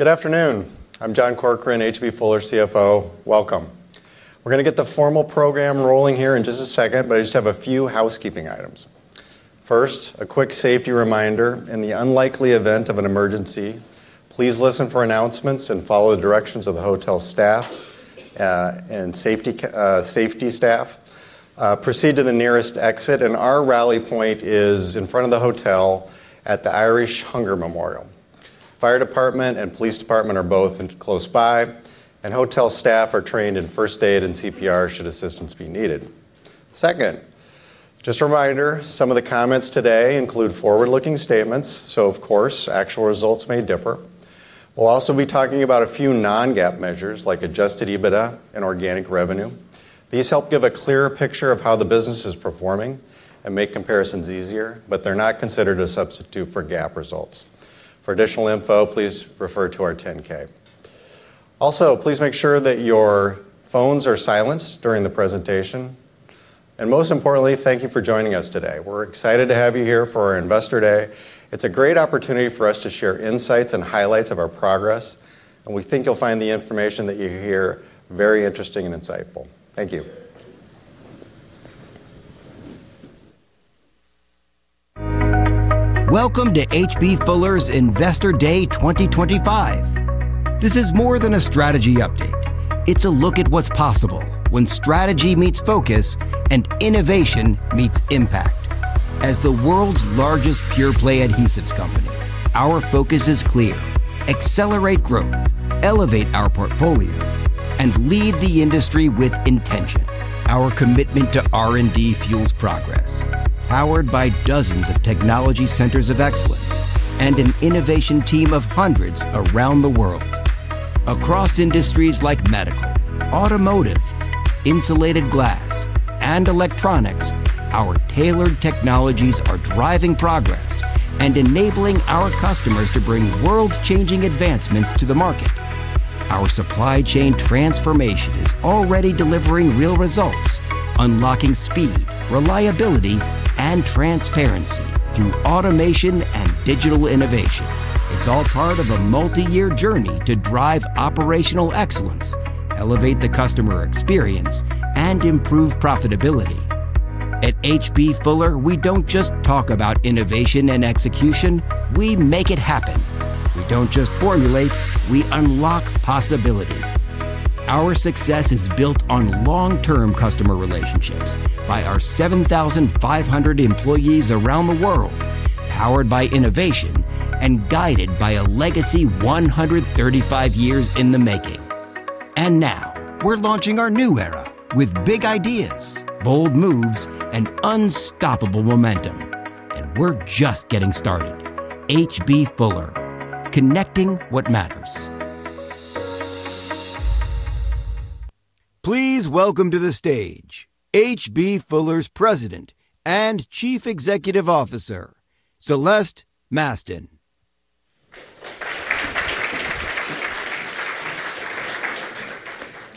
Good afternoon. I'm John Corkrean, H.B. Fuller CFO. Welcome. We're going to get the formal program rolling here in just a second, but I just have a few housekeeping items. First, a quick safety reminder. In the unlikely event of an emergency, please listen for announcements and follow the directions of the hotel staff and safety staff. Proceed to the nearest exit, and our rally point is in front of the hotel at the Irish Hunger Memorial. Fire department and police department are both close by, and hotel staff are trained in first aid and CPR should assistance be needed. Second, just a reminder, some of the comments today include forward-looking statements, so of course actual results may differ. We'll also be talking about a few non-GAAP measures like adjusted EBITDA and organic revenue. These help give a clearer picture of how the business is performing and make comparisons easier, but they're not considered a substitute for GAAP results. For additional info, please refer to our 10-K. Also, please make sure that your phones are silenced during the presentation. Most importantly, thank you for joining us today. We're excited to have you here for our Investor Day. It's a great opportunity for us to share insights and highlights of our progress, and we think you'll find the information that you hear very interesting and insightful. Thank you. Welcome to H.B. Fuller's Investor Day 2025. This is more than a strategy update. It's a look at what's possible when strategy meets focus and innovation meets impact. As the world's largest pure-play adhesives company, our focus is clear: accelerate growth, elevate our portfolio, and lead the industry with intention. Our commitment to R&D fuels progress, powered by dozens of technology centers of excellence and an innovation team of hundreds around the world. Across industries like medical, automotive, insulated glass, and electronics, our tailored technologies are driving progress and enabling our customers to bring world-changing advancements to the market. Our supply chain transformation is already delivering real results, unlocking speed, reliability, and transparency through automation and digital innovation. It's all part of a multi-year journey to drive operational excellence, elevate the customer experience, and improve profitability. At H.B. Fuller, we don't just talk about innovation and execution; we make it happen. We don't just formulate; we unlock possibility. Our success is built on long-term customer relationships by our 7,500 employees around the world, powered by innovation and guided by a legacy 135 years in the making. Now, we're launching our new era with big ideas, bold moves, and unstoppable momentum. We're just getting started. H.B. Fuller, connecting what matters. Please welcome to the stage H.B. Fuller's President and Chief Executive Officer, Celeste Mastin.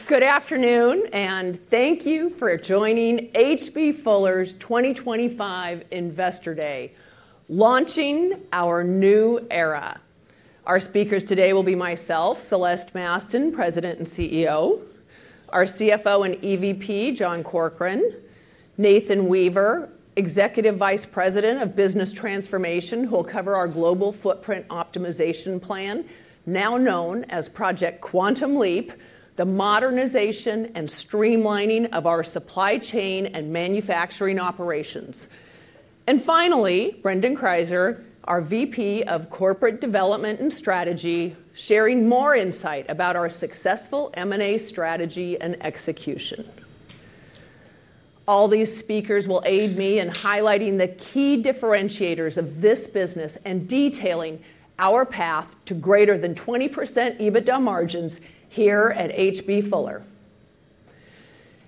Good afternoon, and thank you for joining H.B. Fuller's 2025 Investor Day, launching our new era. Our speakers today will be myself, Celeste Mastin, President and CEO, our CFO and EVP, John Corkrean, Nathan Weaver, Executive Vice President of Business Transformation, who will cover our global footprint optimization plan, now known as Project Quantum Leap, the modernization and streamlining of our supply chain and manufacturing operations. Finally, Brendon Kryzer, our VP of Corporate Development and Strategy, sharing more insight about our successful M&A strategy and execution. All these speakers will aid me in highlighting the key differentiators of this business and detailing our path to greater than 20% EBITDA margins here at H.B. Fuller.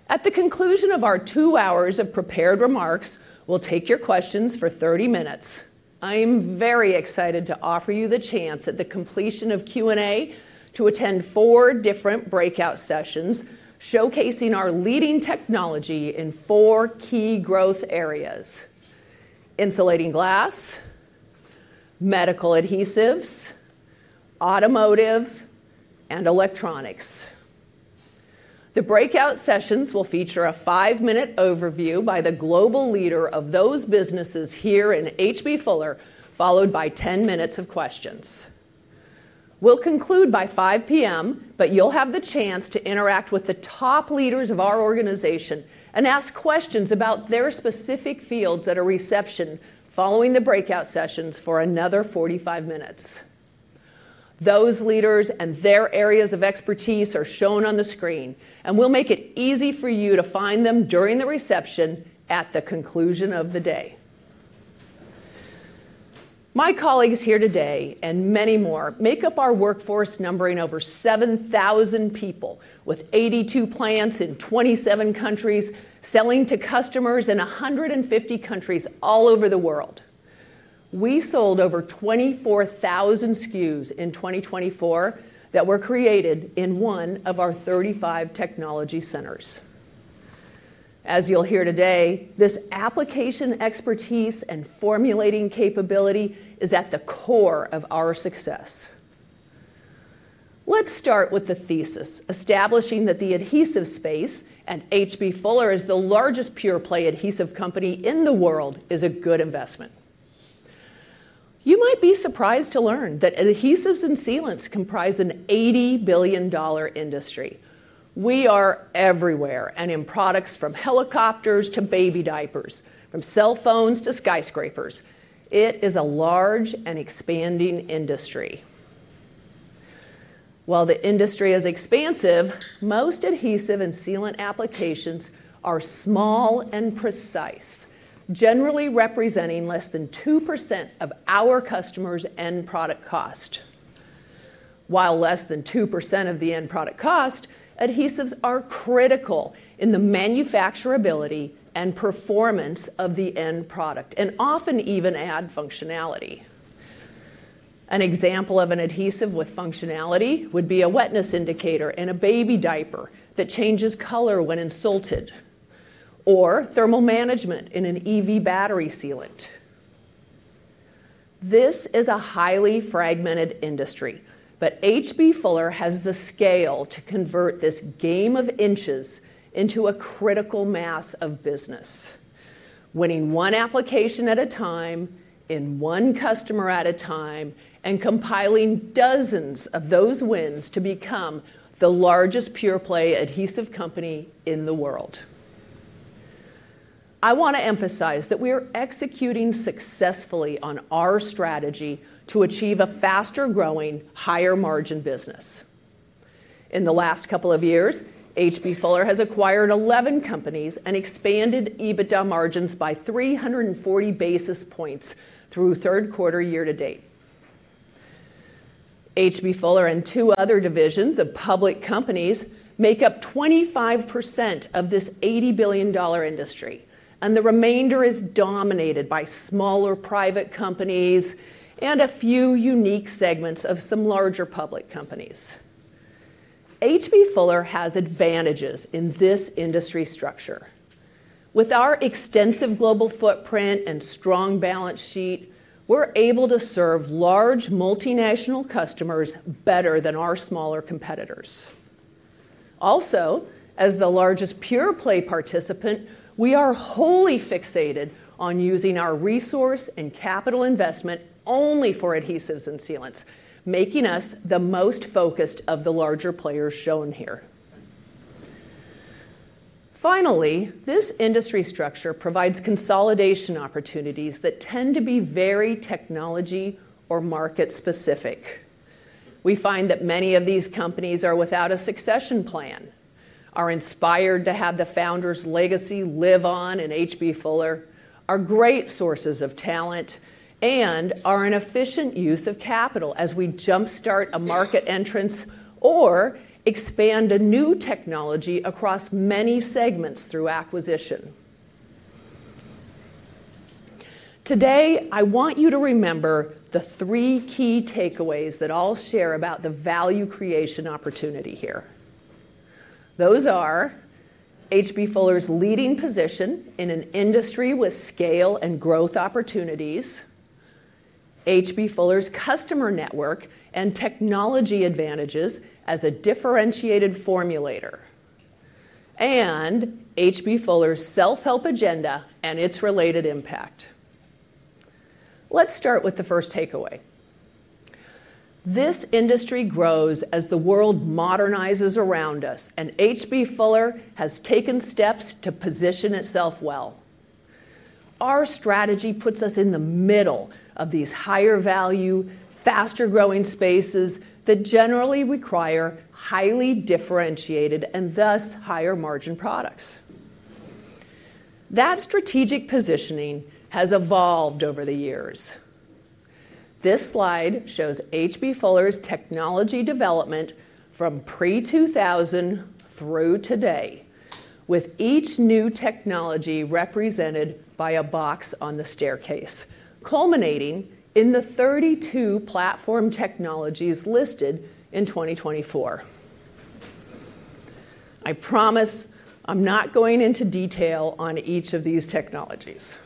At the conclusion of our two hours of prepared remarks, we'll take your questions for 30 minutes. I am very excited to offer you the chance at the completion of Q&A to attend four different breakout sessions showcasing our leading technology in four key growth areas: Insulating glass, Medical adhesives, Automotive, and Electronics. The breakout sessions will feature a five-minute overview by the global leader of those businesses here in H.B. Fuller, followed by 10 minutes of questions. We'll conclude by 5:00 P.M., but you'll have the chance to interact with the top leaders of our organization and ask questions about their specific fields at a reception following the breakout sessions for another 45 minutes. Those leaders and their areas of expertise are shown on the screen, and we'll make it easy for you to find them during the reception at the conclusion of the day. My colleagues here today and many more make up our workforce numbering over 7,000 people, with 82 plants in 27 countries selling to customers in 150 countries all over the world. We sold over 24,000 SKUs in 2024 that were created in one of our 35 technology centers. As you'll hear today, this application expertise and formulating capability is at the core of our success. Let's start with the thesis, establishing that the adhesive space at H.B. Fuller is the largest pure-play adhesive company in the world is a good investment. You might be surprised to learn that adhesives and sealants comprise an $80 billion industry. We are everywhere, and in products from helicopters to baby diapers, from cell phones to skyscrapers, it is a large and expanding industry. While the industry is expansive, most adhesive and sealant applications are small and precise, generally representing less than 2% of our customers' end product cost. While less than 2% of the end product cost, adhesives are critical in the manufacturability and performance of the end product, and often even add functionality. An example of an adhesive with functionality would be a wetness indicator in a baby diaper that changes color when insulted, or thermal management in an EV battery sealant. This is a highly fragmented industry, but H.B. Fuller has the scale to convert this game of inches into a critical mass of business, winning one application at a time, in one customer at a time, and compiling dozens of those wins to become the largest pure-play adhesive company in the world. I want to emphasize that we are executing successfully on our strategy to achieve a faster-growing, higher-margin business. In the last couple of years, H.B. Fuller has acquired 11 companies and expanded EBITDA margins by 340 basis points through third quarter year to date. H.B. Fuller and two other divisions of public companies make up 25% of this $80 billion industry, and the remainder is dominated by smaller private companies and a few unique segments of some larger public companies. H.B. Fuller has advantages in this industry structure. With our extensive global footprint and strong balance sheet, we're able to serve large multinational customers better than our smaller competitors. Also, as the largest pure-play participant, we are wholly fixated on using our resource and capital investment only for adhesives and sealants, making us the most focused of the larger players shown here. Finally, this industry structure provides consolidation opportunities that tend to be very technology or market-specific. We find that many of these companies are without a succession plan, are inspired to have the founders' legacy live on in H.B. Fuller, are great sources of talent, and are an efficient use of capital as we jumpstart a market entrance or expand a new technology across many segments through acquisition. Today, I want you to remember the three key takeaways that I'll share about the value creation opportunity here. Those are H.B. Fuller's leading position in an industry with scale and growth opportunities, H.B. Fuller's customer network and technology advantages as a differentiated formulator, and H.B. Fuller's self-help agenda and its related impact. Let's start with the first takeaway. This industry grows as the world modernizes around us, and H.B. Fuller has taken steps to position itself well. Our strategy puts us in the middle of these higher-value, faster-growing spaces that generally require highly differentiated and thus higher margin products. That strategic positioning has evolved over the years. This slide shows H.B. Fuller's technology development from pre-2000 through today, with each new technology represented by a box on the staircase, culminating in the 32 platform technologies listed in 2024. I promise I'm not going into detail on each of these technologies.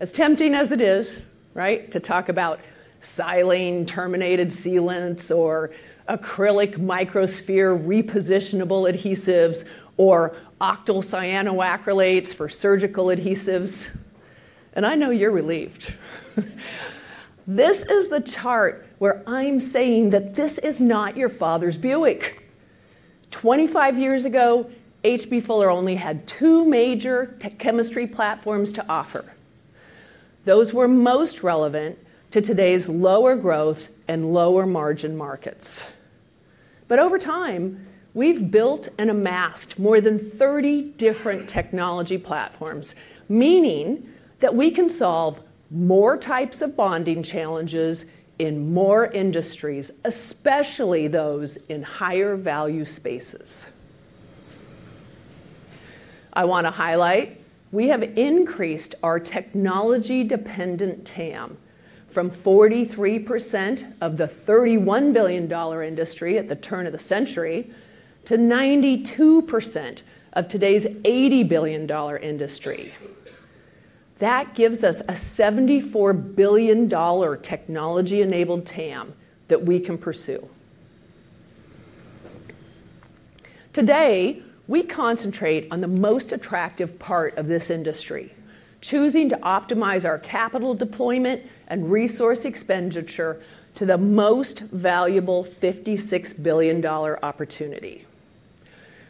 As tempting as it is, right, to talk about silane-terminated sealants or acrylic microsphere repositionable adhesives or octyl cyanoacrylates for surgical adhesives, and I know you're relieved. This is the chart where I'm saying that this is not your father's Buick. Twenty-five years ago, H.B. Fuller only had two major chemistry platforms to offer. Those were most relevant to today's lower growth and lower margin markets. Over time, we've built and amassed more than 30 different technology platforms, meaning that we can solve more types of bonding challenges in more industries, especially those in higher-value spaces. I want to highlight we have increased our technology-dependent TAM from 43% of the $31 billion industry at the turn of the century to 92% of today's $80 billion industry. That gives us a $74 billion technology-enabled TAM that we can pursue. Today, we concentrate on the most attractive part of this industry, choosing to optimize our capital deployment and resource expenditure to the most valuable $56 billion opportunity.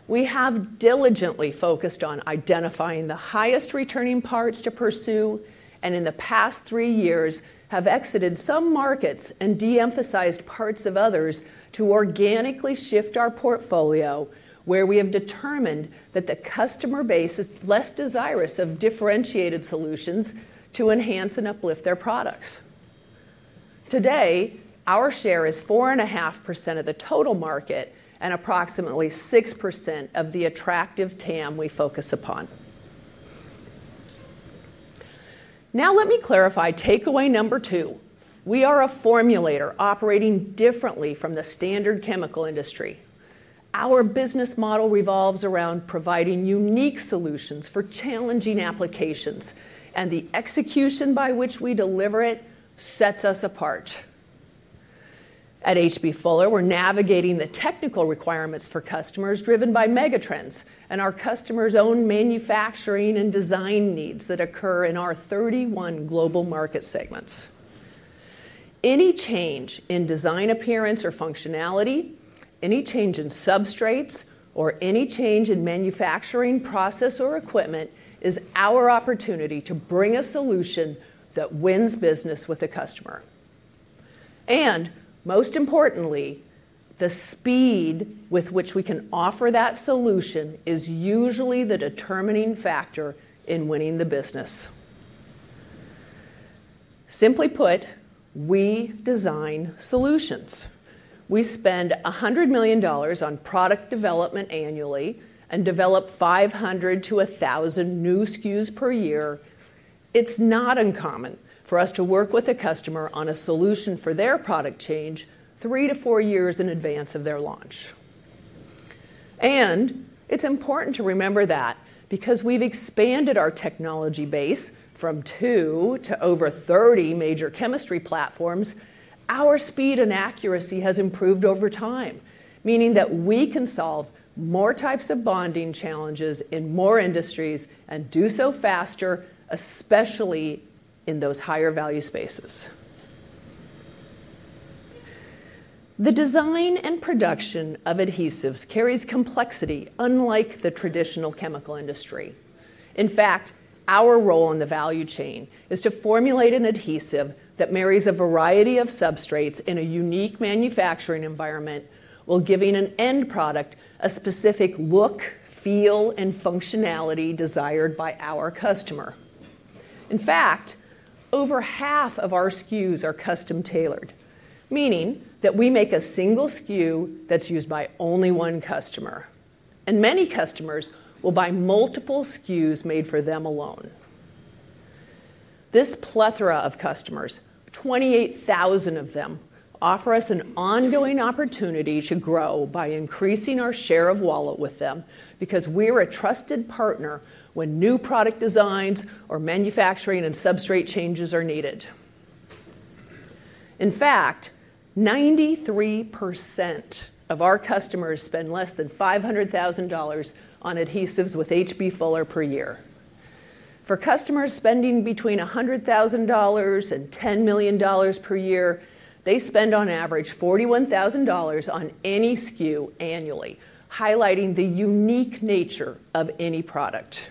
We have diligently focused on identifying the highest returning parts to pursue, and in the past three years have exited some markets and de-emphasized parts of others to organically shift our portfolio where we have determined that the customer base is less desirous of differentiated solutions to enhance and uplift their products. Today, our share is 4.5% of the total market and approximately 6% of the attractive TAM we focus upon. Now let me clarify takeaway number two. We are a formulator operating differently from the standard chemical industry. Our business model revolves around providing unique solutions for challenging applications, and the execution by which we deliver it sets us apart. At H.B. Fuller, we're navigating the technical requirements for customers driven by megatrends and our customers' own manufacturing and design needs that occur in our 31 global market segments. Any change in design, appearance, or functionality, any change in substrates, or any change in manufacturing process or equipment is our opportunity to bring a solution that wins business with a customer. Most importantly, the speed with which we can offer that solution is usually the determining factor in winning the business. Simply put, we design solutions. We spend $100 million on product development annually and develop 500-1,000 new SKUs per year. It's not uncommon for us to work with a customer on a solution for their product change three or four years in advance of their launch. It's important to remember that because we've expanded our technology base from two to over 30 major chemistry platforms, our speed and accuracy has improved over time, meaning that we can solve more types of bonding challenges in more industries and do so faster, especially in those higher-value spaces. The design and production of adhesives carries complexity unlike the traditional chemical industry. In fact, our role in the value chain is to formulate an adhesive that marries a variety of substrates in a unique manufacturing environment while giving an end product a specific look, feel, and functionality desired by our customer. Over half of our SKUs are custom-tailored, meaning that we make a single SKU that's used by only one customer, and many customers will buy multiple SKUs made for them alone. This plethora of customers, 28,000 of them, offer us an ongoing opportunity to grow by increasing our share of wallet with them because we are a trusted partner when new product designs or manufacturing and substrate changes are needed. In fact, 93% of our customers spend less than $500,000 on adhesives with H.B. Fuller per year. For customers spending between $100,000 and $10 million per year, they spend on average $41,000 on any SKU annually, highlighting the unique nature of any product.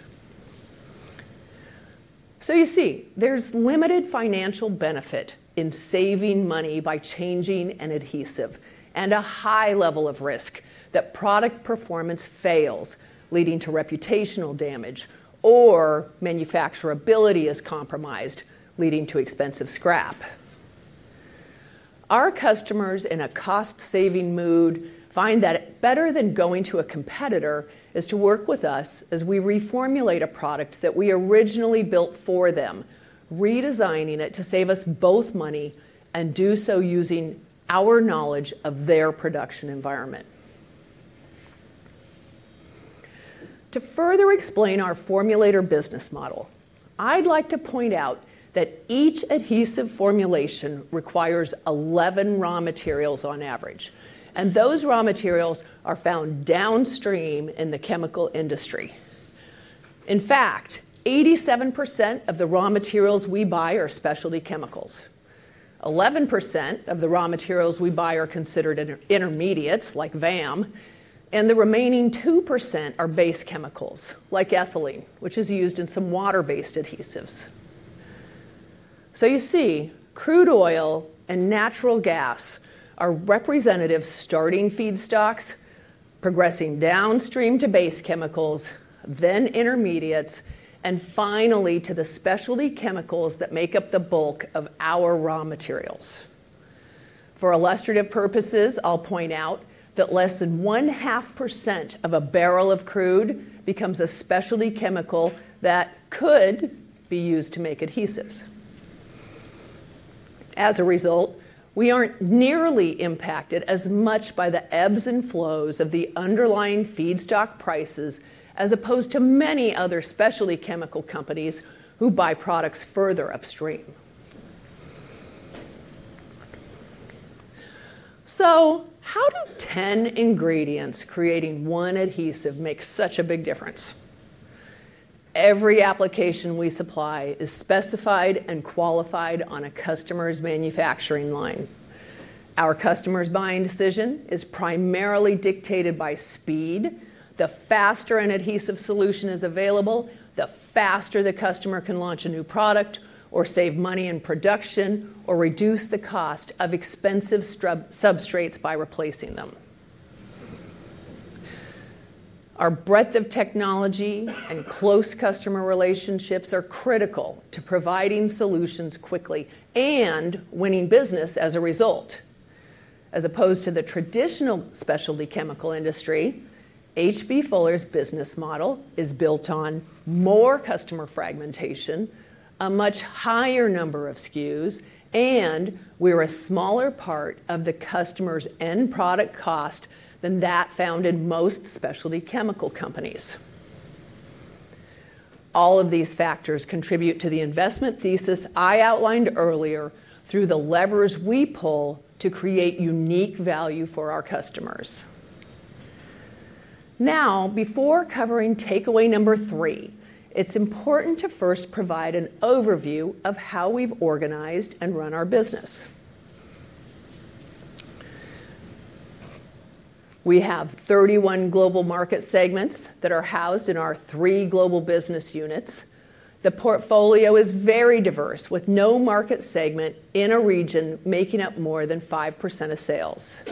You see, there's limited financial benefit in saving money by changing an adhesive and a high level of risk that product performance fails, leading to reputational damage, or manufacturability is compromised, leading to expensive scrap. Our customers in a cost-saving mood find that better than going to a competitor is to work with us as we reformulate a product that we originally built for them, redesigning it to save us both money and do so using our knowledge of their production environment. To further explain our formulator business model, I'd like to point out that each adhesive formulation requires 11 raw materials on average, and those raw materials are found downstream in the chemical industry. In fact, 87% of the raw materials we buy are specialty chemicals. 11% of the raw materials we buy are considered intermediates, like VAM, and the remaining 2% are base chemicals, like ethylene, which is used in some water-based adhesives. You see, crude oil and natural gas are representative starting feedstocks, progressing downstream to base chemicals, then intermediates, and finally to the specialty chemicals that make up the bulk of our raw materials. For illustrative purposes, I'll point out that less than 0.5% of a barrel of crude becomes a specialty chemical that could be used to make adhesives. As a result, we aren't nearly impacted as much by the ebbs and flows of the underlying feedstock prices as opposed to many other specialty chemical companies who buy products further upstream. How do 10 ingredients creating one adhesive make such a big difference? Every application we supply is specified and qualified on a customer's manufacturing line. Our customer's buying decision is primarily dictated by speed. The faster an adhesive solution is available, the faster the customer can launch a new product or save money in production or reduce the cost of expensive substrates by replacing them. Our breadth of technology and close customer relationships are critical to providing solutions quickly and winning business as a result. As opposed to the traditional specialty chemical industry, H.B. Fuller's business model is built on more customer fragmentation, a much higher number of SKUs, and we're a smaller part of the customer's end product cost than that found in most specialty chemical companies. All of these factors contribute to the investment thesis I outlined earlier through the levers we pull to create unique value for our customers. Before covering takeaway number three, it's important to first provide an overview of how we've organized and run our business. We have 31 global market segments that are housed in our three global business units. The portfolio is very diverse, with no market segment in a region making up more than 5% of sales.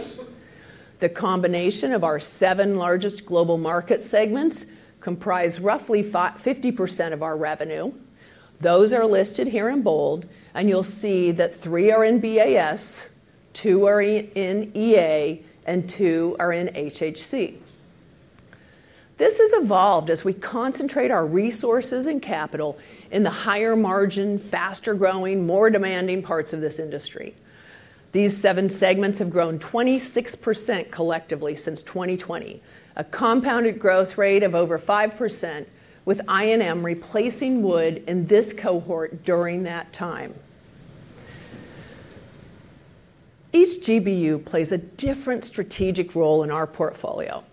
The combination of our seven largest global market segments comprises roughly 50% of our revenue. Those are listed here in bold, and you'll see that three are in Building Adhesive Solutions, two are in Engineering Adhesives, and two are in Hygiene, Health and Consumable Adhesives. This has evolved as we concentrate our resources and capital in the higher margin, faster-growing, more demanding parts of this industry. These seven segments have grown 26% collectively since 2020, a compounded growth rate of over 5%, with I&M replacing Wood in this cohort during that time. Each GBU plays a different strategic role in our portfolio.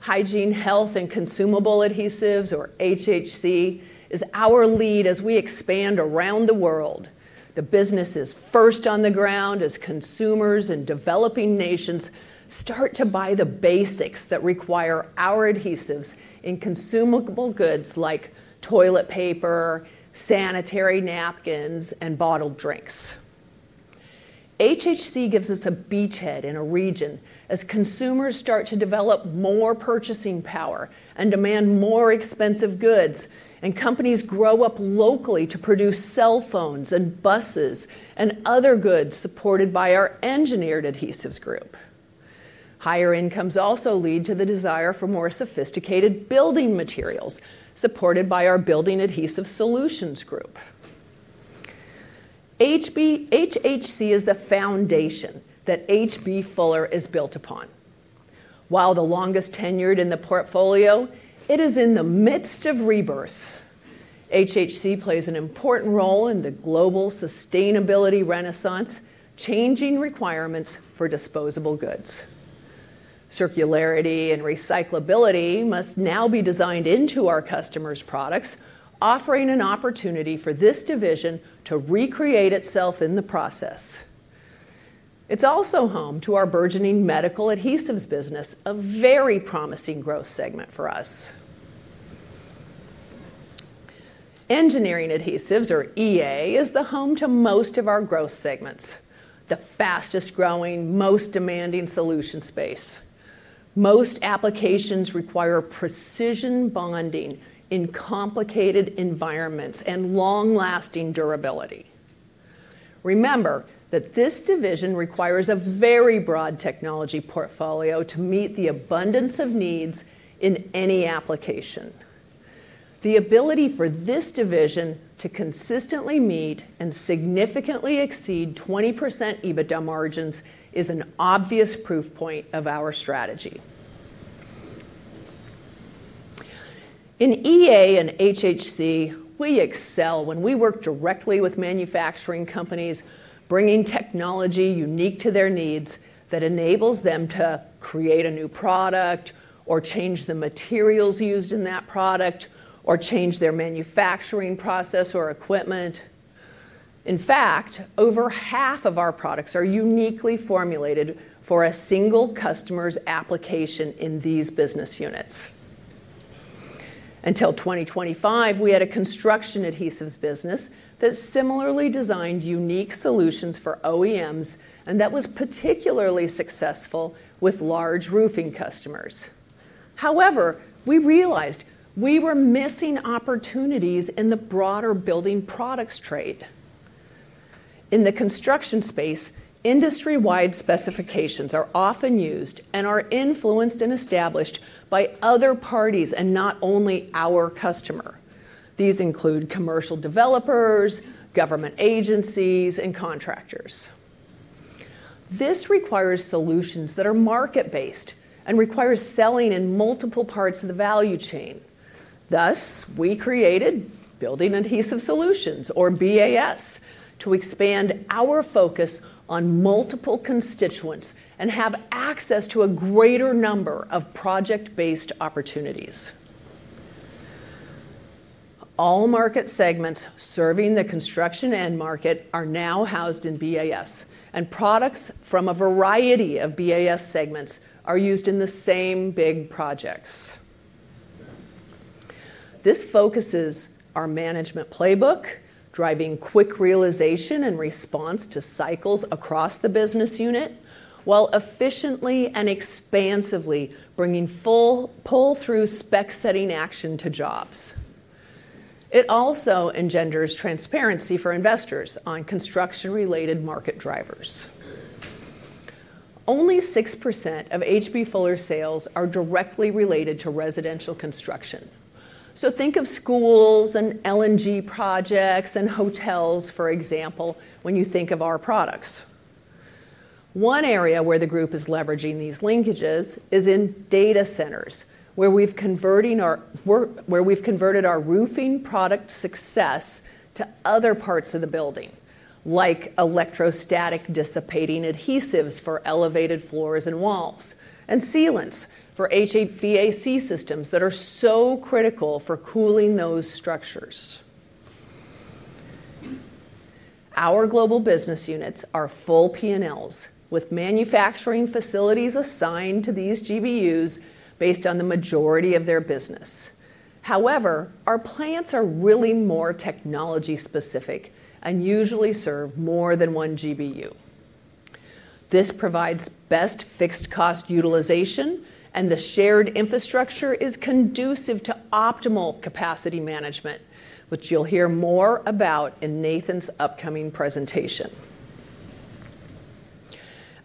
Hygiene, Health and Consumable Adhesives, or HHC, is our lead as we expand around the world. The business is first on the ground as consumers and developing nations start to buy the basics that require our adhesives in consumable goods like toilet paper, sanitary napkins, and bottled drinks. HHC gives us a beachhead in a region as consumers start to develop more purchasing power and demand more expensive goods, and companies grow up locally to produce cell phones and buses and other goods supported by our Engineering Adhesives group. Higher incomes also lead to the desire for more sophisticated building materials supported by our Building Adhesive Solutions group. HHC is the foundation that H.B. Fuller Company is built upon. While the longest tenured in the portfolio, it is in the midst of rebirth. HHC plays an important role in the global sustainability renaissance, changing requirements for disposable goods. Circularity and recyclability must now be designed into our customers' products, offering an opportunity for this division to recreate itself in the process. It's also home to our burgeoning medical adhesives business, a very promising growth segment for us. Engineering Adhesives, or EA, is the home to most of our growth segments, the fastest growing, most demanding solution space. Most applications require precision bonding in complicated environments and long-lasting durability. Remember that this division requires a very broad technology portfolio to meet the abundance of needs in any application. The ability for this division to consistently meet and significantly exceed 20% EBITDA margins is an obvious proof point of our strategy. In EA and HHC, we excel when we work directly with manufacturing companies, bringing technology unique to their needs that enables them to create a new product or change the materials used in that product or change their manufacturing process or equipment. In fact, over half of our products are uniquely formulated for a single customer's application in these business units. Until 2025, we had a construction adhesives business that similarly designed unique solutions for OEMs and that was particularly successful with large roofing customers. However, we realized we were missing opportunities in the broader building products trade. In the construction space, industry-wide specifications are often used and are influenced and established by other parties and not only our customer. These include commercial developers, government agencies, and contractors. This requires solutions that are market-based and require selling in multiple parts of the value chain. Thus, we created Building Adhesive Solutions, or BAS, to expand our focus on multiple constituents and have access to a greater number of project-based opportunities. All market segments serving the construction end market are now housed in BAS, and products from a variety of BAS segments are used in the same big projects. This focuses on our management playbook, driving quick realization and response to cycles across the business unit, while efficiently and expansively bringing full pull-through spec-setting action to jobs. It also engenders transparency for investors on construction-related market drivers. Only 6% of H.B. Fuller's sales are directly related to residential construction. Think of schools and LNG projects and hotels, for example, when you think of our products. One area where the group is leveraging these linkages is in data centers, where we've converted our roofing product success to other parts of the building, like electrostatic dissipating adhesives for elevated floors and walls, and sealants for HVAC systems that are so critical for cooling those structures. Our global business units are full P&Ls, with manufacturing facilities assigned to these GBUs based on the majority of their business. However, our plants are really more technology-specific and usually serve more than one GBU. This provides best fixed-cost utilization, and the shared infrastructure is conducive to optimal capacity management, which you'll hear more about in Nathan's upcoming presentation.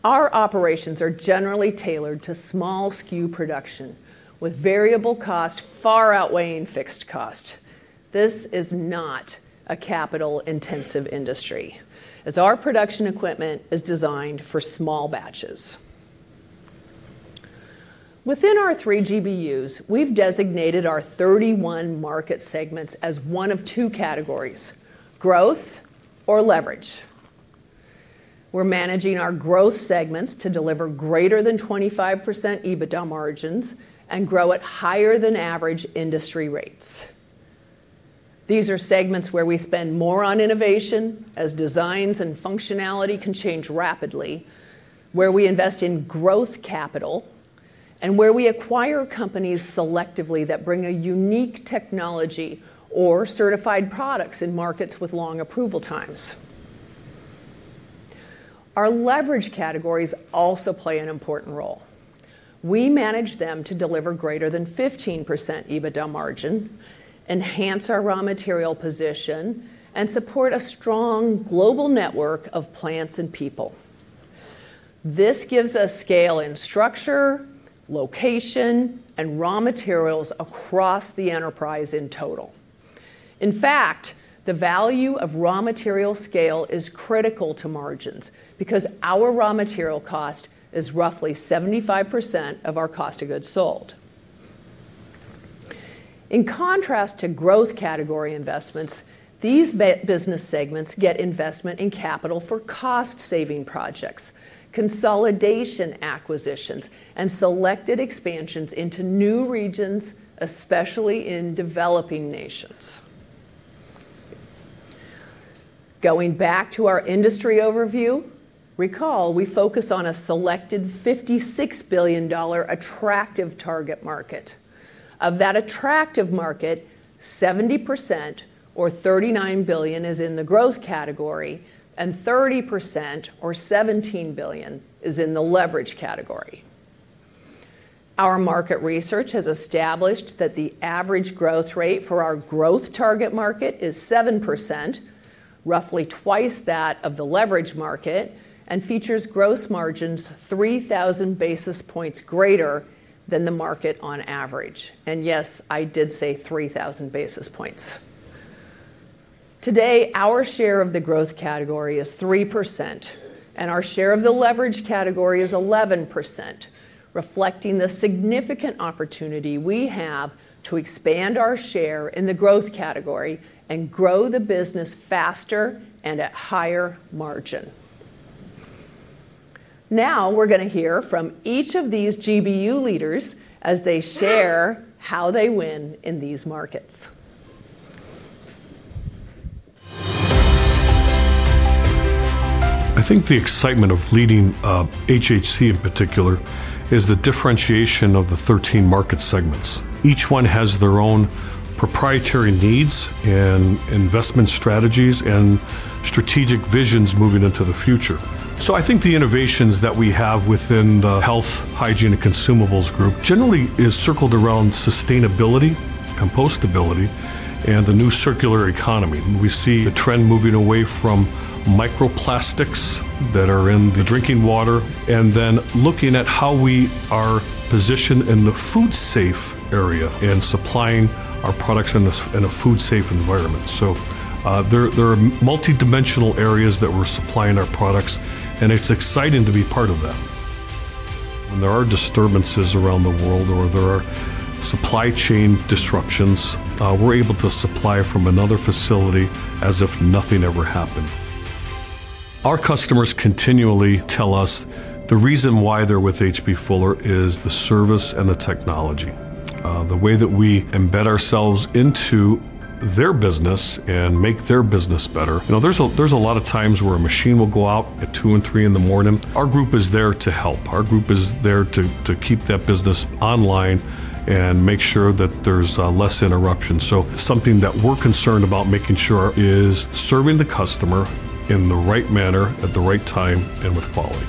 Our operations are generally tailored to small SKU production, with variable cost far outweighing fixed cost. This is not a capital-intensive industry, as our production equipment is designed for small batches. Within our three GBUs, we've designated our 31 market segments as one of two categories: growth or leverage. We're managing our growth segments to deliver greater than 25% EBITDA margins and grow at higher-than-average industry rates. These are segments where we spend more on innovation, as designs and functionality can change rapidly, where we invest in growth capital, and where we acquire companies selectively that bring a unique technology or certified products in markets with long approval times. Our leverage categories also play an important role. We manage them to deliver greater than 15% EBITDA margin, enhance our raw material position, and support a strong global network of plants and people. This gives us scale in structure, location, and raw materials across the enterprise in total. In fact, the value of raw material scale is critical to margins because our raw material cost is roughly 75% of our cost of goods sold. In contrast to growth category investments, these business segments get investment in capital for cost-saving projects, consolidation acquisitions, and selected expansions into new regions, especially in developing nations. Going back to our industry overview, recall we focus on a selected $56 billion attractive target market. Of that attractive market, 70% or $39 billion is in the growth category, and 30% or $17 billion is in the leverage category. Our market research has established that the average growth rate for our growth target market is 7%, roughly twice that of the leverage market, and features gross margins 3,000 basis points greater than the market on average. Yes, I did say 3,000 basis points. Today, our share of the growth category is 3%, and our share of the leverage category is 11%, reflecting the significant opportunity we have to expand our share in the growth category and grow the business faster and at higher margin. Now we're going to hear from each of these GBU leaders as they share how they win in these markets. I think the excitement of leading HHC in particular is the differentiation of the 13 market segments. Each one has their own proprietary needs and investment strategies and strategic visions moving into the future. I think the innovations that we have within the Hygiene, Health and Consumable Adhesives group generally are circled around sustainability, compostability, and the new circular economy. We see the trend moving away from microplastics that are in the drinking water and then looking at how we are positioned in the food-safe area and supplying our products in a food-safe environment. There are multi-dimensional areas that we're supplying our products, and it's exciting to be part of that. When there are disturbances around the world or there are supply chain disruptions, we're able to supply from another facility as if nothing ever happened. Our customers continually tell us the reason why they're with H.B. Fuller Company is the service and the technology, the way that we embed ourselves into their business and make their business better. You know, there's a lot of times where a machine will go out at 2:00 A.M. and 3:00 A.M. Our group is there to help. Our group is there to keep that business online and make sure that there's less interruption. Something that we're concerned about making sure is serving the customer in the right manner, at the right time, and with quality.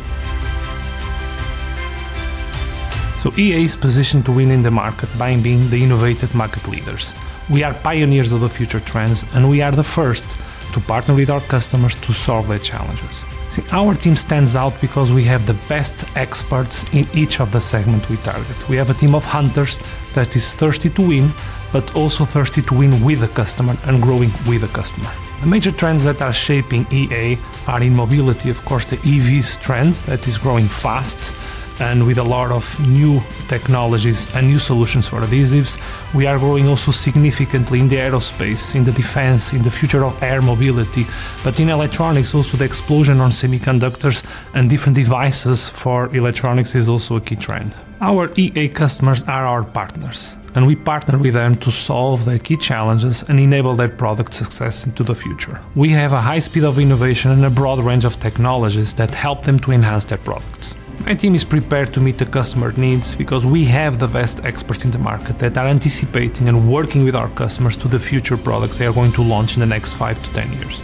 EA is positioned to win in the market by being the innovative market leaders. We are pioneers of the future trends, and we are the first to partner with our customers to solve their challenges. Our team stands out because we have the best experts in each of the segments we target. We have a team of hunters that is thirsty to win, but also thirsty to win with the customer and growing with the customer. The major trends that are shaping EA are in mobility, of course, the EVs trend that is growing fast and with a lot of new technologies and new solutions for adhesives. We are growing also significantly in the aerospace, in the defense, in the future of air mobility, but in electronics also, the explosion on semiconductors and different devices for electronics is also a key trend. Our EA customers are our partners, and we partner with them to solve their key challenges and enable their product success into the future. We have a high speed of innovation and a broad range of technologies that help them to enhance their products. My team is prepared to meet the customer needs because we have the best experts in the market that are anticipating and working with our customers to the future products they are going to launch in the next 5 to 10 years.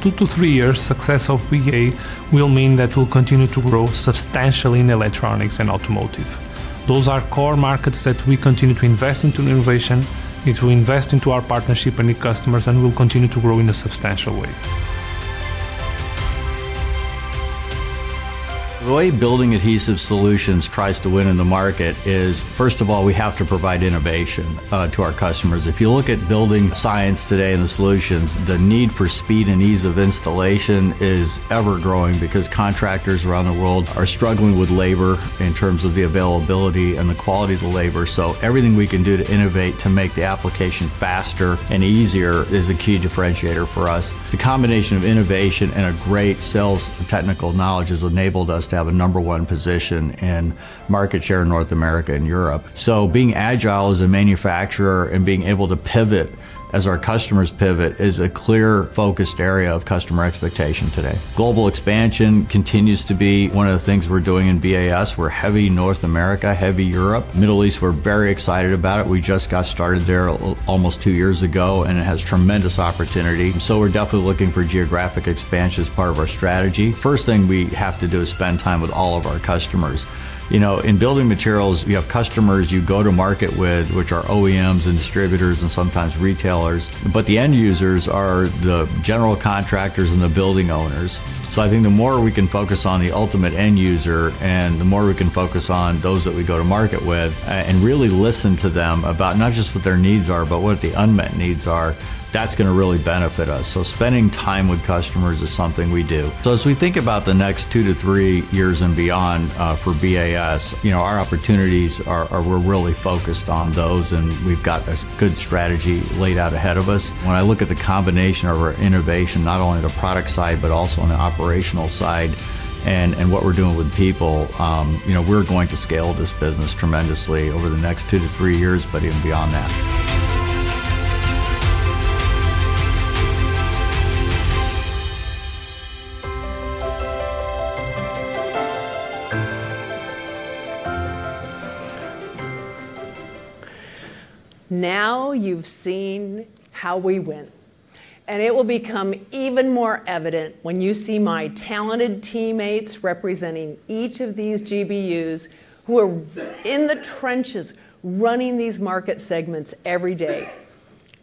Two to three years' success of EA will mean that we'll continue to grow substantially in electronics and automotive. Those are core markets that we continue to invest into innovation, to invest into our partnership and new customers, and we'll continue to grow in a substantial way. The way Building Adhesive Solutions tries to win in the market is, first of all, we have to provide innovation to our customers. If you look at building science today and the solutions, the need for speed and ease of installation is ever-growing because contractors around the world are struggling with labor in terms of the availability and the quality of the labor. Everything we can do to innovate to make the application faster and easier is a key differentiator for us. The combination of innovation and a great sales technical knowledge has enabled us to have a number one position in market share in North America and Europe. Being agile as a manufacturer and being able to pivot as our customers pivot is a clear focused area of customer expectation today. Global expansion continues to be one of the things we're doing in BAS. We're heavy North America, heavy Europe, Middle East. We're very excited about it. We just got started there almost two years ago, and it has tremendous opportunity. We're definitely looking for geographic expansion as part of our strategy. First thing we have to do is spend time with all of our customers. In building materials, you have customers you go to market with, which are OEMs and distributors and sometimes retailers, but the end users are the general contractors and the building owners. I think the more we can focus on the ultimate end user and the more we can focus on those that we go to market with and really listen to them about not just what their needs are, but what the unmet needs are, that's going to really benefit us. Spending time with customers is something we do. As we think about the next two to three years and beyond for BAS, our opportunities are, we're really focused on those, and we've got a good strategy laid out ahead of us. When I look at the combination of our innovation, not only on the product side, but also on the operational side and what we're doing with people, we're going to scale this business tremendously over the next two to three years, but even beyond that. Now you've seen how we win, and it will become even more evident when you see my talented teammates representing each of these GBUs who are in the trenches running these market segments every day.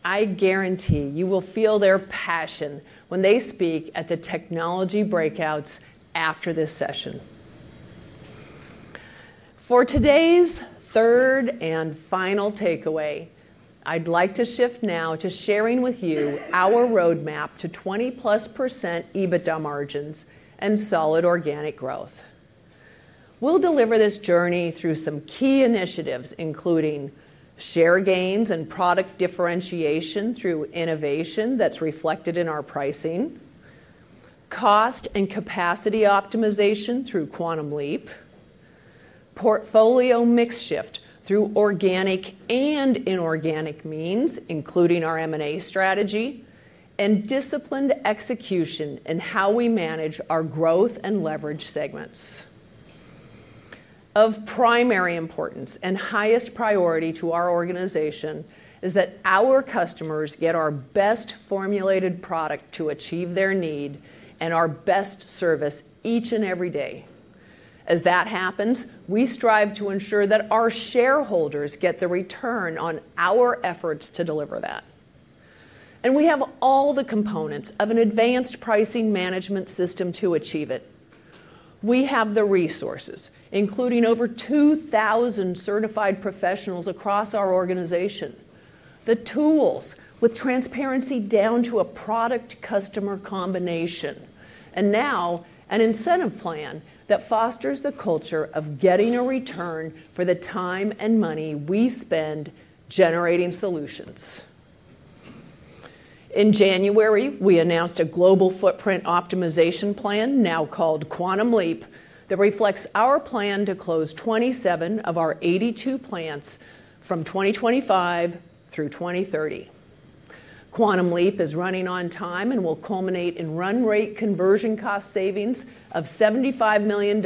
I guarantee you will feel their passion when they speak at the technology breakouts after this session. For today's third and final takeaway, I'd like to shift now to sharing with you our roadmap to 20+% EBITDA margins and solid organic growth. We'll deliver this journey through some key initiatives, including share gains and product differentiation through innovation that's reflected in our pricing, cost and capacity optimization through Quantum Leap, Portfolio mix shift through organic and inorganic means, including our M&A strategy, and disciplined execution in how we manage our growth and leverage segments. Of primary importance and highest priority to our organization is that our customers get our best formulated product to achieve their need and our best service each and every day. As that happens, we strive to ensure that our shareholders get the return on our efforts to deliver that. We have all the components of an advanced pricing management system to achieve it. We have the resources, including over 2,000 certified professionals across our organization, the tools with transparency down to a product-customer combination, and now an incentive plan that fosters the culture of getting a return for the time and money we spend generating solutions. In January, we announced a global footprint optimization plan, now called Quantum Leap, that reflects our plan to close 27 of our 82 plants from 2025 through 2030. Quantum Leap is running on time and will culminate in run-rate conversion cost savings of $75 million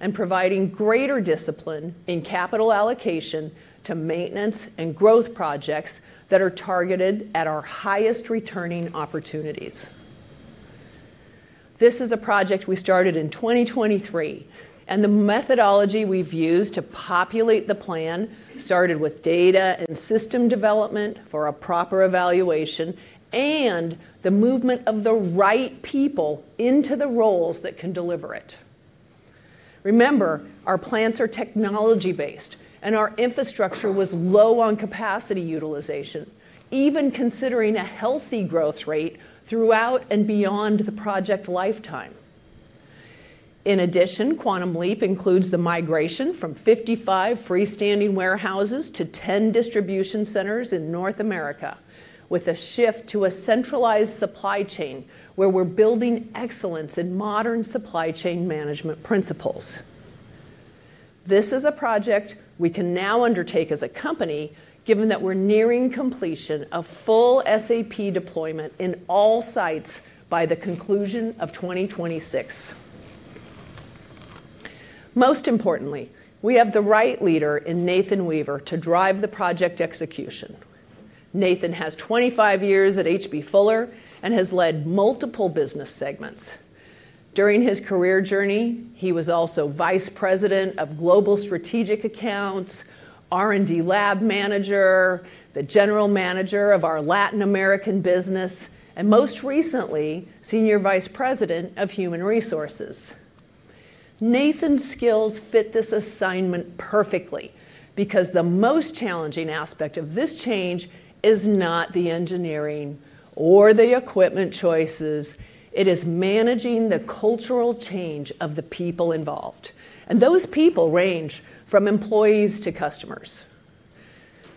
and providing greater discipline in capital allocation to maintenance and growth projects that are targeted at our highest returning opportunities. This is a project we started in 2023, and the methodology we've used to populate the plan started with data and system development for a proper evaluation and the movement of the right people into the roles that can deliver it. Remember, our plants are technology-based, and our infrastructure was low on capacity utilization, even considering a healthy growth rate throughout and beyond the project lifetime. In addition, Quantum Leap includes the migration from 55 freestanding warehouses to 10 distribution centers in North America, with a shift to a centralized supply chain where we're building excellence in modern supply chain management principles. This is a project we can now undertake as a company, given that we're nearing completion of full SAP deployment in all sites by the conclusion of 2026. Most importantly, we have the right leader in Nathan Weaver to drive the project execution. Nathan has 25 years at H.B. Fuller and has led multiple business segments. During his career journey, he was also Vice President of Global Strategic Accounts, R&D Lab Manager, the General Manager of our Latin American business, and most recently, Senior Vice President of Human Resources. Nathan's skills fit this assignment perfectly because the most challenging aspect of this change is not the engineering or the equipment choices. It is managing the cultural change of the people involved, and those people range from employees to customers.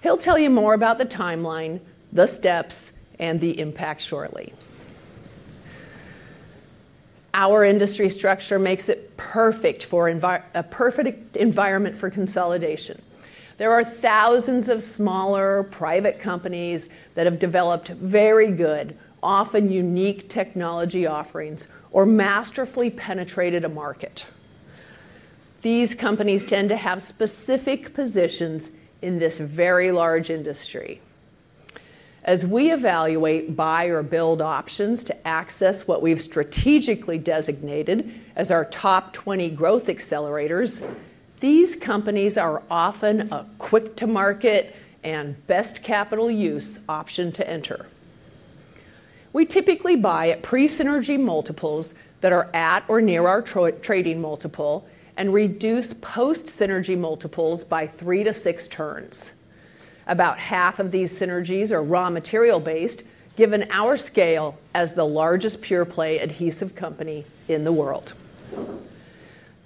He'll tell you more about the timeline, the steps, and the impact shortly. Our industry structure makes it a perfect environment for consolidation. There are thousands of smaller private companies that have developed very good, often unique technology offerings or masterfully penetrated a market. These companies tend to have specific positions in this very large industry. As we evaluate buy or build options to access what we've strategically designated as our top 20 growth accelerators, these companies are often a quick-to-market and best capital use option to enter. We typically buy at pre-synergy multiples that are at or near our trading multiple and reduce post-synergy multiples by three to six turns. About half of these synergies are raw material-based, given our scale as the largest pure-play adhesive company in the world.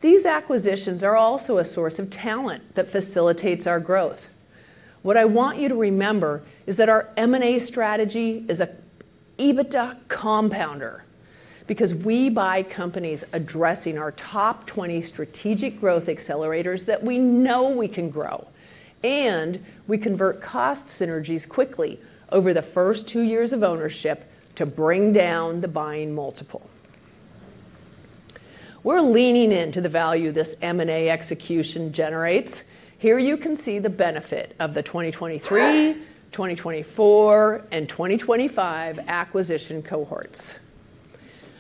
These acquisitions are also a source of talent that facilitates our growth. What I want you to remember is that our M&A strategy is an EBITDA compounder because we buy companies addressing our top 20 strategic growth accelerators that we know we can grow, and we convert cost synergies quickly over the first two years of ownership to bring down the buying multiple. We're leaning into the value this M&A execution generates. Here you can see the benefit of the 2023, 2024, and 2025 acquisition cohorts.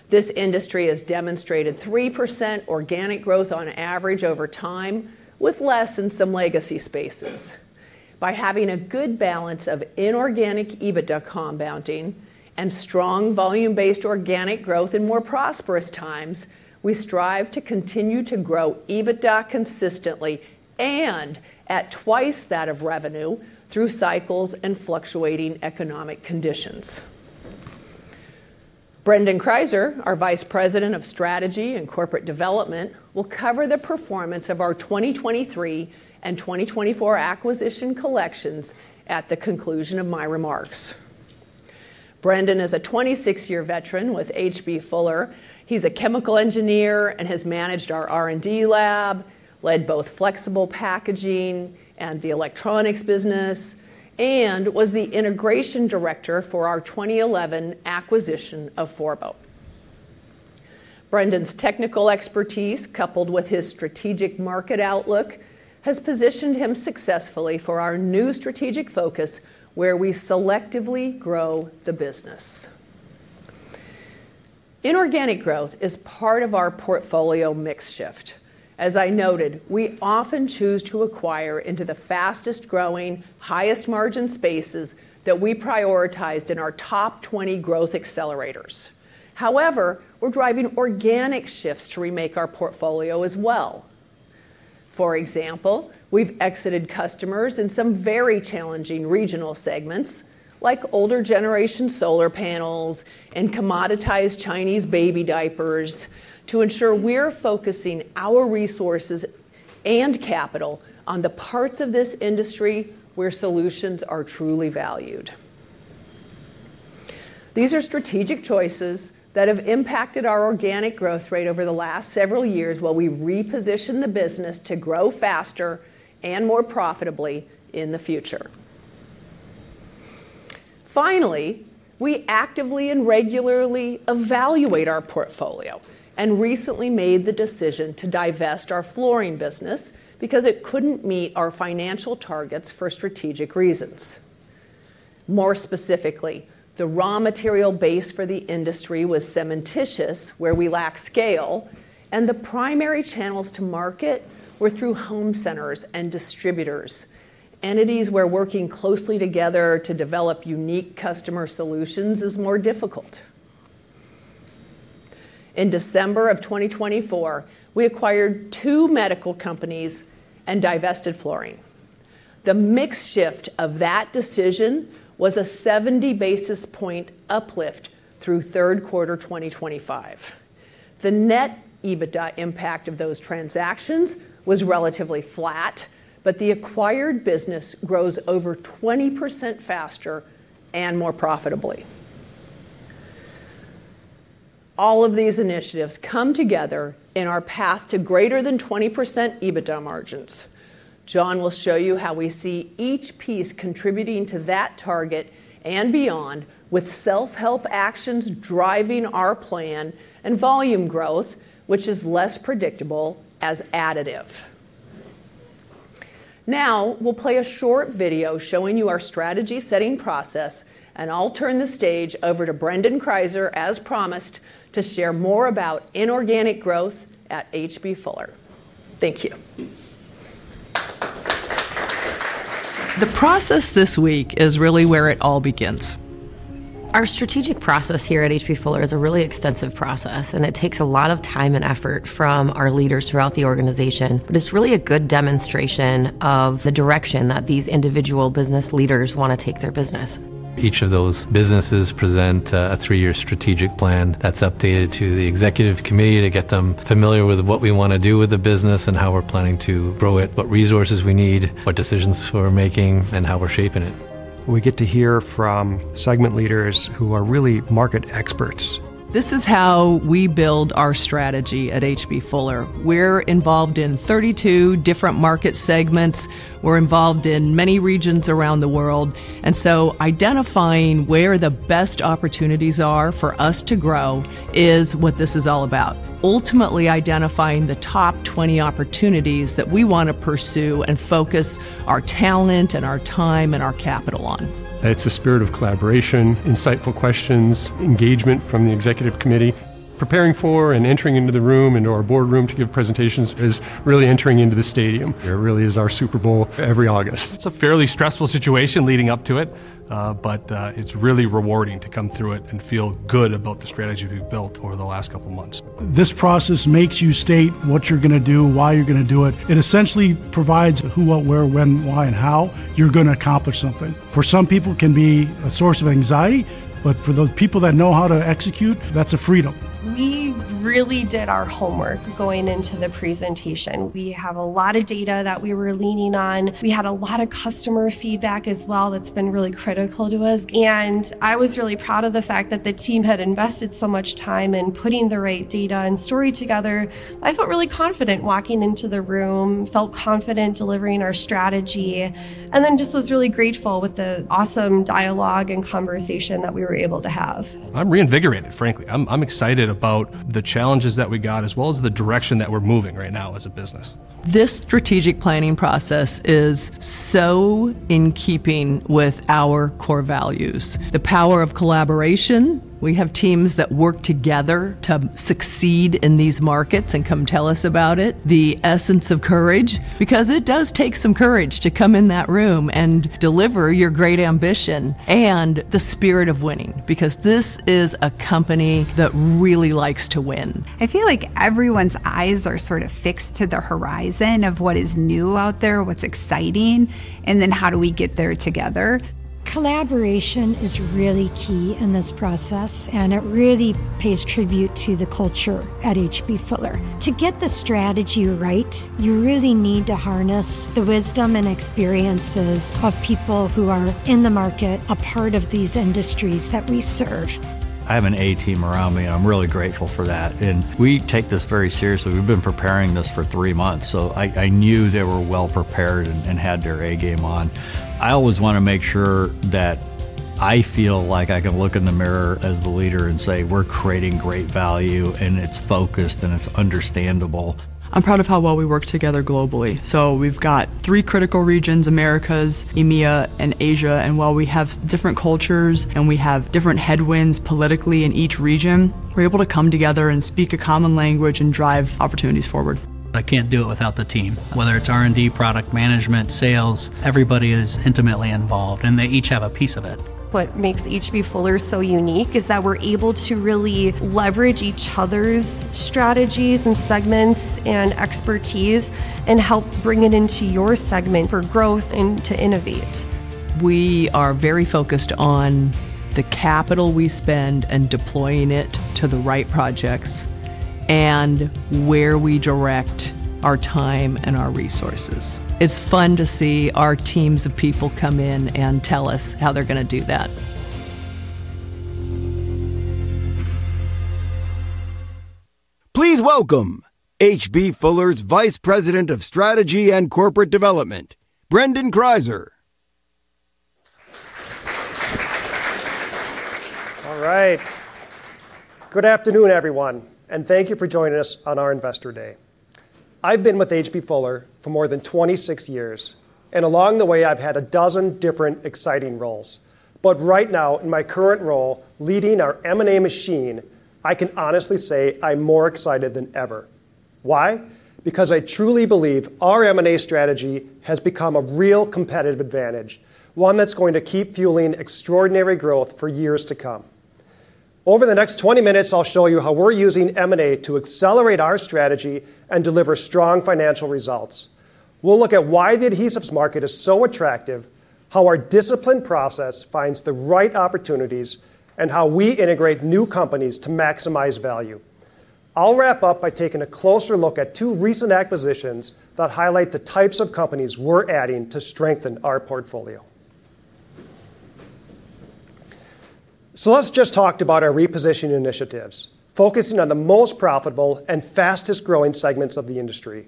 This industry has demonstrated 3% organic growth on average over time, with less in some legacy spaces. By having a good balance of inorganic EBITDA compounding and strong volume-based organic growth in more prosperous times, we strive to continue to grow EBITDA consistently and at twice that of revenue through cycles and fluctuating economic conditions. Brendon Kryzer, our Vice President of Strategy and Corporate Development, will cover the performance of our 2023 and 2024 acquisition collections at the conclusion of my remarks. Brendon is a 26-year veteran with H.B. Fuller. He's a chemical engineer and has managed our R&D lab, led both flexible packaging and the electronics business, and was the Integration Director for our 2011 acquisition of Forbo. Brendon's technical expertise, coupled with his strategic market outlook, has positioned him successfully for our new strategic focus, where we selectively grow the business. Inorganic growth is part of our portfolio mix shift. As I noted, we often choose to acquire into the fastest growing, highest margin spaces that we prioritized in our top 20 growth accelerators. However, we're driving organic shifts to remake our portfolio as well. For example, we've exited customers in some very challenging regional segments, like older generation solar panels and commoditized Chinese baby diapers, to ensure we're focusing our resources and capital on the parts of this industry where solutions are truly valued. These are strategic choices that have impacted our organic growth rate over the last several years while we reposition the business to grow faster and more profitably in the future. Finally, we actively and regularly evaluate our portfolio and recently made the decision to divest our flooring business because it couldn't meet our financial targets for strategic reasons. More specifically, the raw material base for the industry was cementitious, where we lack scale, and the primary channels to market were through home centers and distributors, entities where working closely together to develop unique customer solutions is more difficult. In December of 2024, we acquired two medical companies and divested flooring. The mix shift of that decision was a 70 basis point uplift through third quarter 2025. The net EBITDA impact of those transactions was relatively flat, but the acquired business grows over 20% faster and more profitably. All of these initiatives come together in our path to greater than 20% EBITDA margins. John will show you how we see each piece contributing to that target and beyond, with self-help actions driving our plan and volume growth, which is less predictable as additive. Now we'll play a short video showing you our strategy setting process, and I'll turn the stage over to Brendon Kryzer, as promised, to share more about inorganic growth at H.B. Fuller. Thank you. The process this week is really where it all begins. Our strategic process here at H.B. Fuller Company is a really extensive process, and it takes a lot of time and effort from our leaders throughout the organization. It's really a good demonstration of the direction that these individual business leaders want to take their business. Each of those businesses presents a three-year strategic plan that's updated to the executive committee to get them familiar with what we want to do with the business and how we're planning to grow it, what resources we need, what decisions we're making, and how we're shaping it. We get to hear from segment leaders who are really market experts. This is how we build our strategy at H.B. Fuller Company. We're involved in 32 different market segments. We're involved in many regions around the world. Identifying where the best opportunities are for us to grow is what this is all about. Ultimately, identifying the top 20 opportunities that we want to pursue and focus our talent, our time, and our capital on. It's a spirit of collaboration, insightful questions, engagement from the Executive Committee. Preparing for and entering into the room and our boardroom to give presentations is really entering into the stadium. It really is our Super Bowl every August. It's a fairly stressful situation leading up to it, but it's really rewarding to come through it and feel good about the strategy we've built over the last couple of months. This process makes you state what you're going to do, why you're going to do it. It essentially provides who, what, where, when, why, and how you're going to accomplish something. For some people, it can be a source of anxiety, but for the people that know how to execute, that's a freedom. We really did our homework going into the presentation. We have a lot of data that we were leaning on. We had a lot of customer feedback as well that's been really critical to us. I was really proud of the fact that the team had invested so much time in putting the right data and story together. I felt really confident walking into the room, felt confident delivering our strategy, and was really grateful with the awesome dialogue and conversation that we were able to have. I'm reinvigorated, frankly. I'm excited about the challenges that we got, as well as the direction that we're moving right now as a business. This strategic planning process is so in keeping with our core values, the power of collaboration. We have teams that work together to succeed in these markets and come tell us about it. The essence of courage, because it does take some courage to come in that room and deliver your great ambition, and the spirit of winning, because this is a company that really likes to win. I feel like everyone's eyes are sort of fixed to the horizon of what is new out there, what's exciting, and then how do we get there together? Collaboration is really key in this process, and it really pays tribute to the culture at H.B. Fuller Company. To get the strategy right, you really need to harness the wisdom and experiences of people who are in the market, a part of these industries that we serve. I have an A team around me, and I'm really grateful for that. We take this very seriously. We've been preparing this for three months, so I knew they were well prepared and had their A game on. I always want to make sure that I feel like I can look in the mirror as the leader and say we're creating great value, and it's focused, and it's understandable. I'm proud of how well we work together globally. We have three critical regions: Americas, EMEA, and Asia. While we have different cultures and we have different headwinds politically in each region, we're able to come together and speak a common language and drive opportunities forward. I can't do it without the team. Whether it's R&D, product management, sales, everybody is intimately involved, and they each have a piece of it. What makes H.B. Fuller so unique is that we're able to really leverage each other's strategies and segments and expertise, and help bring it into your segment for growth and to innovate. We are very focused on the capital we spend and deploying it to the right projects and where we direct our time and our resources. It's fun to see our teams of people come in and tell us how they're going to do that. Please welcome H.B. Fuller's Vice President of Strategy and Corporate Development, Brendon Kryzer. All right. Good afternoon, everyone, and thank you for joining us on our Investor Day. I've been with H.B. Fuller for more than 26 years, and along the way, I've had a dozen different exciting roles. Right now, in my current role leading our M&A machine, I can honestly say I'm more excited than ever. Why? Because I truly believe our M&A strategy has become a real competitive advantage, one that's going to keep fueling extraordinary growth for years to come. Over the next 20 minutes, I'll show you how we're using M&A to accelerate our strategy and deliver strong financial results. We'll look at why the adhesives market is so attractive, how our disciplined process finds the right opportunities, and how we integrate new companies to maximize value. I'll wrap up by taking a closer look at two recent acquisitions that highlight the types of companies we're adding to strengthen our portfolio. Let's just talk about our repositioning initiatives, focusing on the most profitable and fastest growing segments of the industry.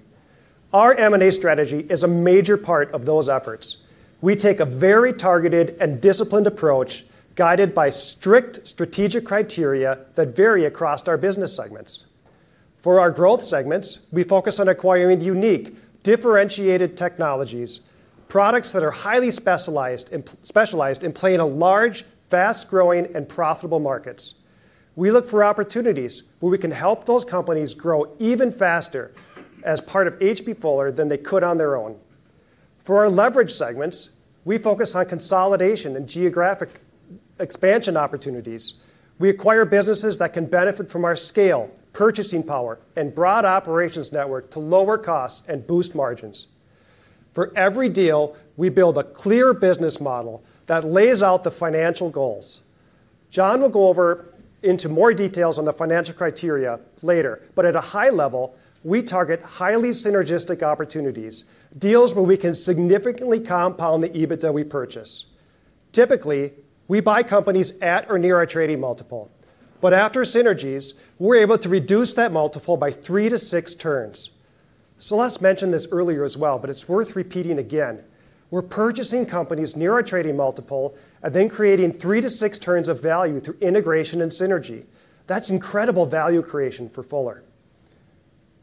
Our M&A strategy is a major part of those efforts. We take a very targeted and disciplined approach guided by strict strategic criteria that vary across our business segments. For our growth segments, we focus on acquiring unique, differentiated technologies, products that are highly specialized in playing a large, fast-growing, and profitable market. We look for opportunities where we can help those companies grow even faster as part of H.B. Fuller than they could on their own. For our leverage segments, we focus on consolidation and geographic expansion opportunities. We acquire businesses that can benefit from our scale, purchasing power, and broad operations network to lower costs and boost margins. For every deal, we build a clear business model that lays out the financial goals. John will go over into more details on the financial criteria later, but at a high level, we target highly synergistic opportunities, deals where we can significantly compound the EBITDA we purchase. Typically, we buy companies at or near our trading multiple, but after synergies, we're able to reduce that multiple by three to six turns. Celeste mentioned this earlier as well, but it's worth repeating again. We're purchasing companies near our trading multiple and then creating three to six turns of value through integration and synergy. That's incredible value creation for H.B. Fuller.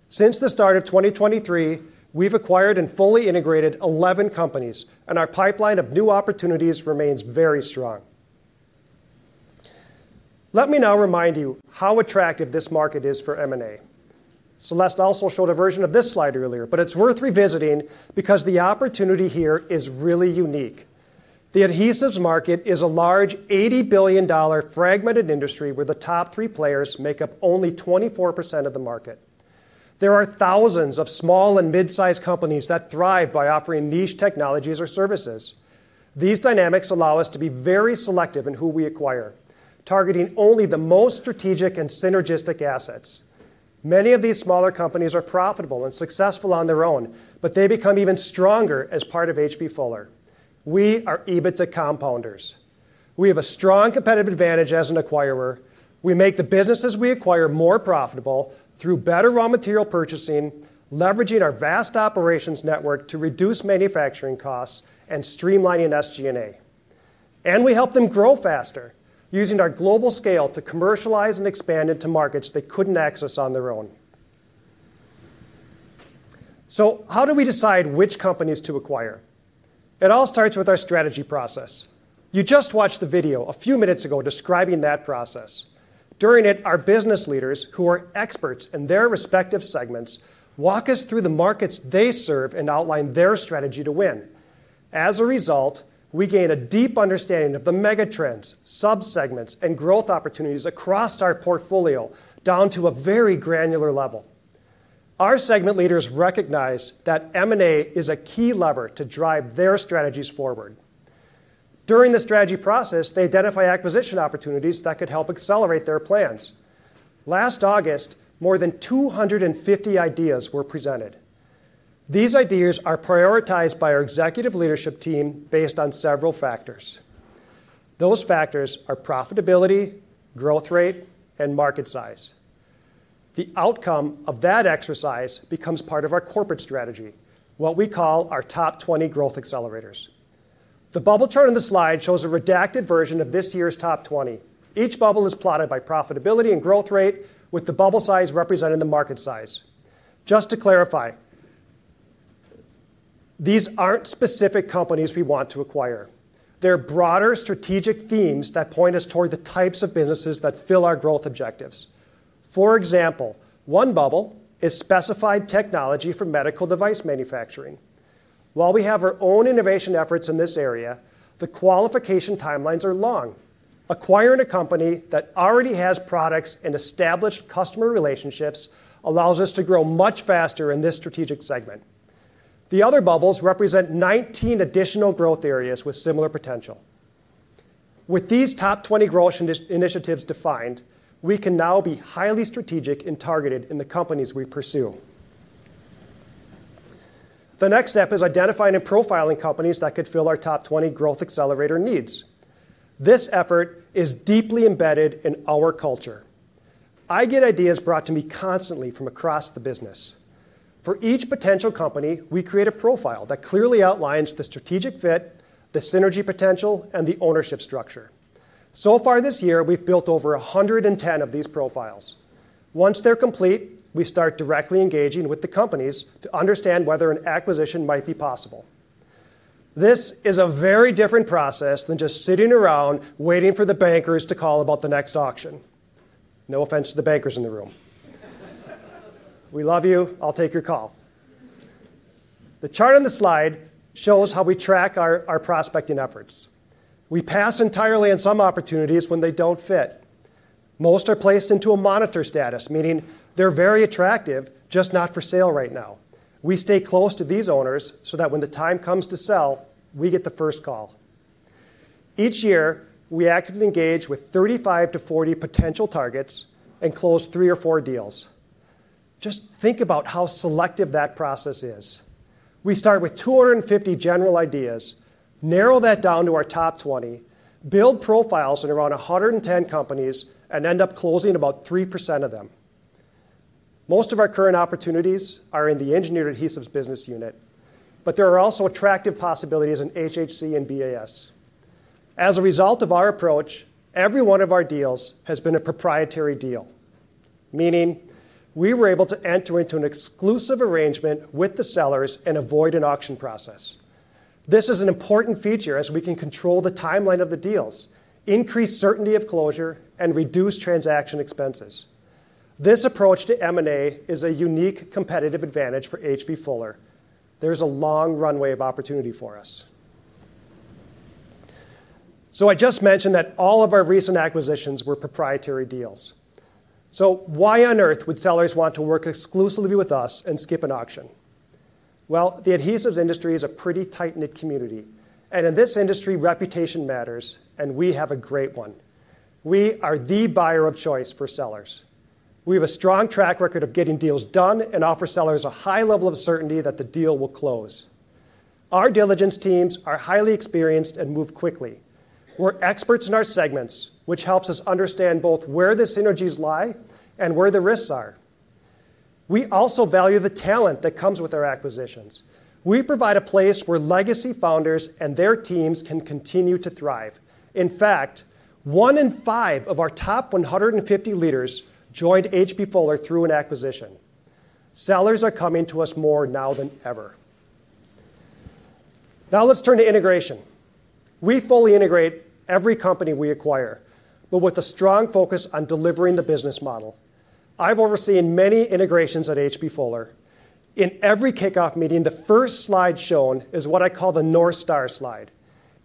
Since the start of 2023, we've acquired and fully integrated 11 companies, and our pipeline of new opportunities remains very strong. Let me now remind you how attractive this market is for M&A. Celeste also showed a version of this slide earlier, but it's worth revisiting because the opportunity here is really unique. The adhesives market is a large $80 billion fragmented industry where the top three players make up only 24% of the market. There are thousands of small and mid-sized companies that thrive by offering niche technologies or services. These dynamics allow us to be very selective in who we acquire, targeting only the most strategic and synergistic assets. Many of these smaller companies are profitable and successful on their own, but they become even stronger as part of H.B. Fuller. We are EBITDA compounders. We have a strong competitive advantage as an acquirer. We make the businesses we acquire more profitable through better raw material purchasing, leveraging our vast operations network to reduce manufacturing costs, and streamlining SG&A. We help them grow faster, using our global scale to commercialize and expand into markets they couldn't access on their own. How do we decide which companies to acquire? It all starts with our strategy process. You just watched the video a few minutes ago describing that process. During it, our business leaders, who are experts in their respective segments, walk us through the markets they serve and outline their strategy to win. As a result, we gain a deep understanding of the megatrends, subsegments, and growth opportunities across our portfolio down to a very granular level. Our segment leaders recognize that M&A is a key lever to drive their strategies forward. During the strategy process, they identify acquisition opportunities that could help accelerate their plans. Last August, more than 250 ideas were presented. These ideas are prioritized by our executive leadership team based on several factors. Those factors are profitability, growth rate, and market size. The outcome of that exercise becomes part of our corporate strategy, what we call our top 20 growth accelerators. The bubble chart on the slide shows a redacted version of this year's top 20. Each bubble is plotted by profitability and growth rate, with the bubble size representing the market size. Just to clarify, these aren't specific companies we want to acquire. They're broader strategic themes that point us toward the types of businesses that fill our growth objectives. For example, one bubble is specified technology for medical device manufacturing. While we have our own innovation efforts in this area, the qualification timelines are long. Acquiring a company that already has products and established customer relationships allows us to grow much faster in this strategic segment. The other bubbles represent 19 additional growth areas with similar potential. With these top 20 growth initiatives defined, we can now be highly strategic and targeted in the companies we pursue. The next step is identifying and profiling companies that could fill our top 20 growth accelerator needs. This effort is deeply embedded in our culture. I get ideas brought to me constantly from across the business. For each potential company, we create a profile that clearly outlines the strategic fit, the synergy potential, and the ownership structure. So far this year, we've built over 110 of these profiles. Once they're complete, we start directly engaging with the companies to understand whether an acquisition might be possible. This is a very different process than just sitting around waiting for the bankers to call about the next auction. No offense to the bankers in the room. We love you. I'll take your call. The chart on the slide shows how we track our prospecting efforts. We pass entirely on some opportunities when they don't fit. Most are placed into a monitor status, meaning they're very attractive, just not for sale right now. We stay close to these owners so that when the time comes to sell, we get the first call. Each year, we actively engage with 35-40 potential targets and close three or four deals. Just think about how selective that process is. We start with 250 general ideas, narrow that down to our top 20, build profiles in around 110 companies, and end up closing about 3% of them. Most of our current opportunities are in the Engineering Adhesives business unit, but there are also attractive possibilities in HHC and BAS. As a result of our approach, every one of our deals has been a proprietary deal, meaning we were able to enter into an exclusive arrangement with the sellers and avoid an auction process. This is an important feature as we can control the timeline of the deals, increase certainty of closure, and reduce transaction expenses. This approach to M&A is a unique competitive advantage for H.B. Fuller. There's a long runway of opportunity for us. I just mentioned that all of our recent acquisitions were proprietary deals. Why on earth would sellers want to work exclusively with us and skip an auction? The adhesives industry is a pretty tight-knit community, and in this industry, reputation matters, and we have a great one. We are the buyer of choice for sellers. We have a strong track record of getting deals done and offer sellers a high level of certainty that the deal will close. Our diligence teams are highly experienced and move quickly. We're experts in our segments, which helps us understand both where the synergies lie and where the risks are. We also value the talent that comes with our acquisitions. We provide a place where legacy founders and their teams can continue to thrive. In fact, one in five of our top 150 leaders joined H.B. Fuller through an acquisition. Sellers are coming to us more now than ever. Now let's turn to integration. We fully integrate every company we acquire, with a strong focus on delivering the business model. I've overseen many integrations at H.B. Fuller. In every kickoff meeting, the first slide shown is what I call the North Star slide.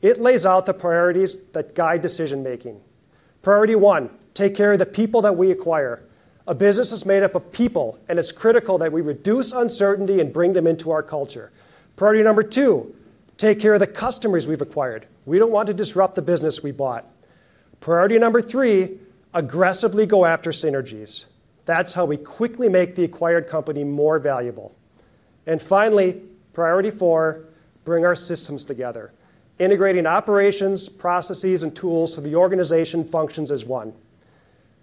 It lays out the priorities that guide decision making. Priority one, take care of the people that we acquire. A business is made up of people, and it's critical that we reduce uncertainty and bring them into our culture. Priority number two, take care of the customers we've acquired. We don't want to disrupt the business we bought. Priority number three, aggressively go after synergies. That's how we quickly make the acquired company more valuable. Finally, priority four, bring our systems together, integrating operations, processes, and tools so the organization functions as one.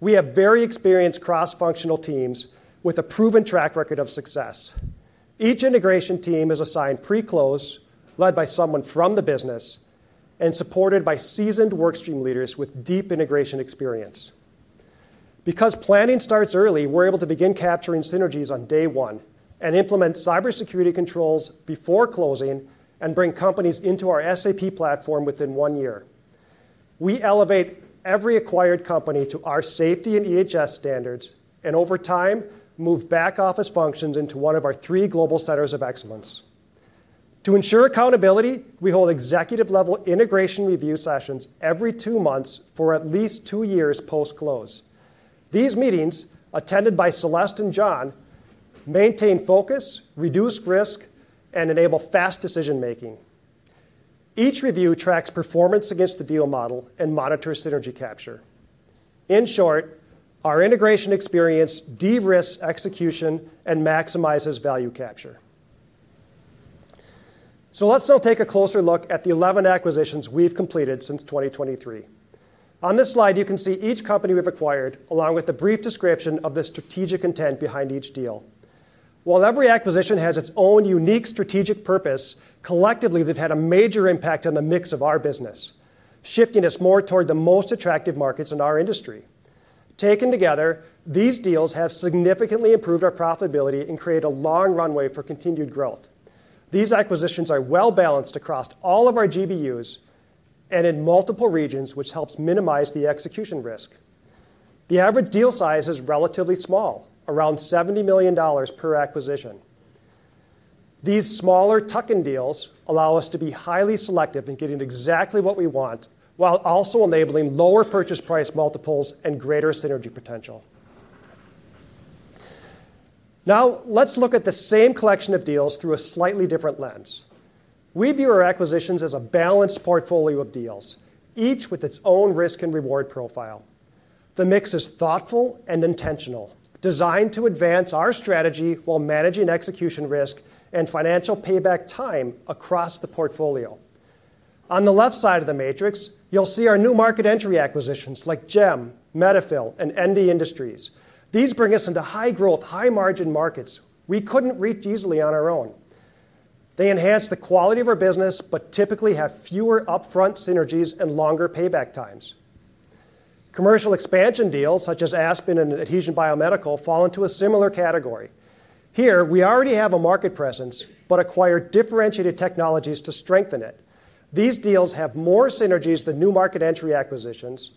We have very experienced cross-functional teams with a proven track record of success. Each integration team is assigned pre-close, led by someone from the business, and supported by seasoned workstream leaders with deep integration experience. Because planning starts early, we're able to begin capturing synergies on day one and implement cybersecurity controls before closing and bring companies into our SAP platform within one year. We elevate every acquired company to our safety and EHS standards and, over time, move back office functions into one of our three global centers of excellence. To ensure accountability, we hold executive-level integration review sessions every two months for at least two years post-close. These meetings, attended by Celeste and John, maintain focus, reduce risk, and enable fast decision making. Each review tracks performance against the deal model and monitors synergy capture. In short, our integration experience de-risks execution and maximizes value capture. Let's now take a closer look at the 11 acquisitions we've completed since 2023. On this slide, you can see each company we've acquired, along with a brief description of the strategic intent behind each deal. While every acquisition has its own unique strategic purpose, collectively, they've had a major impact on the mix of our business, shifting us more toward the most attractive markets in our industry. Taken together, these deals have significantly improved our profitability and created a long runway for continued growth. These acquisitions are well balanced across all of our GBUs and in multiple regions, which helps minimize the execution risk. The average deal size is relatively small, around $70 million per acquisition. These smaller tuck-in deals allow us to be highly selective in getting exactly what we want while also enabling lower purchase price multiples and greater synergy potential. Now let's look at the same collection of deals through a slightly different lens. We view our acquisitions as a balanced portfolio of deals, each with its own risk and reward profile. The mix is thoughtful and intentional, designed to advance our strategy while managing execution risk and financial payback time across the portfolio. On the left side of the matrix, you'll see our new market entry acquisitions like Gem, Medifil, and ND Industries. These bring us into high-growth, high-margin markets we couldn't reach easily on our own. They enhance the quality of our business, but typically have fewer upfront synergies and longer payback times. Commercial expansion deals such as Aspen and Adhesion Biomedical fall into a similar category. Here, we already have a market presence but acquire differentiated technologies to strengthen it. These deals have more synergies than new market entry acquisitions,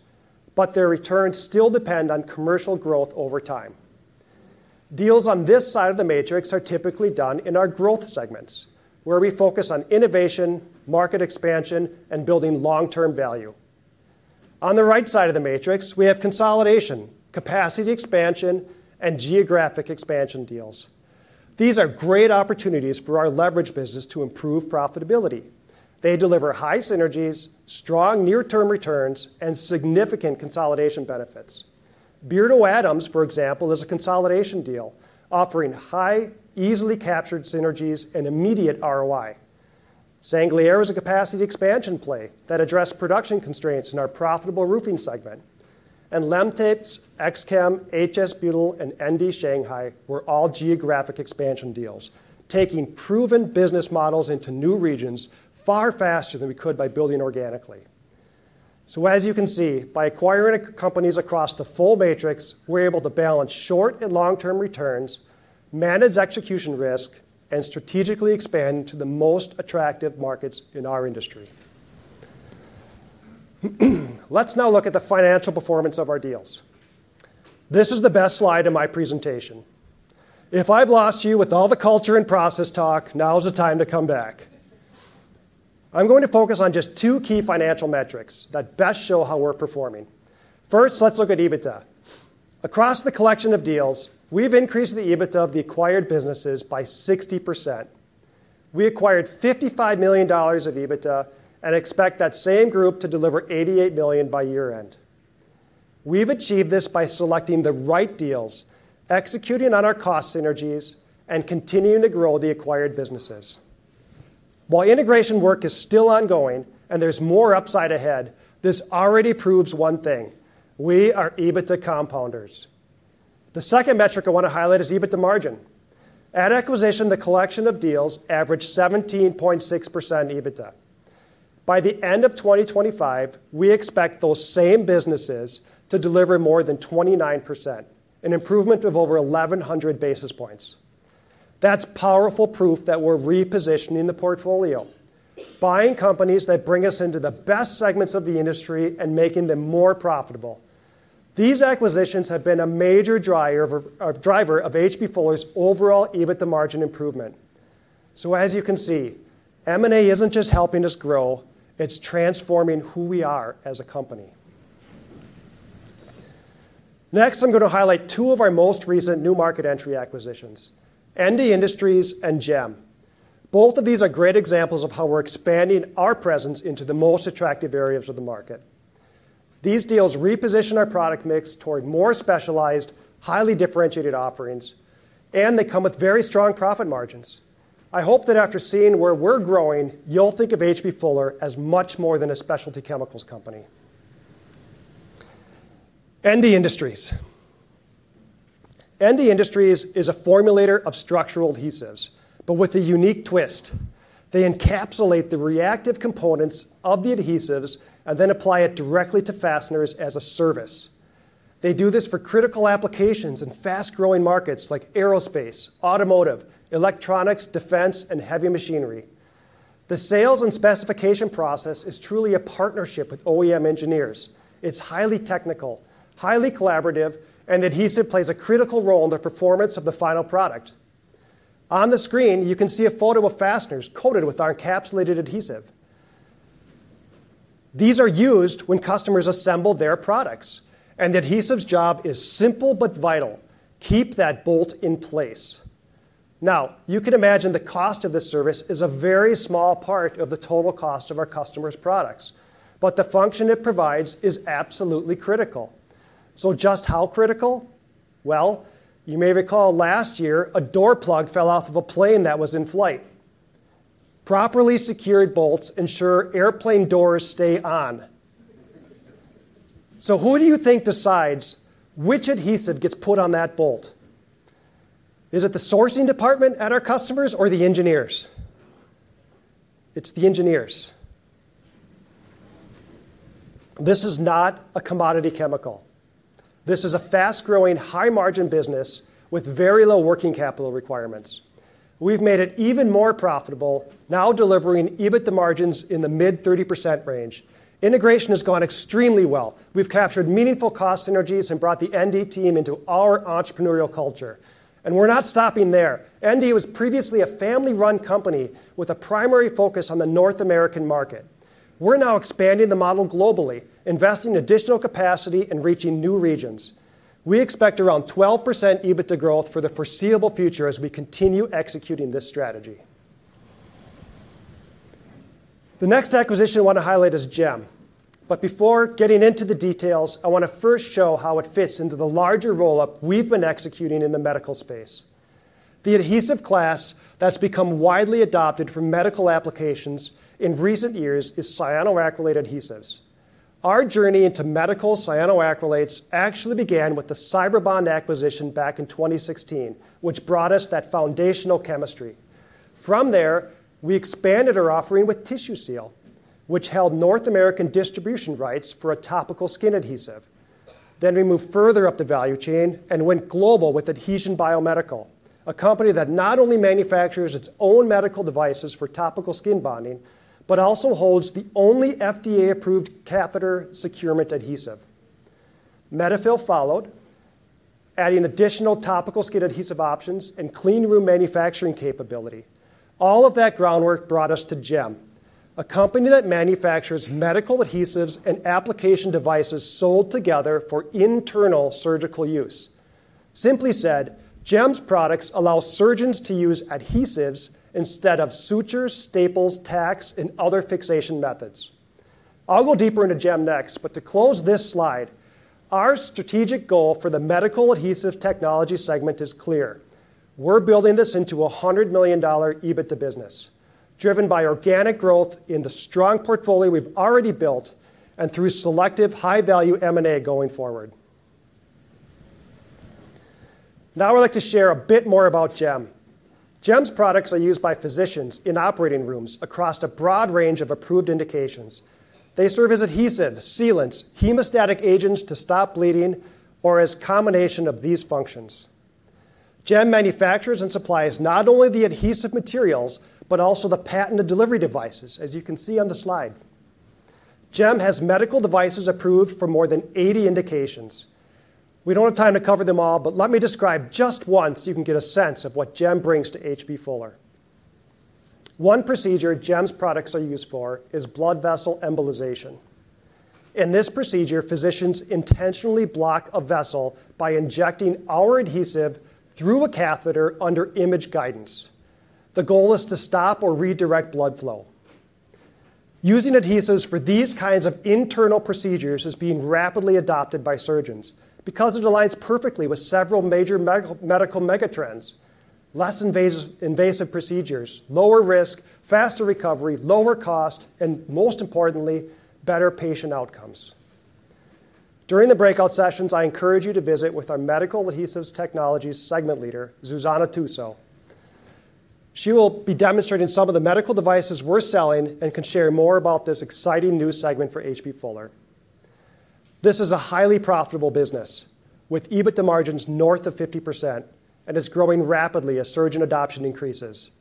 but their returns still depend on commercial growth over time. Deals on this side of the matrix are typically done in our growth segments, where we focus on innovation, market expansion, and building long-term value. On the right side of the matrix, we have consolidation, capacity expansion, and geographic expansion deals. These are great opportunities for our leverage business to improve profitability. They deliver high synergies, strong near-term returns, and significant consolidation benefits. Baird, for example, is a consolidation deal offering high, easily captured synergies and immediate ROI. Sanglier is a capacity expansion play that addressed production constraints in our profitable roofing segment, and LemTapes, XCHEM, HS Butyl, and ND Shanghai were all geographic expansion deals, taking proven business models into new regions far faster than we could by building organically. As you can see, by acquiring companies across the full matrix, we're able to balance short and long-term returns, manage execution risk, and strategically expand to the most attractive markets in our industry. Let's now look at the financial performance of our deals. This is the best slide in my presentation. If I've lost you with all the culture and process talk, now is the time to come back. I'm going to focus on just two key financial metrics that best show how we're performing. First, let's look at EBITDA across the collection of deals. We've increased the EBITDA of the acquired businesses by 60%. We acquired $55 million of EBITDA and expect that same group to deliver $88 million by year-end. We've achieved this by selecting the right deals, executing on our cost synergies, and continuing to grow the acquired businesses. While integration work is still ongoing and there's more upside ahead, this already proves one thing: we are EBITDA compounders. The second metric I want to highlight is EBITDA margin. At acquisition, the collection of deals averaged 17.6% EBITDA. By the end of 2025, we expect those same businesses to deliver more than 29%, an improvement of over 1,100 basis points. That's powerful proof that we're repositioning the portfolio, buying companies that bring us into the best segments of the industry and making them more profitable. These acquisitions have been a major driver of H.B. Fuller's overall EBITDA margin improvement. As you can see, M&A isn't just helping us grow; it's transforming who we are as a company. Next, I'm going to highlight two of our most recent new market entry acquisitions: ND Industries and Gem. Both of these are great examples of how we're expanding our presence into the most attractive areas of the market. These deals reposition our product mix toward more specialized, highly differentiated offerings, and they come with very strong profit margins. I hope that after seeing where we're growing, you'll think of H.B. Fuller as much more than a specialty chemicals company. ND Industries. ND Industries is a formulator of structural adhesives, but with a unique twist: they encapsulate the reactive components of the adhesives and then apply it directly to fasteners as a service. They do this for critical applications in fast-growing markets like aerospace, automotive, electronics, defense, and heavy machinery. The sales and specification process is truly a partnership with OEM engineers. It's highly technical, highly collaborative, and the adhesive plays a critical role in the performance of the final product. On the screen, you can see a photo of fasteners coated with our encapsulated adhesive. These are used when customers assemble their products, and the adhesive's job is simple but vital: keep that bolt in place. You can imagine the cost of this service is a very small part of the total cost of our customers' products, but the function it provides is absolutely critical. Just how critical? You may recall last year a door plug fell off of a plane that was in flight. Properly secured bolts ensure airplane doors stay on. Who do you think decides which adhesive gets put on that bolt? Is it the sourcing department at our customers or the engineers? It's the engineers. This is not a commodity chemical. This is a fast-growing, high-margin business with very low working capital requirements. We've made it even more profitable, now delivering EBITDA margins in the mid-30% range. Integration has gone extremely well. We've captured meaningful cost synergies and brought the ND team into our entrepreneurial culture. We're not stopping there. ND was previously a family-run company with a primary focus on the North American market. We're now expanding the model globally, investing in additional capacity and reaching new regions. We expect around 12% EBITDA growth for the foreseeable future as we continue executing this strategy. The next acquisition I want to highlight is Gem, but before getting into the details, I want to first show how it fits into the larger roll-up we've been executing in the medical space. The adhesive class that's become widely adopted for medical applications in recent years is cyanoacrylate adhesives. Our journey into medical cyanoacrylates actually began with the CyberBond acquisition back in 2016, which brought us that foundational chemistry. From there, we expanded our offering with Tissue Seal, which held North American distribution rights for a topical skin adhesive. We moved further up the value chain and went global with Adhesion Biomedical, a company that not only manufactures its own medical devices for topical skin bonding but also holds the only FDA-approved catheter securement adhesive. Medifill followed, adding additional topical skin adhesive options and clean room manufacturing capability. All of that groundwork brought us to Gem, a company that manufactures medical adhesives and application devices sold together for internal surgical use. Simply said, Gem's products allow surgeons to use adhesives instead of sutures, staples, tacks, and other fixation methods. I'll go deeper into Gem next, but to close this slide, our strategic goal for the medical adhesive technology segment is clear. We're building this into a $100 million EBITDA business, driven by organic growth in the strong portfolio we've already built and through selective high-value M&A going forward. Now I'd like to share a bit more about Gem. Gem's products are used by physicians in operating rooms across a broad range of approved indications. They serve as adhesives, sealants, hemostatic agents to stop bleeding, or as a combination of these functions. Gem manufactures and supplies not only the adhesive materials but also the patented delivery devices, as you can see on the slide. Gem has medical devices approved for more than 80 indications. We don't have time to cover them all, but let me describe just one so you can get a sense of what Gem brings to H.B. Fuller. One procedure Gem's products are used for is blood vessel embolization. In this procedure, physicians intentionally block a vessel by injecting our adhesive through a catheter under image guidance. The goal is to stop or redirect blood flow. Using adhesives for these kinds of internal procedures is being rapidly adopted by surgeons because it aligns perfectly with several major medical megatrends: less invasive procedures, lower risk, faster recovery, lower cost, and most importantly, better patient outcomes. During the breakout sessions, I encourage you to visit with our Medical Adhesives Technology segment leader, Zuzana Tuso. She will be demonstrating some of the medical devices we're selling and can share more about this exciting new segment for H.B. Fuller. This is a highly profitable business with EBITDA margins north of 50%, and it's growing rapidly as surgeon adoption increases.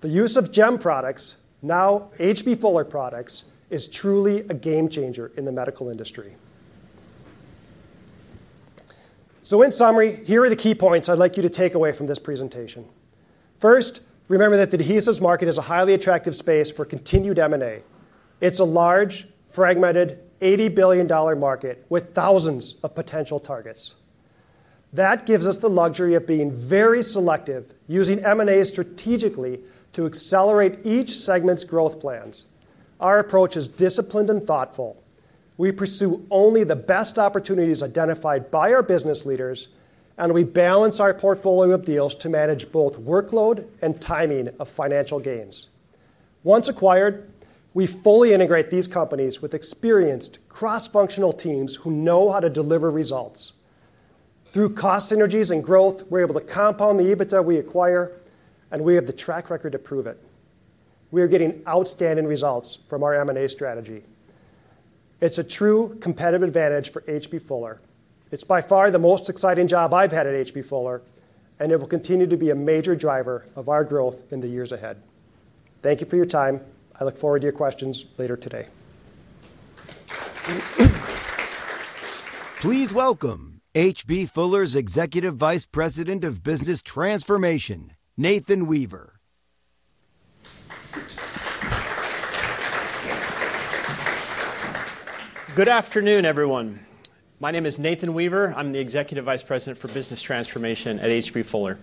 The use of Gem products, now H.B. Fuller products, is truly a game changer in the medical industry. In summary, here are the key points I'd like you to take away from this presentation. First, remember that the adhesives market is a highly attractive space for continued M&A. It's a large, fragmented, $80 billion market with thousands of potential targets. That gives us the luxury of being very selective, using M&A strategically to accelerate each segment's growth plans. Our approach is disciplined and thoughtful. We pursue only the best opportunities identified by our business leaders, and we balance our portfolio of deals to manage both workload and timing of financial gains. Once acquired, we fully integrate these companies with experienced, cross-functional teams who know how to deliver results. Through cost synergies and growth, we're able to compound the EBITDA we acquire, and we have the track record to prove it. We are getting outstanding results from our M&A strategy. It's a true competitive advantage for H.B. Fuller. It's by far the most exciting job I've had at H.B. Fuller, and it will continue to be a major driver of our growth in the years ahead. Thank you for your time. I look forward to your questions later today. Please welcome H.B. Fuller's Executive Vice President of Business Transformation, Nathan Weaver. Good afternoon, everyone. My name is Nathan Weaver. I'm the Executive Vice President for Business Transformation at H.B. Fuller.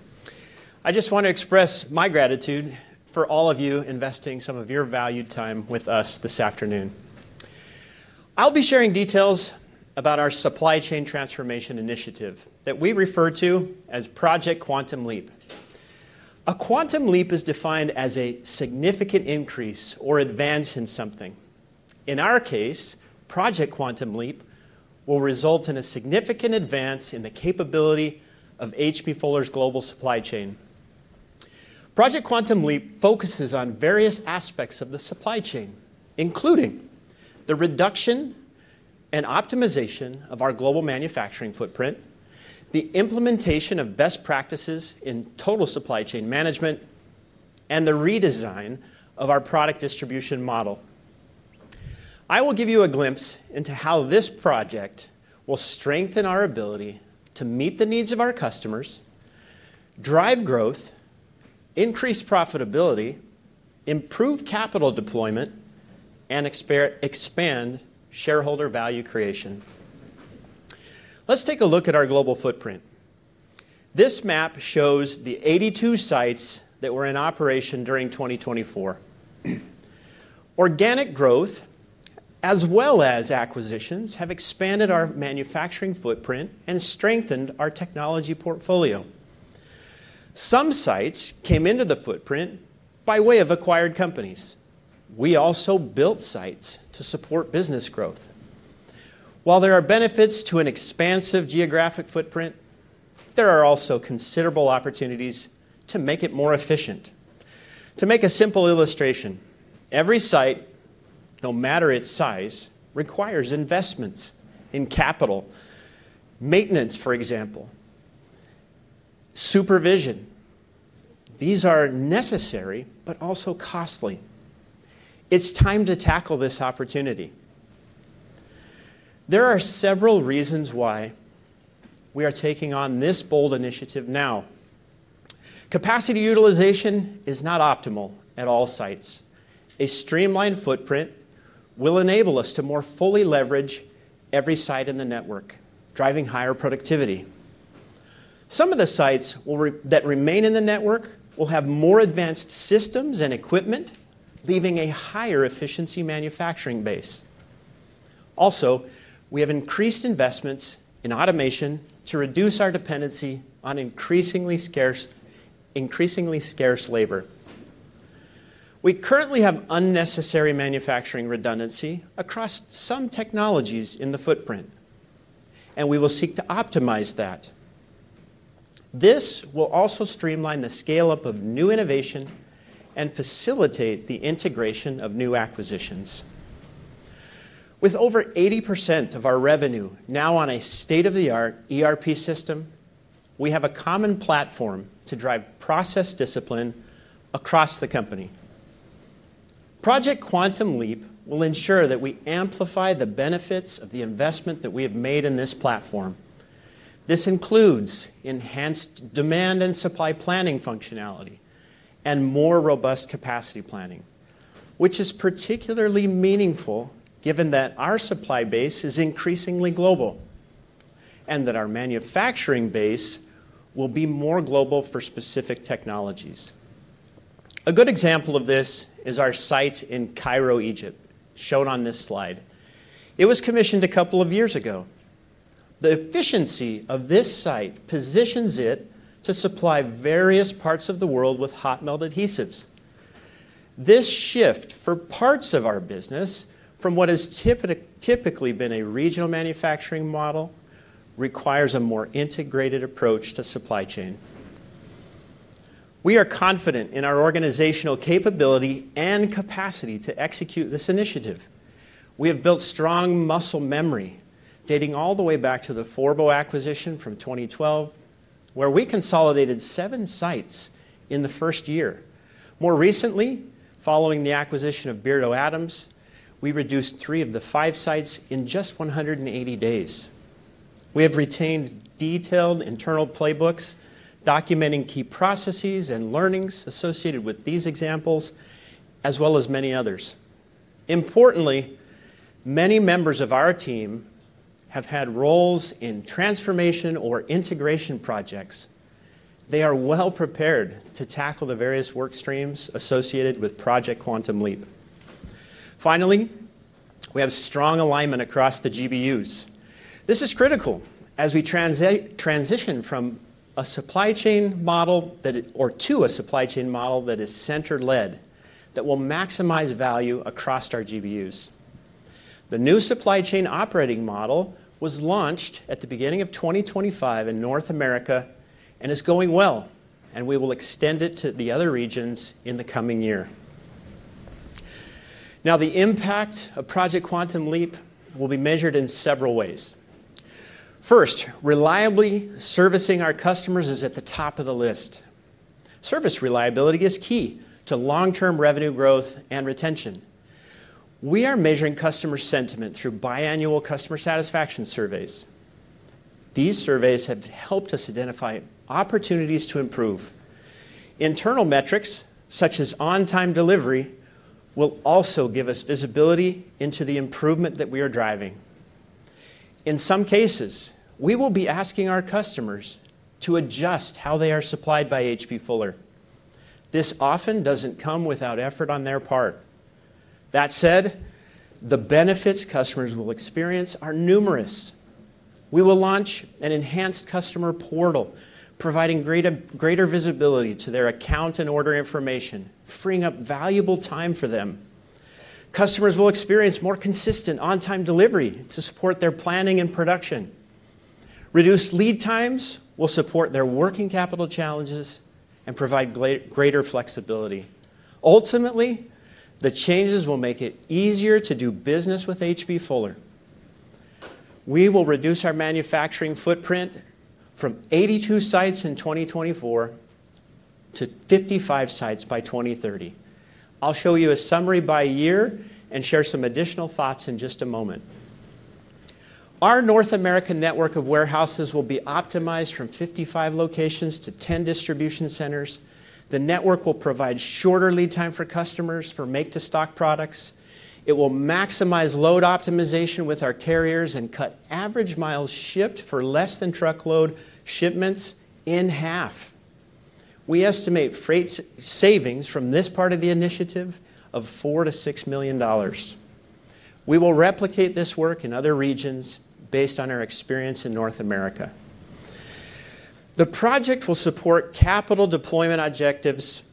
I just want to express my gratitude for all of you investing some of your valued time with us this afternoon. I'll be sharing details about our supply chain transformation initiative that we refer to as Project Quantum Leap. A Quantum Leap is defined as a significant increase or advance in something. In our case, Project Quantum Leap will result in a significant advance in the capability of H.B. Fuller's global supply chain. Project Quantum Leap focuses on various aspects of the supply chain, including the reduction and optimization of our global manufacturing footprint, the implementation of best practices in total supply chain management, and the redesign of our product distribution model. I will give you a glimpse into how this project will strengthen our ability to meet the needs of our customers, drive growth, increase profitability, improve capital deployment, and expand shareholder value creation. Let's take a look at our global footprint. This map shows the 82 sites that were in operation during 2024. Organic growth, as well as acquisitions, have expanded our manufacturing footprint and strengthened our technology portfolio. Some sites came into the footprint by way of acquired companies. We also built sites to support business growth. While there are benefits to an expansive geographic footprint, there are also considerable opportunities to make it more efficient. To make a simple illustration, every site, no matter its size, requires investments in capital maintenance, for example, supervision. These are necessary but also costly. It's time to tackle this opportunity. There are several reasons why we are taking on this bold initiative now. Capacity utilization is not optimal at all sites. A streamlined footprint will enable us to more fully leverage every site in the network, driving higher productivity. Some of the sites that remain in the network will have more advanced systems and equipment, leaving a higher efficiency manufacturing base. Also, we have increased investments in automation to reduce our dependency on increasingly scarce labor. We currently have unnecessary manufacturing redundancy across some technologies in the footprint, and we will seek to optimize that. This will also streamline the scale-up of new innovation and facilitate the integration of new acquisitions. With over 80% of our revenue now on a state-of-the-art ERP system, we have a common platform to drive process discipline across the company. Project Quantum Leap will ensure that we amplify the benefits of the investment that we have made in this platform. This includes enhanced demand and supply planning functionality and more robust capacity planning, which is particularly meaningful given that our supply base is increasingly global and that our manufacturing base will be more global for specific technologies. A good example of this is our site in Cairo, Egypt, shown on this slide. It was commissioned a couple of years ago. The efficiency of this site positions it to supply various parts of the world with hot melt adhesives. This shift for parts of our business from what has typically been a regional manufacturing model requires a more integrated approach to supply chain. We are confident in our organizational capability and capacity to execute this initiative. We have built strong muscle memory dating all the way back to the Forbo acquisition from 2012, where we consolidated seven sites in the first year. More recently, following the acquisition of Beardow Adams, we reduced three of the five sites in just 180 days. We have retained detailed internal playbooks documenting key processes and learnings associated with these examples, as well as many others. Importantly, many members of our team have had roles in transformation or integration projects. They are well prepared to tackle the various work streams associated with Project Quantum Leap. Finally, we have strong alignment across the GBUs. This is critical as we transition from a supply chain model to a supply chain model that is center-led that will maximize value across our GBUs. The new supply chain operating model was launched at the beginning of 2025 in North America and is going well, and we will extend it to the other regions in the coming year. Now, the impact of Project Quantum Leap will be measured in several ways. First, reliably servicing our customers is at the top of the list. Service reliability is key to long-term revenue growth and retention. We are measuring customer sentiment through biannual customer satisfaction surveys. These surveys have helped us identify opportunities to improve. Internal metrics such as on-time delivery will also give us visibility into the improvement that we are driving. In some cases, we will be asking our customers to adjust how they are supplied by H.B. Fuller. This often doesn't come without effort on their part. That said, the benefits customers will experience are numerous. We will launch an enhanced customer portal, providing greater visibility to their account and order information, freeing up valuable time for them. Customers will experience more consistent on-time delivery to support their planning and production. Reduced lead times will support their working capital challenges and provide greater flexibility. Ultimately, the changes will make it easier to do business with H.B. Fuller. We will reduce our manufacturing footprint from 82 sites in 2024 to 55 sites by 2030. I'll show you a summary by year and share some additional thoughts in just a moment. Our North American network of warehouses will be optimized from 55 locations to 10 distribution centers. The network will provide shorter lead time for customers for make-to-stock products. It will maximize load optimization with our carriers and cut average miles shipped for less than truckload shipments in half. We estimate freight savings from this part of the initiative of $4 million-$6 million. We will replicate this work in other regions based on our experience in North America. The project will support capital deployment objectives,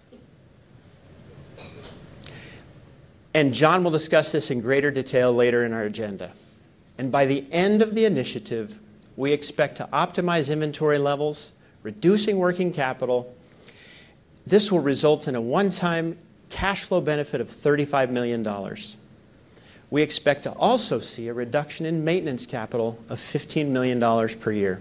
and John will discuss this in greater detail later in our agenda. By the end of the initiative, we expect to optimize inventory levels, reducing working capital. This will result in a one-time cash flow benefit of $35 million. We expect to also see a reduction in maintenance capital of $15 million/year.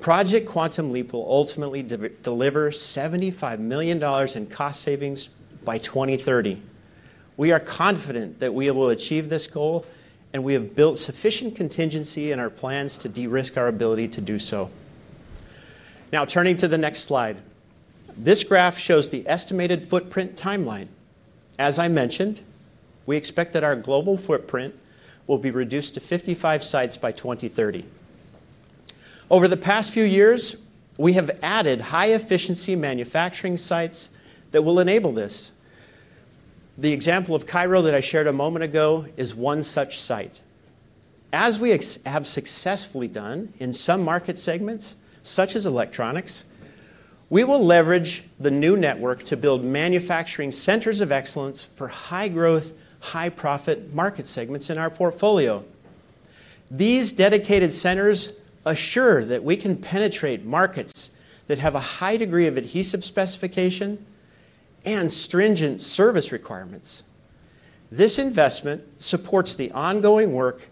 Project Quantum Leap will ultimately deliver $75 million in cost savings by 2030. We are confident that we will achieve this goal, and we have built sufficient contingency in our plans to de-risk our ability to do so. Now, turning to the next slide, this graph shows the estimated footprint timeline. As I mentioned, we expect that our global footprint will be reduced to 55 sites by 2030. Over the past few years, we have added high-efficiency manufacturing sites that will enable this. The example of Cairo that I shared a moment ago is one such site. As we have successfully done in some market segments, such as electronics, we will leverage the new network to build manufacturing centers of excellence for high-growth, high-profit market segments in our portfolio. These dedicated centers assure that we can penetrate markets that have a high degree of adhesive specification and stringent service requirements. This investment supports the ongoing work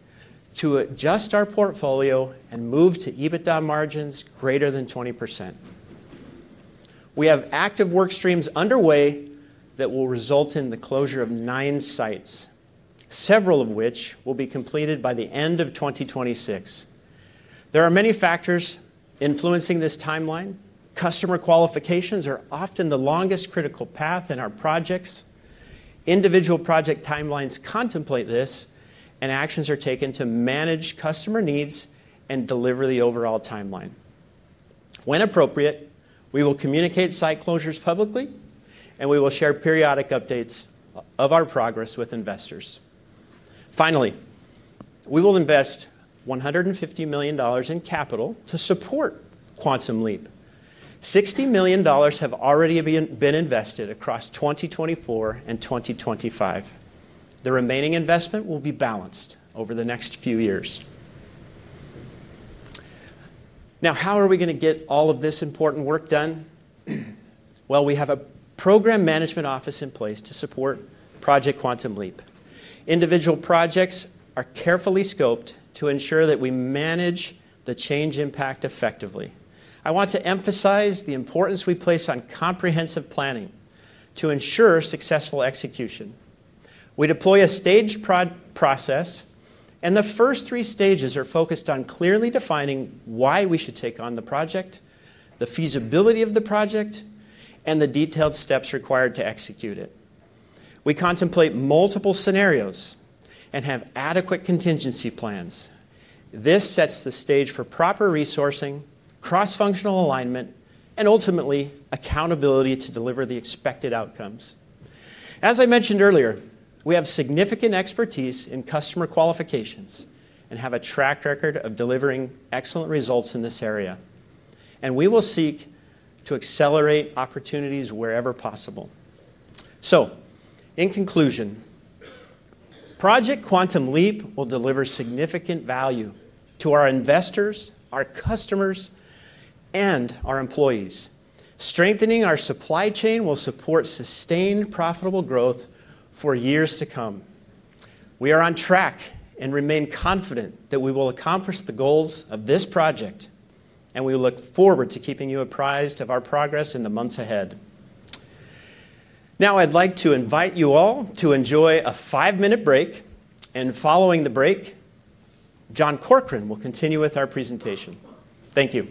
to adjust our portfolio and move to EBITDA margins greater than 20%. We have active work streams underway that will result in the closure of nine sites, several of which will be completed by the end of 2026. There are many factors influencing this timeline. Customer qualifications are often the longest critical path in our projects. Individual project timelines contemplate this, and actions are taken to manage customer needs and deliver the overall timeline. When appropriate, we will communicate site closures publicly, and we will share periodic updates of our progress with investors. Finally, we will invest $150 million in capital to support Project Quantum Leap. $60 million have already been invested across 2024 and 2025. The remaining investment will be balanced over the next few years. Now, how are we going to get all of this important work done? We have a program management office in place to support Project Quantum Leap. Individual projects are carefully scoped to ensure that we manage the change impact effectively. I want to emphasize the importance we place on comprehensive planning to ensure successful execution. We deploy a staged process, and the first three stages are focused on clearly defining why we should take on the project, the feasibility of the project, and the detailed steps required to execute it. We contemplate multiple scenarios and have adequate contingency plans. This sets the stage for proper resourcing, cross-functional alignment, and ultimately accountability to deliver the expected outcomes. As I mentioned earlier, we have significant expertise in customer qualifications and have a track record of delivering excellent results in this area, and we will seek to accelerate opportunities wherever possible. In conclusion, Project Quantum Leap will deliver significant value to our investors, our customers, and our employees. Strengthening our supply chain will support sustained profitable growth for years to come. We are on track and remain confident that we will accomplish the goals of this project, and we look forward to keeping you apprised of our progress in the months ahead. Now, I'd like to invite you all to enjoy a five-minute break, and following the break, John Corkrean will continue with our presentation. Thank you.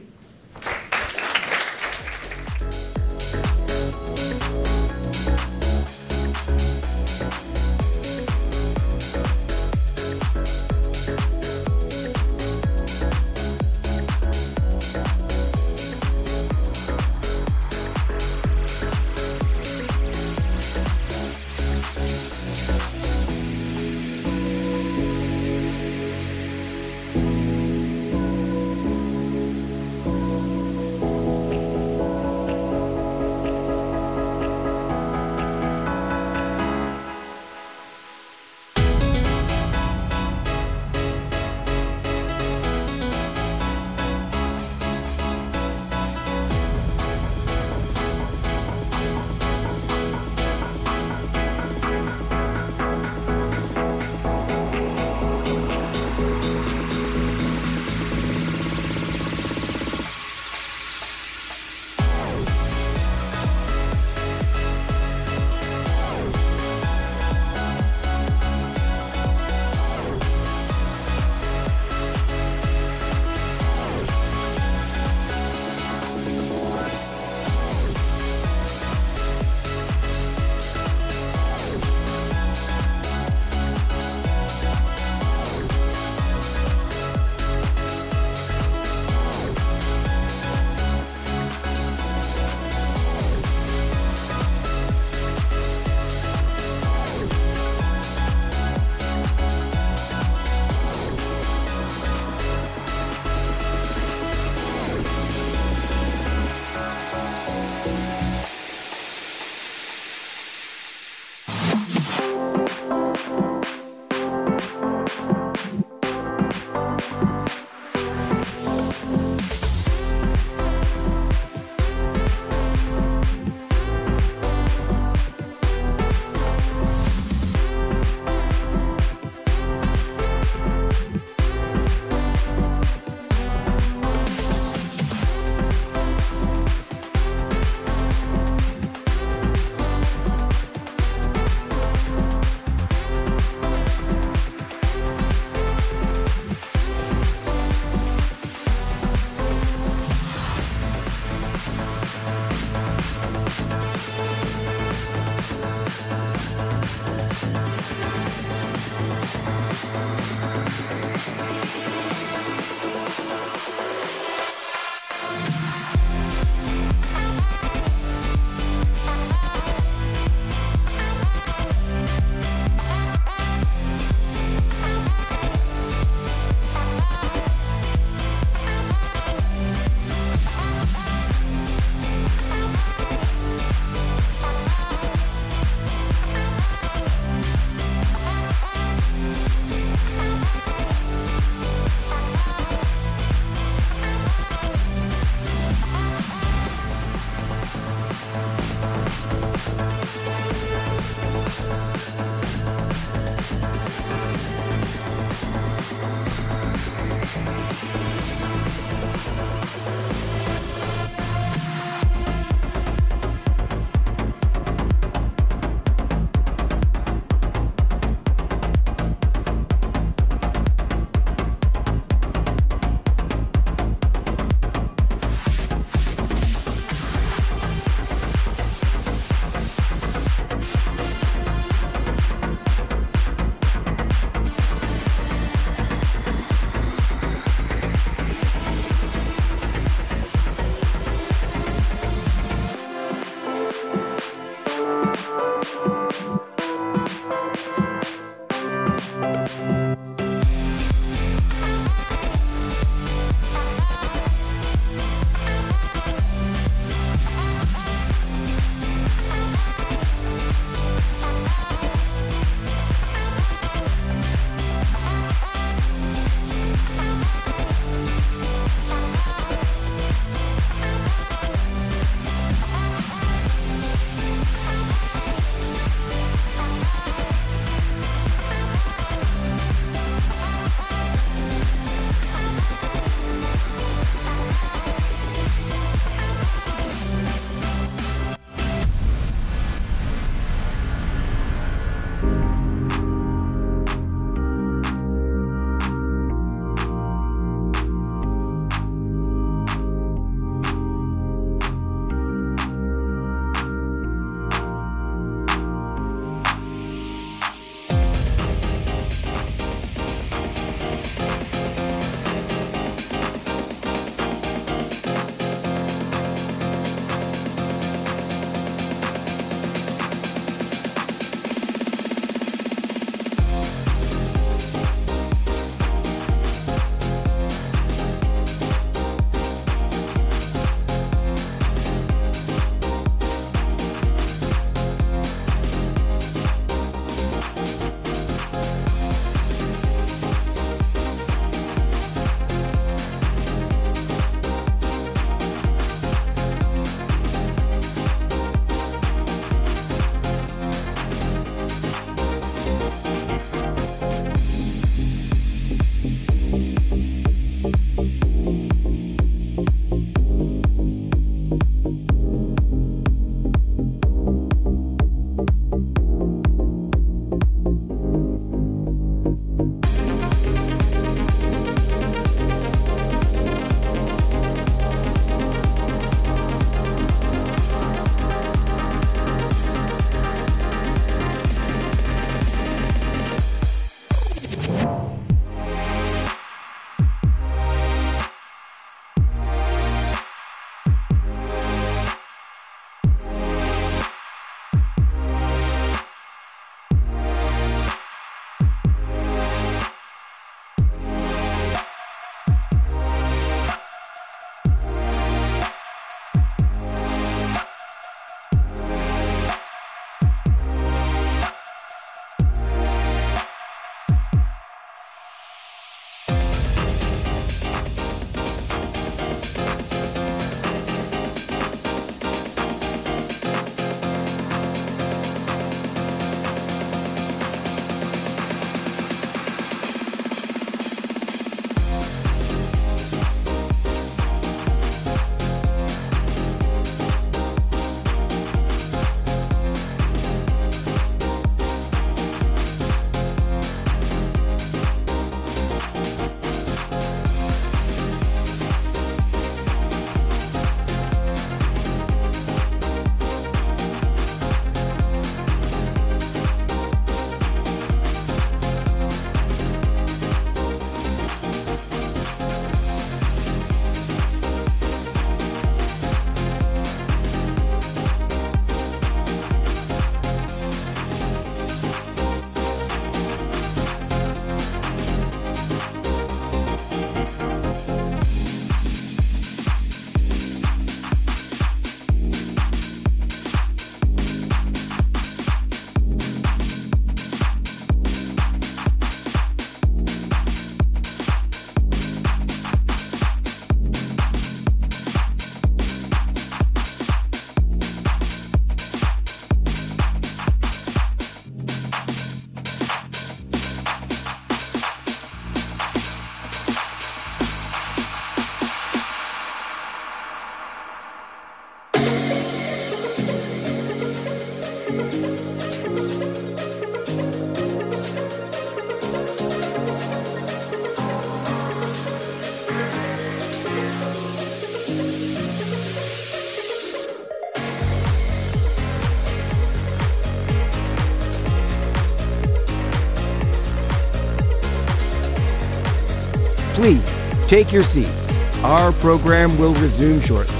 Please take your seats. Our program will resume shortly.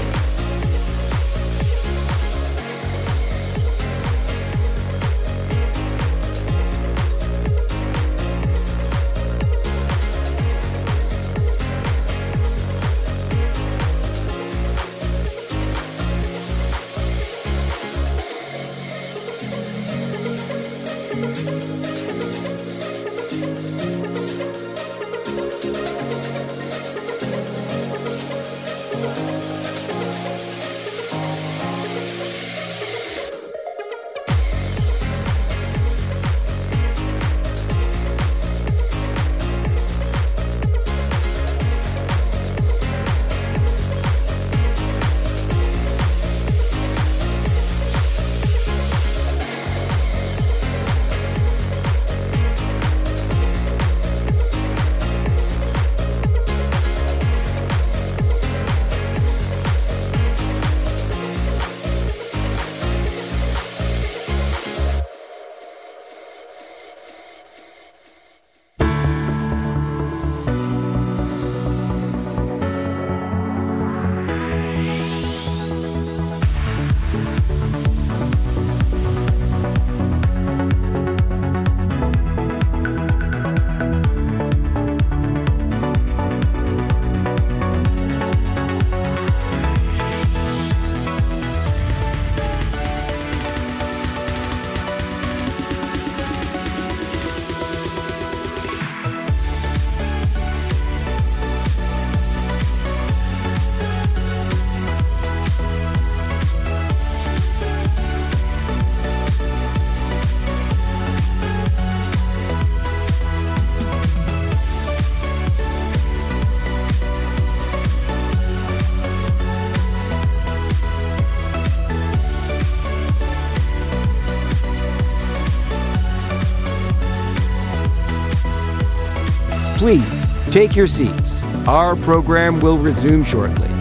Please take your seats. Our program will resume shortly.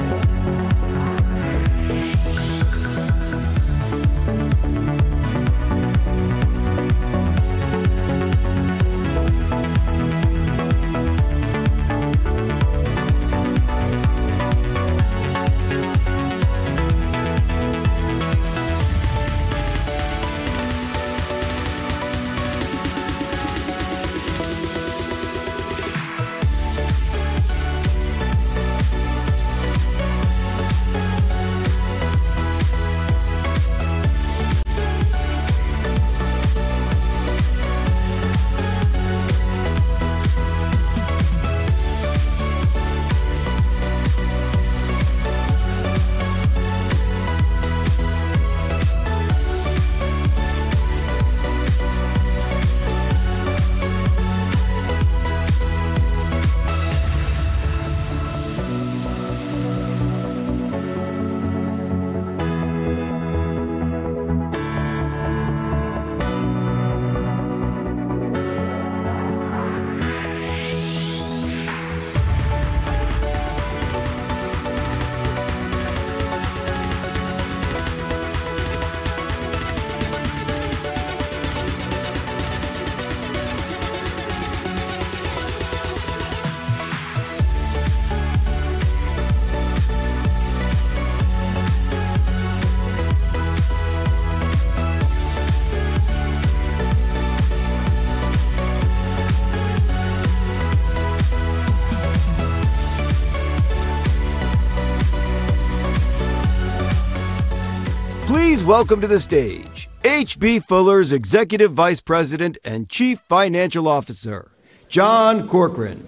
Please welcome to the stage H.B. Fuller's Executive Vice President and Chief Financial Officer, John Corkrean.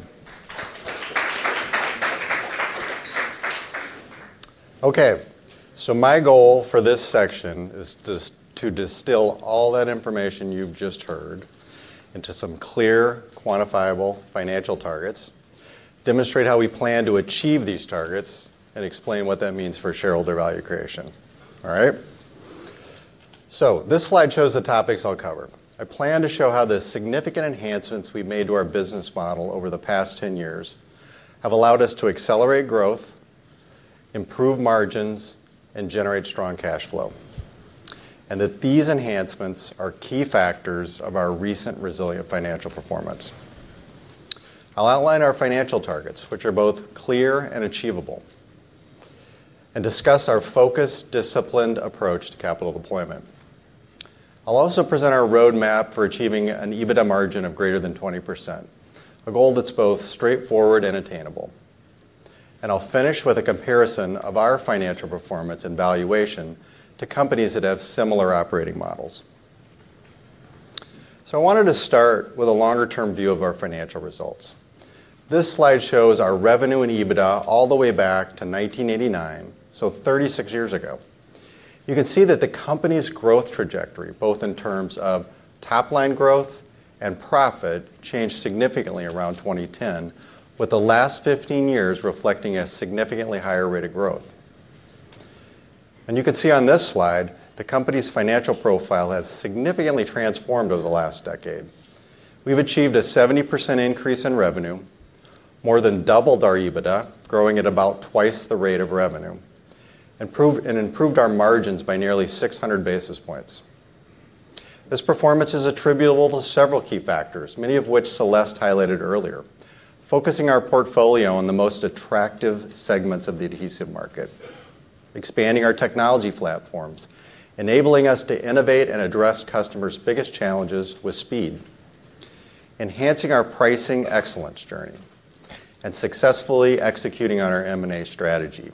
Okay, so my goal for this section is to distill all that information you've just heard into some clear, quantifiable financial targets, demonstrate how we plan to achieve these targets, and explain what that means for shareholder value creation. All right, so this slide shows the topics I'll cover. I plan to show how the significant enhancements we've made to our business model over the past 10 years have allowed us to accelerate growth, improve margins, and generate strong cash flow, and that these enhancements are key factors of our recent resilient financial performance. I'll outline our financial targets, which are both clear and achievable, and discuss our focused, disciplined approach to capital deployment. I'll also present our roadmap for achieving an EBITDA margin of greater than 20%, a goal that's both straightforward and attainable. I will finish with a comparison of our financial performance and valuation to companies that have similar operating models. I wanted to start with a longer-term view of our financial results. This slide shows our revenue and EBITDA all the way back to 1989, so 36 years ago. You can see that the company's growth trajectory, both in terms of top-line growth and profit, changed significantly around 2010, with the last 15 years reflecting a significantly higher rate of growth. You can see on this slide the company's financial profile has significantly transformed over the last decade. We've achieved a 70% increase in revenue, more than doubled our EBITDA, growing at about twice the rate of revenue, and improved our margins by nearly 600 basis points. This performance is attributable to several key factors, many of which Celeste highlighted earlier, focusing our portfolio on the most attractive segments of the adhesive market, expanding our technology platforms, enabling us to innovate and address customers' biggest challenges with speed, enhancing our pricing excellence journey, and successfully executing on our M&A strategy.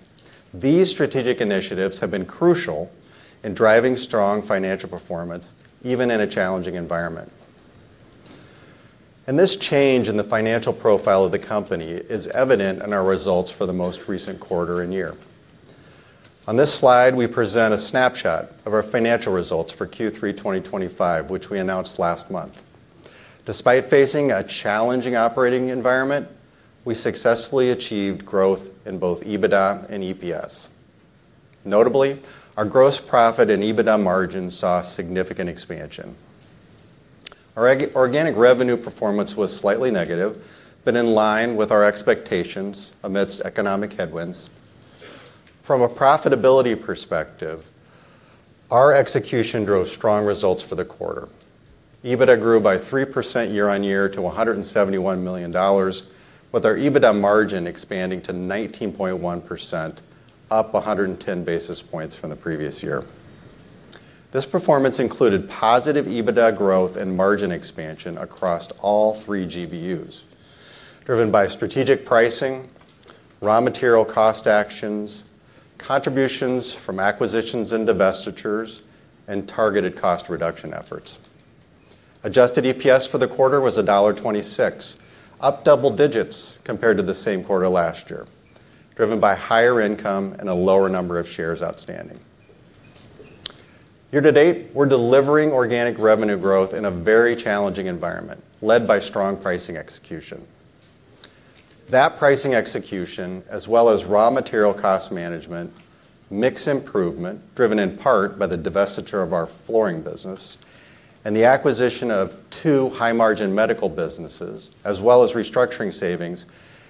These strategic initiatives have been crucial in driving strong financial performance, even in a challenging environment. This change in the financial profile of the company is evident in our results for the most recent quarter and year. On this slide, we present a snapshot of our financial results for Q3 2025, which we announced last month. Despite facing a challenging operating environment, we successfully achieved growth in both EBITDA and EPS. Notably, our gross profit and EBITDA margins saw significant expansion. Our organic revenue performance was slightly negative, but in line with our expectations amidst economic headwinds. From a profitability perspective, our execution drove strong results for the quarter. EBITDA grew by 3% year-on-year to $171 million, with our EBITDA margin expanding to 19.1%, up 110 basis points from the previous year. This performance included positive EBITDA growth and margin expansion across all three GBUs, driven by strategic pricing, raw material cost actions, contributions from acquisitions and divestitures, and targeted cost reduction efforts. Adjusted EPS for the quarter was $1.26, up double-digits compared to the same quarter last year, driven by higher income and a lower number of shares outstanding. Year to date, we're delivering organic revenue growth in a very challenging environment, led by strong pricing execution. That pricing execution, as well as raw material cost management, mix improvement, driven in part by the divestiture of our flooring business, and the acquisition of two high-margin medical businesses, as well as restructuring savings,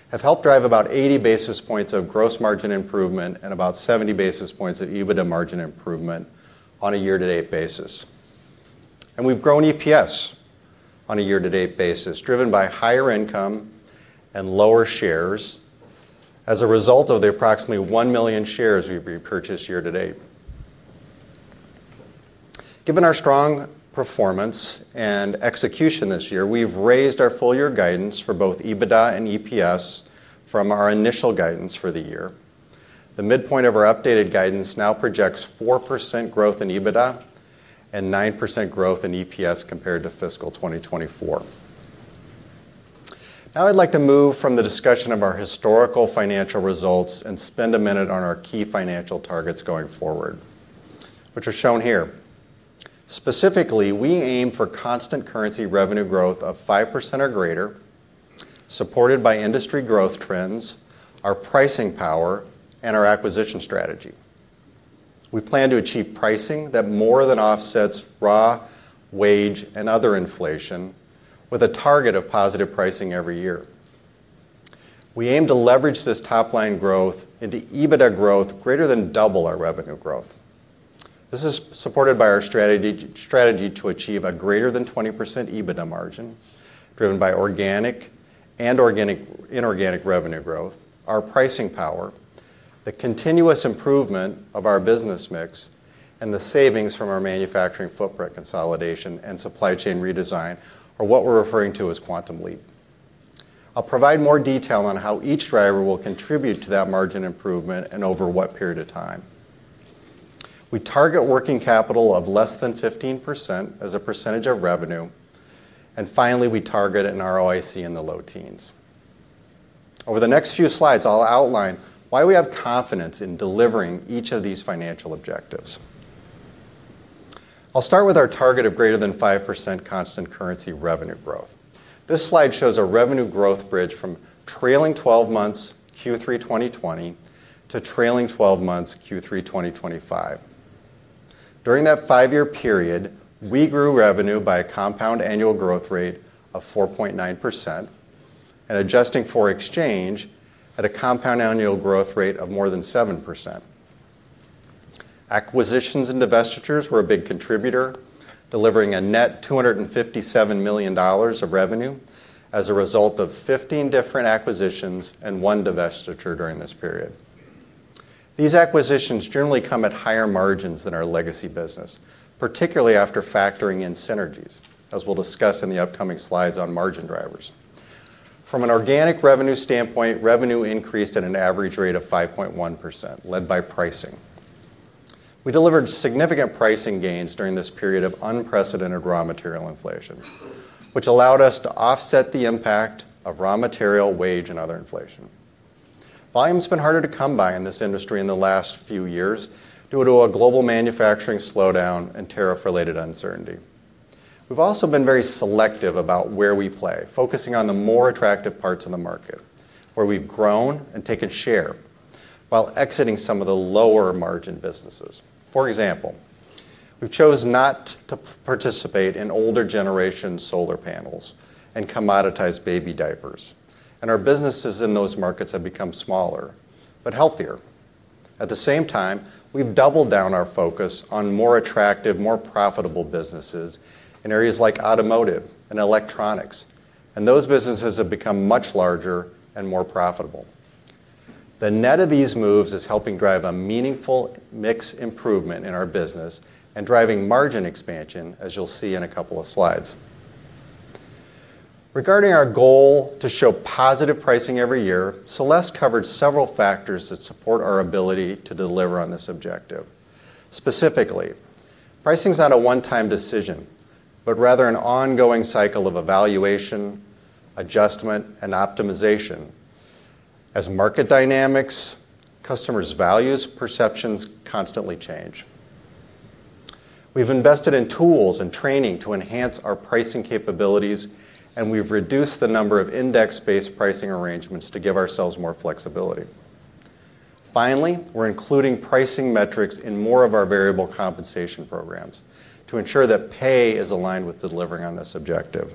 have helped drive about 80 basis points of gross margin improvement and about 70 basis points of EBITDA margin improvement on a year-to-date basis. We've grown EPS on a year-to-date basis, driven by higher income and lower shares as a result of the approximately 1 million shares we've repurchased year to date. Given our strong performance and execution this year, we've raised our full-year guidance for both EBITDA and EPS from our initial guidance for the year. The midpoint of our updated guidance now projects 4% growth in EBITDA and 9% growth in EPS compared to fiscal 2024. Now I'd like to move from the discussion of our historical financial results and spend a minute on our key financial targets going forward, which are shown here. Specifically, we aim for constant currency revenue growth of 5% or greater, supported by industry growth trends, our pricing power, and our acquisition strategy. We plan to achieve pricing that more than offsets raw, wage, and other inflation, with a target of positive pricing every year. We aim to leverage this top-line growth into EBITDA growth greater than double our revenue growth. This is supported by our strategy to achieve a greater than 20% EBITDA margin, driven by organic and inorganic revenue growth, our pricing power, the continuous improvement of our business mix, and the savings from our manufacturing footprint consolidation and supply chain redesign, or what we're referring to as Project Quantum Leap. I'll provide more detail on how each driver will contribute to that margin improvement and over what period of time. We target working capital of less than 15% as a percentage of revenue, and finally, we target an ROIC in the low teens. Over the next few slides, I'll outline why we have confidence in delivering each of these financial objectives. I'll start with our target of greater than 5% constant currency revenue growth. This slide shows a revenue growth bridge from trailing 12 months Q3 2020 to trailing 12 months Q3 2025. During that five-year period, we grew revenue by a compound annual growth rate of 4.9% and, adjusting for exchange, at a compound annual growth rate of more than 7%. Acquisitions and divestitures were a big contributor, delivering a net $257 million of revenue as a result of 15 different acquisitions and one divestiture during this period. These acquisitions generally come at higher margins than our legacy business, particularly after factoring in synergies, as we'll discuss in the upcoming slides on margin drivers. From an organic revenue standpoint, revenue increased at an average rate of 5.1%, led by pricing. We delivered significant pricing gains during this period of unprecedented raw material inflation, which allowed us to offset the impact of raw material, wage, and other inflation. Volume's been harder to come by in this industry in the last few years due to a global manufacturing slowdown and tariff-related uncertainty. We've also been very selective about where we play, focusing on the more attractive parts of the market where we've grown and taken share while exiting some of the lower margin businesses. For example, we've chosen not to participate in older generation solar panels and commoditized baby diapers, and our businesses in those markets have become smaller but healthier. At the same time, we've doubled down our focus on more attractive, more profitable businesses in areas like automotive and electronics, and those businesses have become much larger and more profitable. The net of these moves is helping drive a meaningful mix improvement in our business and driving margin expansion, as you'll see in a couple of slides. Regarding our goal to show positive pricing every year, Celeste covered several factors that support our ability to deliver on this objective. Specifically, pricing's not a one-time decision, but rather an ongoing cycle of evaluation, adjustment, and optimization as market dynamics, customers' values, and perceptions constantly change. We've invested in tools and training to enhance our pricing capabilities, and we've reduced the number of index-based pricing arrangements to give ourselves more flexibility. Finally, we're including pricing metrics in more of our variable compensation programs to ensure that pay is aligned with delivering on this objective.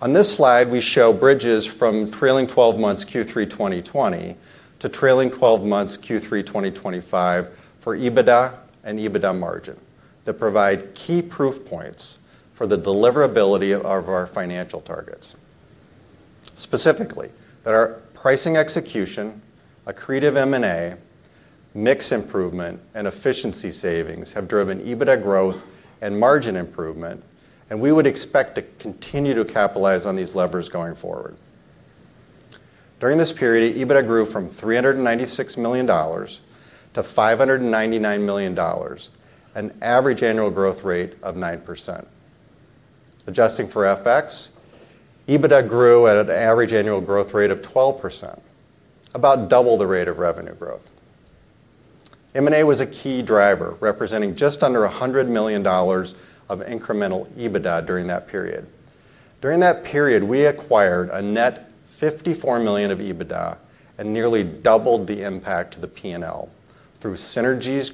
On this slide, we show bridges from trailing 12 months Q3 2020 to trailing 12 months Q3 2025 for EBITDA and EBITDA margin that provide key proof points for the deliverability of our financial targets. Specifically, that our pricing execution, accretive M&A, mix improvement, and efficiency savings have driven EBITDA growth and margin improvement, and we would expect to continue to capitalize on these levers going forward. During this period, EBITDA grew from $396 million-$599 million, an average annual growth rate of 9%. Adjusting for FX, EBITDA grew at an average annual growth rate of 12%, about double the rate of revenue growth. M&A was a key driver, representing just under $100 million of incremental EBITDA during that period. During that period, we acquired a net $54 million of EBITDA and nearly doubled the impact to the P&L through synergies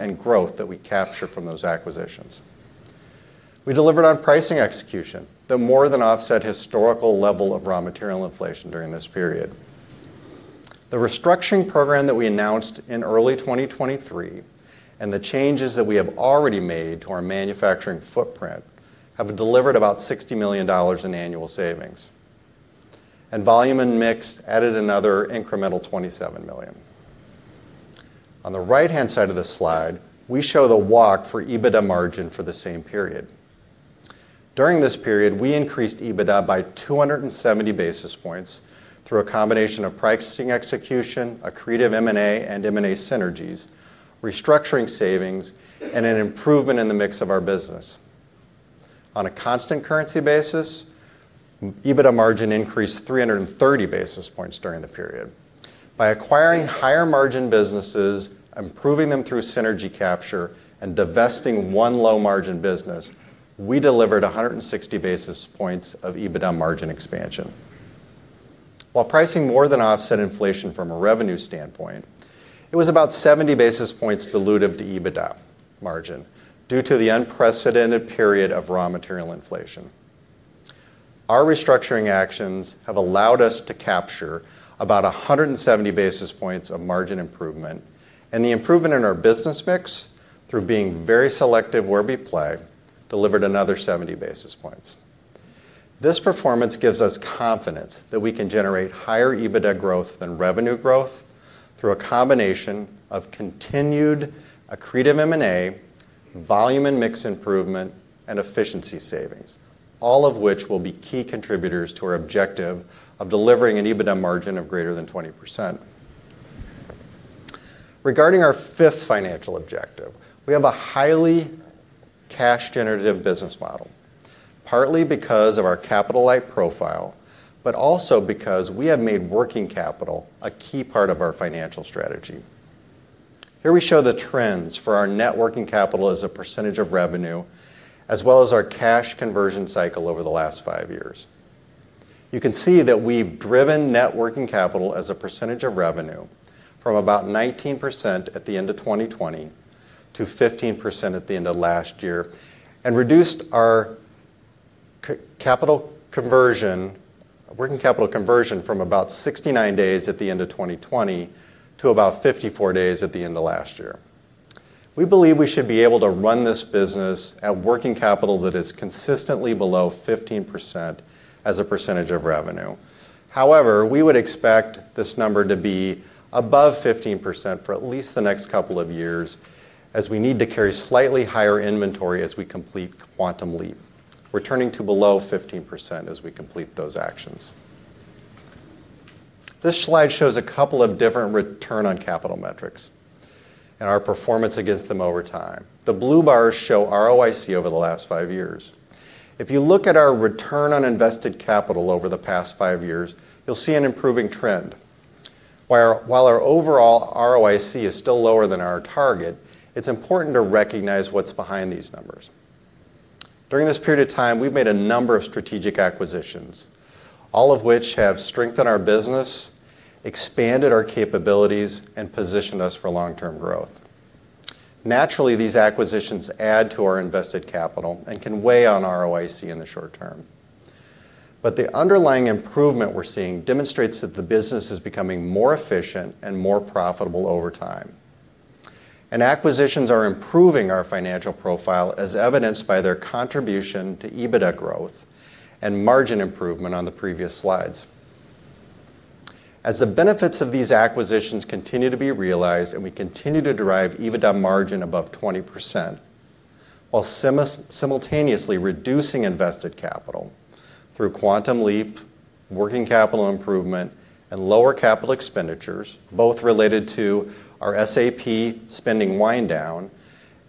and growth that we captured from those acquisitions. We delivered on pricing execution that more than offset historical level of raw material inflation during this period. The restructuring program that we announced in early 2023 and the changes that we have already made to our manufacturing footprint have delivered about $60 million in annual savings, and volume and mix added another incremental $27 million. On the right-hand side of the slide, we show the walk for EBITDA margin for the same period. During this period, we increased EBITDA by 270 basis points through a combination of pricing execution, accretive M&A and M&A synergies, restructuring savings, and an improvement in the mix of our business. On a constant currency basis, EBITDA margin increased 330 basis points during the period. By acquiring higher margin businesses, improving them through synergy capture, and divesting one low margin business, we delivered 160 basis points of EBITDA margin expansion. While pricing more than offset inflation from a revenue standpoint, it was about 70 basis points dilutive to EBITDA margin due to the unprecedented period of raw material inflation. Our restructuring actions have allowed us to capture about 170 basis points of margin improvement, and the improvement in our business mix through being very selective where we play delivered another 70 basis points. This performance gives us confidence that we can generate higher EBITDA growth than revenue growth through a combination of continued accretive M&A, volume and mix improvement, and efficiency savings, all of which will be key contributors to our objective of delivering an EBITDA margin of greater than 20%. Regarding our fifth financial objective, we have a highly cash-generative business model, partly because of our capital-light profile, but also because we have made working capital a key part of our financial strategy. Here we show the trends for our net working capital as a percentage of revenue, as well as our cash conversion cycle over the last five years. You can see that we've driven net working capital as a percentage of revenue from about 19% at the end of 2020 to 15% at the end of last year and reduced our cash conversion from about 69 days at the end of 2020 to about 54 days at the end of last year. We believe we should be able to run this business at working capital that is consistently below 15% as a percentage of revenue. However, we would expect this number to be above 15% for at least the next couple of years, as we need to carry slightly higher inventory as we complete Project Quantum Leap. We're turning to below 15% as we complete those actions. This slide shows a couple of different return on capital metrics and our performance against them over time. The blue bars show ROIC over the last five years. If you look at our return on invested capital over the past five years, you'll see an improving trend. While our overall ROIC is still lower than our target, it's important to recognize what's behind these numbers. During this period of time, we've made a number of strategic acquisitions, all of which have strengthened our business, expanded our capabilities, and positioned us for long-term growth. Naturally, these acquisitions add to our invested capital and can weigh on ROIC in the short term. The underlying improvement we're seeing demonstrates that the business is becoming more efficient and more profitable over time, and acquisitions are improving our financial profile, as evidenced by their contribution to EBITDA growth and margin improvement on the previous slides. As the benefits of these acquisitions continue to be realized and we continue to drive EBITDA margin above 20%, while simultaneously reducing invested capital through Project Quantum Leap, working capital improvement, and lower capital expenditures, both related to our SAP spending wind-down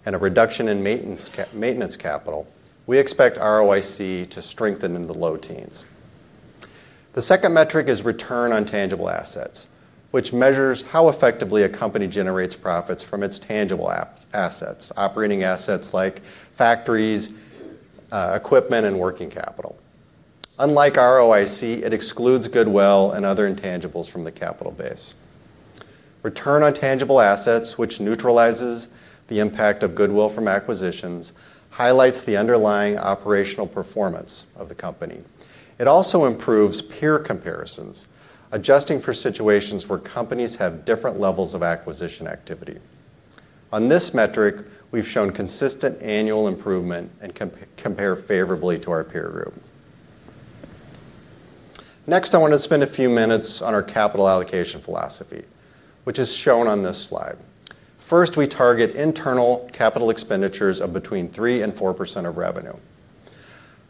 and a reduction in maintenance capital, we expect ROIC to strengthen in the low teens. The second metric is return on tangible assets, which measures how effectively a company generates profits from its tangible assets, operating assets like factories, equipment, and working capital. Unlike ROIC, it excludes goodwill and other intangibles from the capital base. Return on tangible assets, which neutralizes the impact of goodwill from acquisitions, highlights the underlying operational performance of the company. It also improves peer comparisons, adjusting for situations where companies have different levels of acquisition activity. On this metric, we've shown consistent annual improvement and compare favorably to our peer group. Next, I want to spend a few minutes on our capital allocation philosophy, which is shown on this slide. First, we target internal capital expenditures of between 3% and 4% of revenue.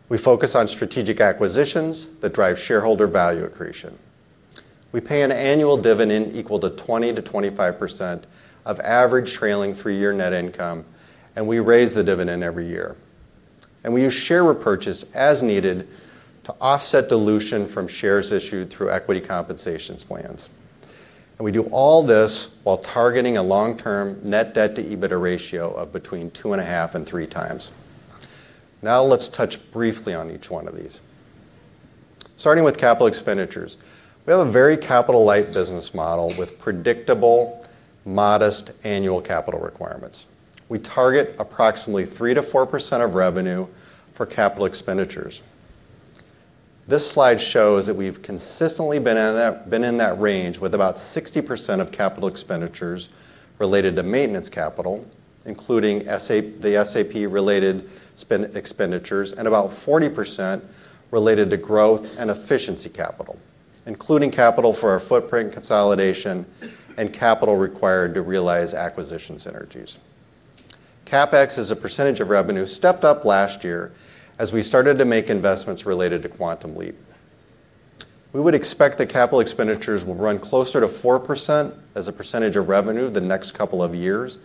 We focus on strategic acquisitions that drive shareholder value accretion. We pay an annual dividend equal to 20%-25% of average trailing three-year net income, and we raise the dividend every year. We use share repurchase as needed to offset dilution from shares issued through equity compensation plans. We do all this while targeting a long-term net debt-to-EBITDA ratio of between 2.5x and 3x. Now, let's touch briefly on each one of these. Starting with capital expenditures, we have a very capital-light business model with predictable, modest annual capital requirements. We target approximately 3% -4% of revenue for capital expenditures. This slide shows that we've consistently been in that range with about 60% of capital expenditures related to maintenance capital, including the SAP-related expenditures, and about 40% related to growth and efficiency capital, including capital for our footprint consolidation and capital required to realize acquisition synergies. CapEx as a percentage of revenue stepped up last year as we started to make investments related to Project Quantum Leap. We would expect that capital expenditures will run closer to 4% as a percentage of revenue the next couple of years,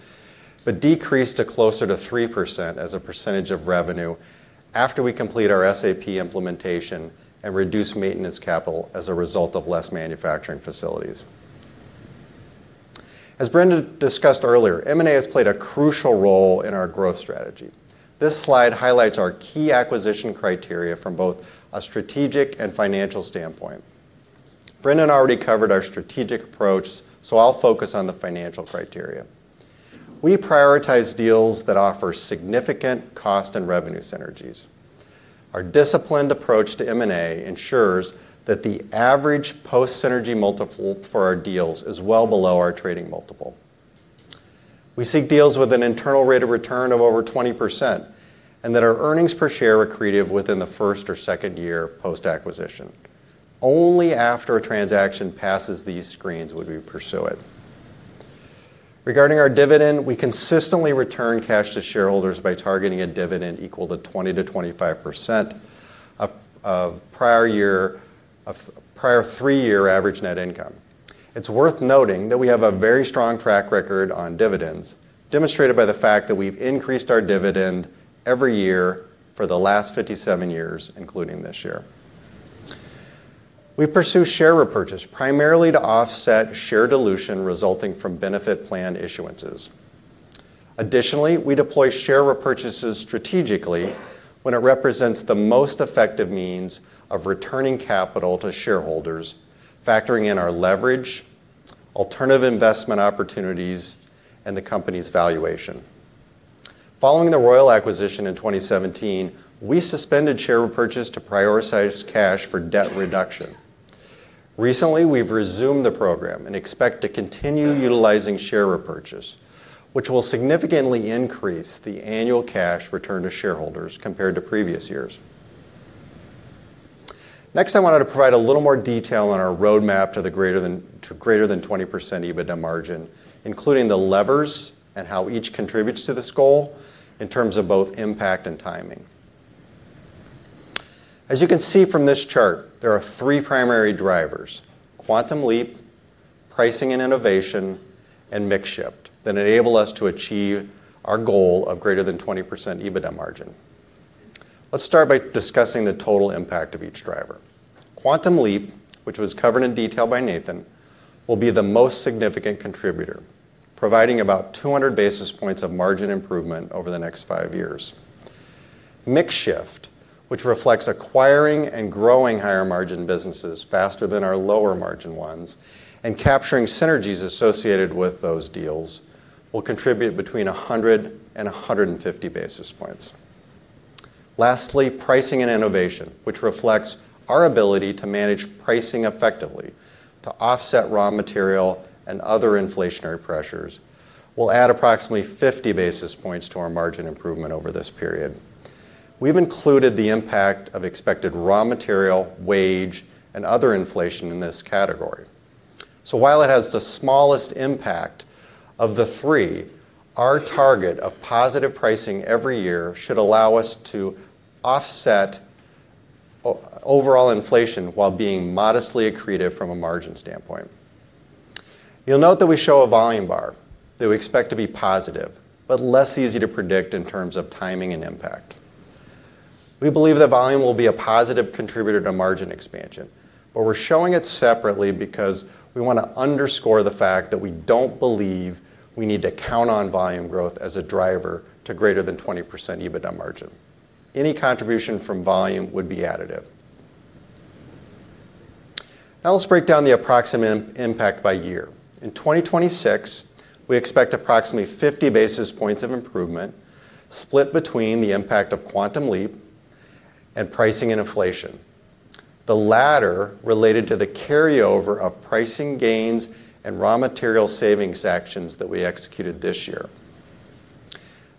but decrease to closer to 3% as a percentage of revenue after we complete our SAP implementation and reduce maintenance capital as a result of fewer manufacturing facilities. As Brendon discussed earlier, M&A has played a crucial role in our growth strategy. This slide highlights our key acquisition criteria from both a strategic and financial standpoint. Brendan already covered our strategic approach, so I'll focus on the financial criteria. We prioritize deals that offer significant cost and revenue synergies. Our disciplined approach to M&A ensures that the average post-synergy multiple for our deals is well below our trading multiple. We seek deals with an internal rate of return of over 20% and that our earnings per share are accretive within the first or second year post-acquisition. Only after a transaction passes these screens would we pursue it. Regarding our dividend, we consistently return cash to shareholders by targeting a dividend equal to 20%-25% of prior three-year average net income. It's worth noting that we have a very strong track record on dividends, demonstrated by the fact that we've increased our dividend every year for the last 57 years, including this year. We pursue share repurchase primarily to offset share dilution resulting from benefit plan issuances. Additionally, we deploy share repurchases strategically when it represents the most effective means of returning capital to shareholders, factoring in our leverage, alternative investment opportunities, and the company's valuation. Following the Royal acquisition in 2017, we suspended share repurchase to prioritize cash for debt reduction. Recently, we've resumed the program and expect to continue utilizing share repurchase, which will significantly increase the annual cash return to shareholders compared to previous years. Next, I wanted to provide a little more detail on our roadmap to the greater than 20% EBITDA margin, including the levers and how each contributes to this goal in terms of both impact and timing. As you can see from this chart, there are three primary drivers: Project Quantum Leap, pricing and innovation, and mix shift that enable us to achieve our goal of greater than 20% EBITDA margin. Let's start by discussing the total impact of each driver. Project Quantum Leap, which was covered in detail by Nathan, will be the most significant contributor, providing about 200 basis points of margin improvement over the next five years. Mix shift, which reflects acquiring and growing higher margin businesses faster than our lower margin ones and capturing synergies associated with those deals, will contribute between 100 and 150 basis points. Lastly, pricing and innovation, which reflects our ability to manage pricing effectively to offset raw material and other inflationary pressures, will add approximately 50 basis points to our margin improvement over this period. We've included the impact of expected raw material, wage, and other inflation in this category. While it has the smallest impact of the three, our target of positive pricing every year should allow us to offset overall inflation while being modestly accretive from a margin standpoint. You'll note that we show a volume bar that we expect to be positive, but less easy to predict in terms of timing and impact. We believe that volume will be a positive contributor to margin expansion, but we're showing it separately because we want to underscore the fact that we don't believe we need to count on volume growth as a driver to greater than 20% EBITDA margin. Any contribution from volume would be additive. Now let's break down the approximate impact by year. In 2026, we expect approximately 50 basis points of improvement split between the impact of Project Quantum Leap and pricing and inflation, the latter related to the carryover of pricing gains and raw material savings actions that we executed this year.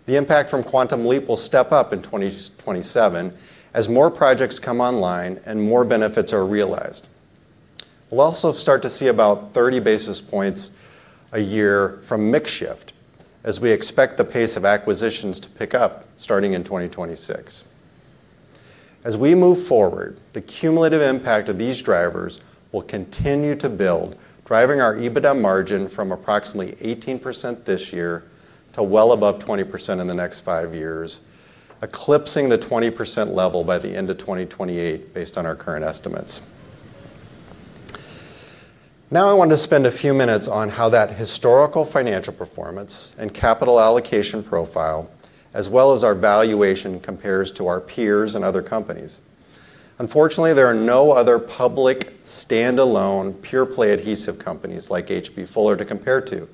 The impact from Project Quantum Leap will step up in 2027 as more projects come online and more benefits are realized. We'll also start to see about 30 basis points a year from mix shift as we expect the pace of acquisitions to pick up starting in 2026. As we move forward, the cumulative impact of these drivers will continue to build, driving our EBITDA margin from approximately 18% this year to well above 20% in the next five years, eclipsing the 20% level by the end of 2028 based on our current estimates. Now I want to spend a few minutes on how that historical financial performance and capital allocation profile, as well as our valuation, compares to our peers and other companies. Unfortunately, there are no other public standalone pure-play adhesive companies like H.B. Fuller to compare to,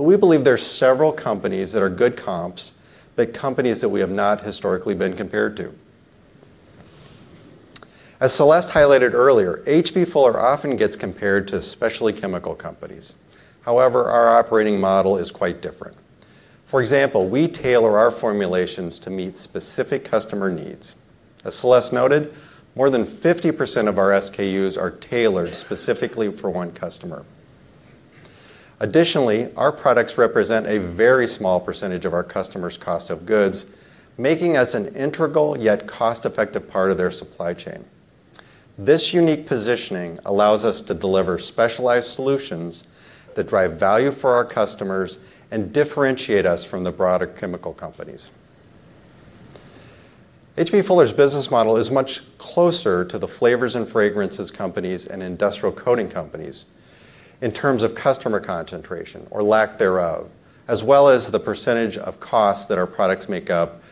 but we believe there are several companies that are good comps, but companies that we have not historically been compared to. As Celeste highlighted earlier, H.B. Fuller often gets compared to especially chemical companies. However, our operating model is quite different. For example, we tailor our formulations to meet specific customer needs. As Celeste noted, more than 50% of our SKUs are tailored specifically for one customer. Additionally, our products represent a very small percentage of our customers' cost of goods, making us an integral yet cost-effective part of their supply chain. This unique positioning allows us to deliver specialized solutions that drive value for our customers and differentiate us from the broader chemical companies. H.B. Fuller's business model is much closer to the flavors and fragrances companies and industrial coating companies in terms of customer concentration or lack thereof, as well as the percentage of costs that our products make up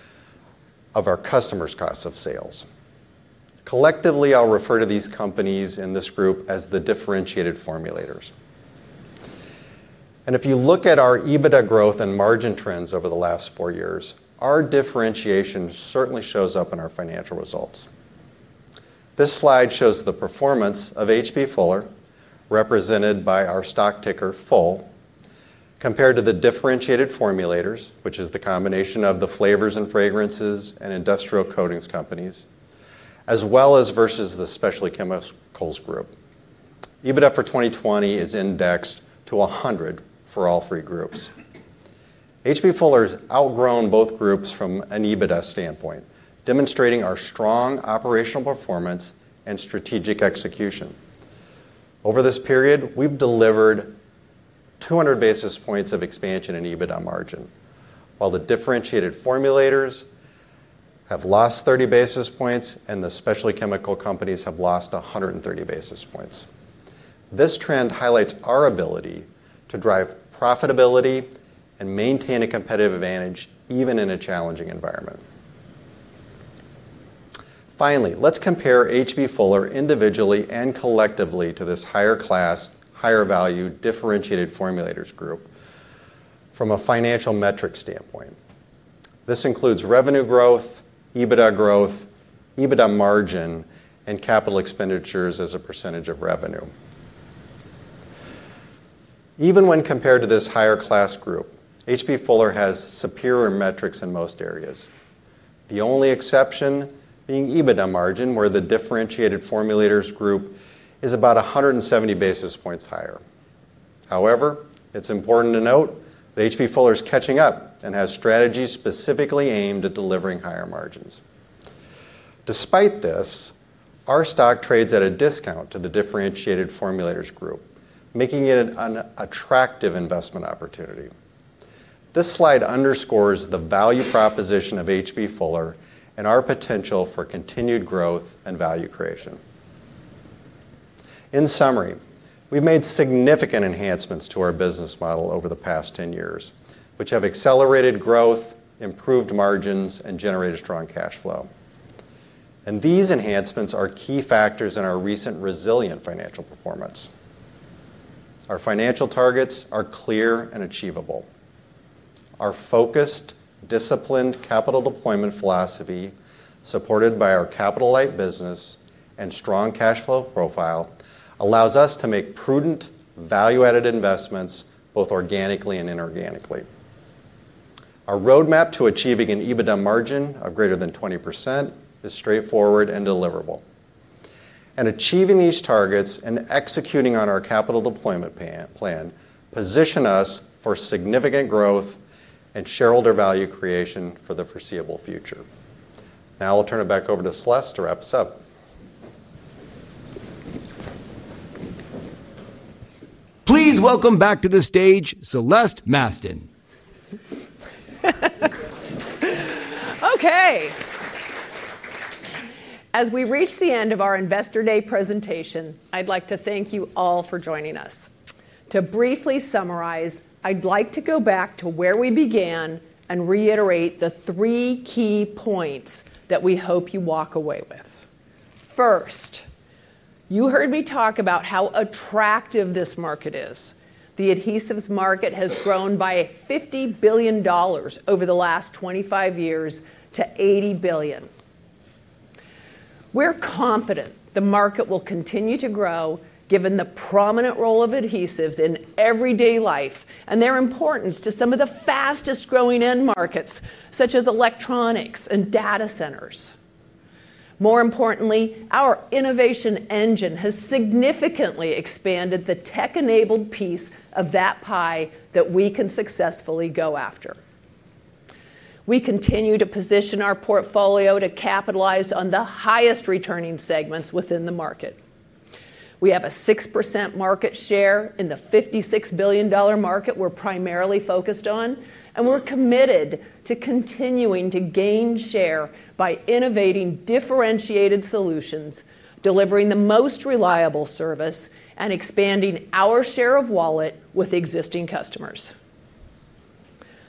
of our customers' cost of sales. Collectively, I'll refer to these companies in this group as the differentiated formulators. If you look at our EBITDA growth and margin trends over the last four years, our differentiation certainly shows up in our financial results. This slide shows the performance of H.B. Fuller, represented by our stock ticker FUL, compared to the differentiated formulators, which is the combination of the flavors and fragrances and industrial coatings companies, as well as versus the specialty chemicals group. EBITDA for 2020 is indexed to 100 for all three groups. H.B. Fuller has outgrown both groups from an EBITDA standpoint, demonstrating our strong operational performance and strategic execution. Over this period, we've delivered 200 basis points of expansion in EBITDA margin, while the differentiated formulators have lost 30 basis points and the specialty chemical companies have lost 130 basis points. This trend highlights our ability to drive profitability and maintain a competitive advantage even in a challenging environment. Finally, let's compare H.B. Fuller individually and collectively to this higher class, higher value, differentiated formulators group from a financial metrics standpoint. This includes revenue growth, EBITDA growth, EBITDA margin, and capital expenditures as a percentage of revenue. Even when compared to this higher class group, H.B. Fuller has superior metrics in most areas, the only exception being EBITDA margin, where the differentiated formulators group is about 170 basis points higher. However, it's important to note that H.B. Fuller's catching up and has strategies specifically aimed at delivering higher margins. Despite this, our stock trades at a discount to the differentiated formulators group, making it an attractive investment opportunity. This slide underscores the value proposition of H.B. Fuller and our potential for continued growth and value creation. In summary, we've made significant enhancements to our business model over the past 10 years, which have accelerated growth, improved margins, and generated strong cash flow. These enhancements are key factors in our recent resilient financial performance. Our financial targets are clear and achievable. Our focused, disciplined capital deployment philosophy, supported by our capital-light business and strong cash flow profile, allows us to make prudent, value-added investments both organically and inorganically. Our roadmap to achieving an EBITDA margin of greater than 20% is straightforward and deliverable. Achieving these targets and executing on our capital deployment plan position us for significant growth and shareholder value creation for the foreseeable future. Now I'll turn it back over to Celeste to wrap us up. Please welcome back to the stage Celeste Mastin. Okay. As we reach the end of our Investor Day presentation, I'd like to thank you all for joining us. To briefly summarize, I'd like to go back to where we began and reiterate the three key points that we hope you walk away with. First, you heard me talk about how attractive this market is. The adhesives market has grown by $50 billion over the last 25 years to $80 billion. We're confident the market will continue to grow, given the prominent role of adhesives in everyday life and their importance to some of the fastest growing end markets, such as electronics and data centers. More importantly, our innovation engine has significantly expanded the tech-enabled piece of that pie that we can successfully go after. We continue to position our portfolio to capitalize on the highest returning segments within the market. We have a 6% market share in the $56 billion market we're primarily focused on, and we're committed to continuing to gain share by innovating differentiated solutions, delivering the most reliable service, and expanding our share of wallet with existing customers.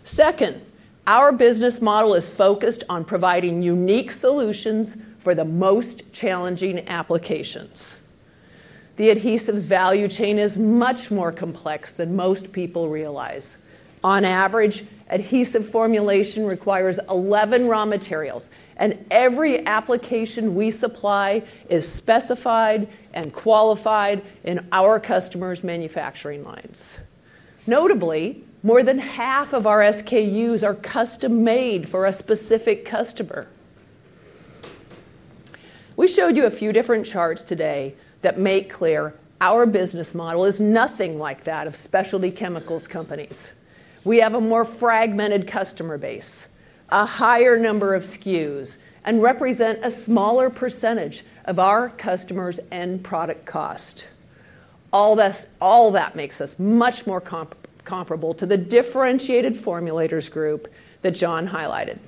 Second, our business model is focused on providing unique solutions for the most challenging applications. The adhesives value chain is much more complex than most people realize. On average, adhesive formulation requires 11 raw materials, and every application we supply is specified and qualified in our customers' manufacturing lines. Notably, more than half of our SKUs are custom-made for a specific customer. We showed you a few different charts today. That make clear our business model is nothing like that of specialty chemicals companies. We have a more fragmented customer base, a higher number of SKUs, and represent a smaller percentage of our customers' end product cost. All this makes us much more comparable to the differentiated formulators group that John highlighted.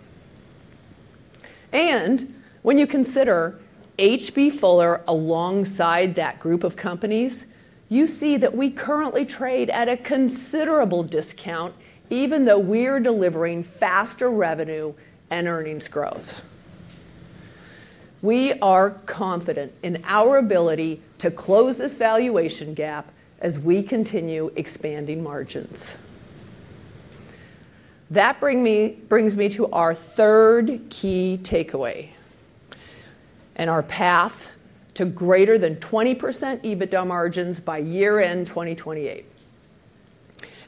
When you consider H.B. Fuller Company alongside that group of companies, you see that we currently trade at a considerable discount, even though we are delivering faster revenue and earnings growth. We are confident in our ability to close this valuation gap as we continue expanding margins. That brings me to our third key takeaway and our path to greater than 20% EBITDA margins by year-end 2028.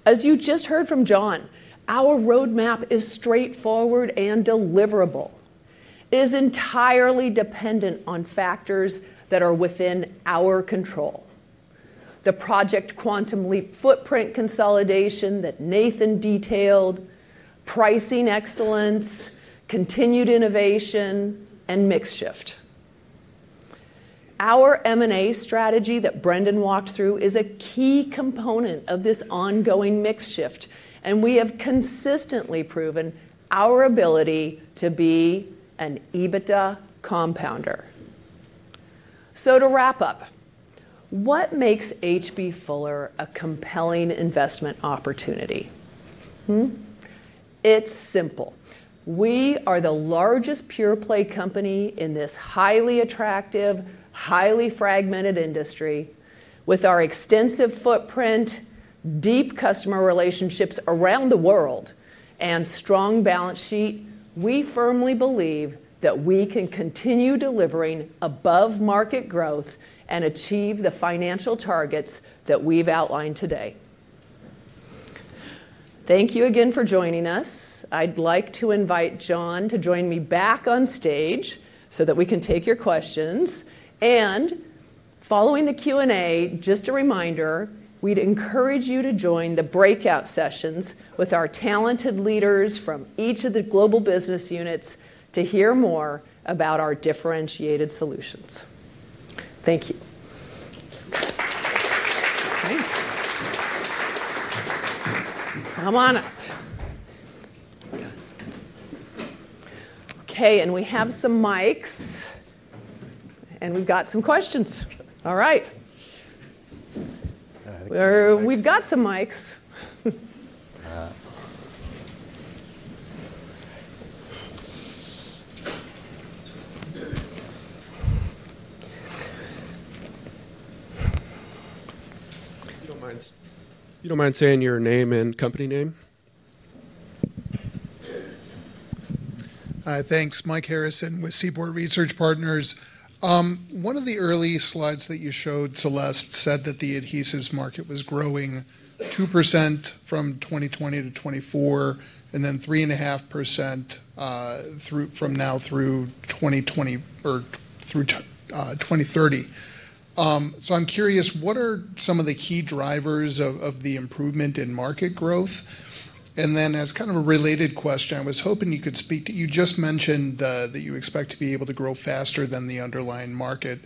As you just heard from John, our roadmap is straightforward and deliverable. It is entirely dependent on factors that are within our control: the Project Quantum Leap footprint consolidation that Nathan detailed, pricing excellence, continued innovation, and mix shift. Our M&A strategy that Brendon walked through is a key component of this ongoing mix shift, and we have consistently proven our ability to be an EBITDA compounder. To wrap up, what makes H.B. Fuller a compelling investment opportunity? It's simple. We are the largest pure play company in this highly attractive, highly fragmented industry. With our extensive footprint, deep customer relationships around the world, and strong balance sheet, we firmly believe that we can continue delivering above market growth and achieve the financial targets that we've outlined today. Thank you again for joining us. I'd like to invite John to join me back on stage so that we can take your questions. Following the Q&A, just a reminder, we'd encourage you to join the breakout sessions with our talented leaders from each of the global business units to hear more about our differentiated solutions. Thank you. Come on up. Okay, we have some mics, and we've got some questions. All right, we've got some mics. If you don't mind, please say your name and company name. Hi, thanks. Mike Harrison with Seaport Research Partners. One of the early slides that you showed, Celeste, said that the adhesives market was growing 2% from 2020-2024 and then 3.5% from now through 2030. I'm curious, what are some of the key drivers of the improvement in market growth? As kind of a related question, I was hoping you could speak to, you just mentioned that you expect to be able to grow faster than the underlying market.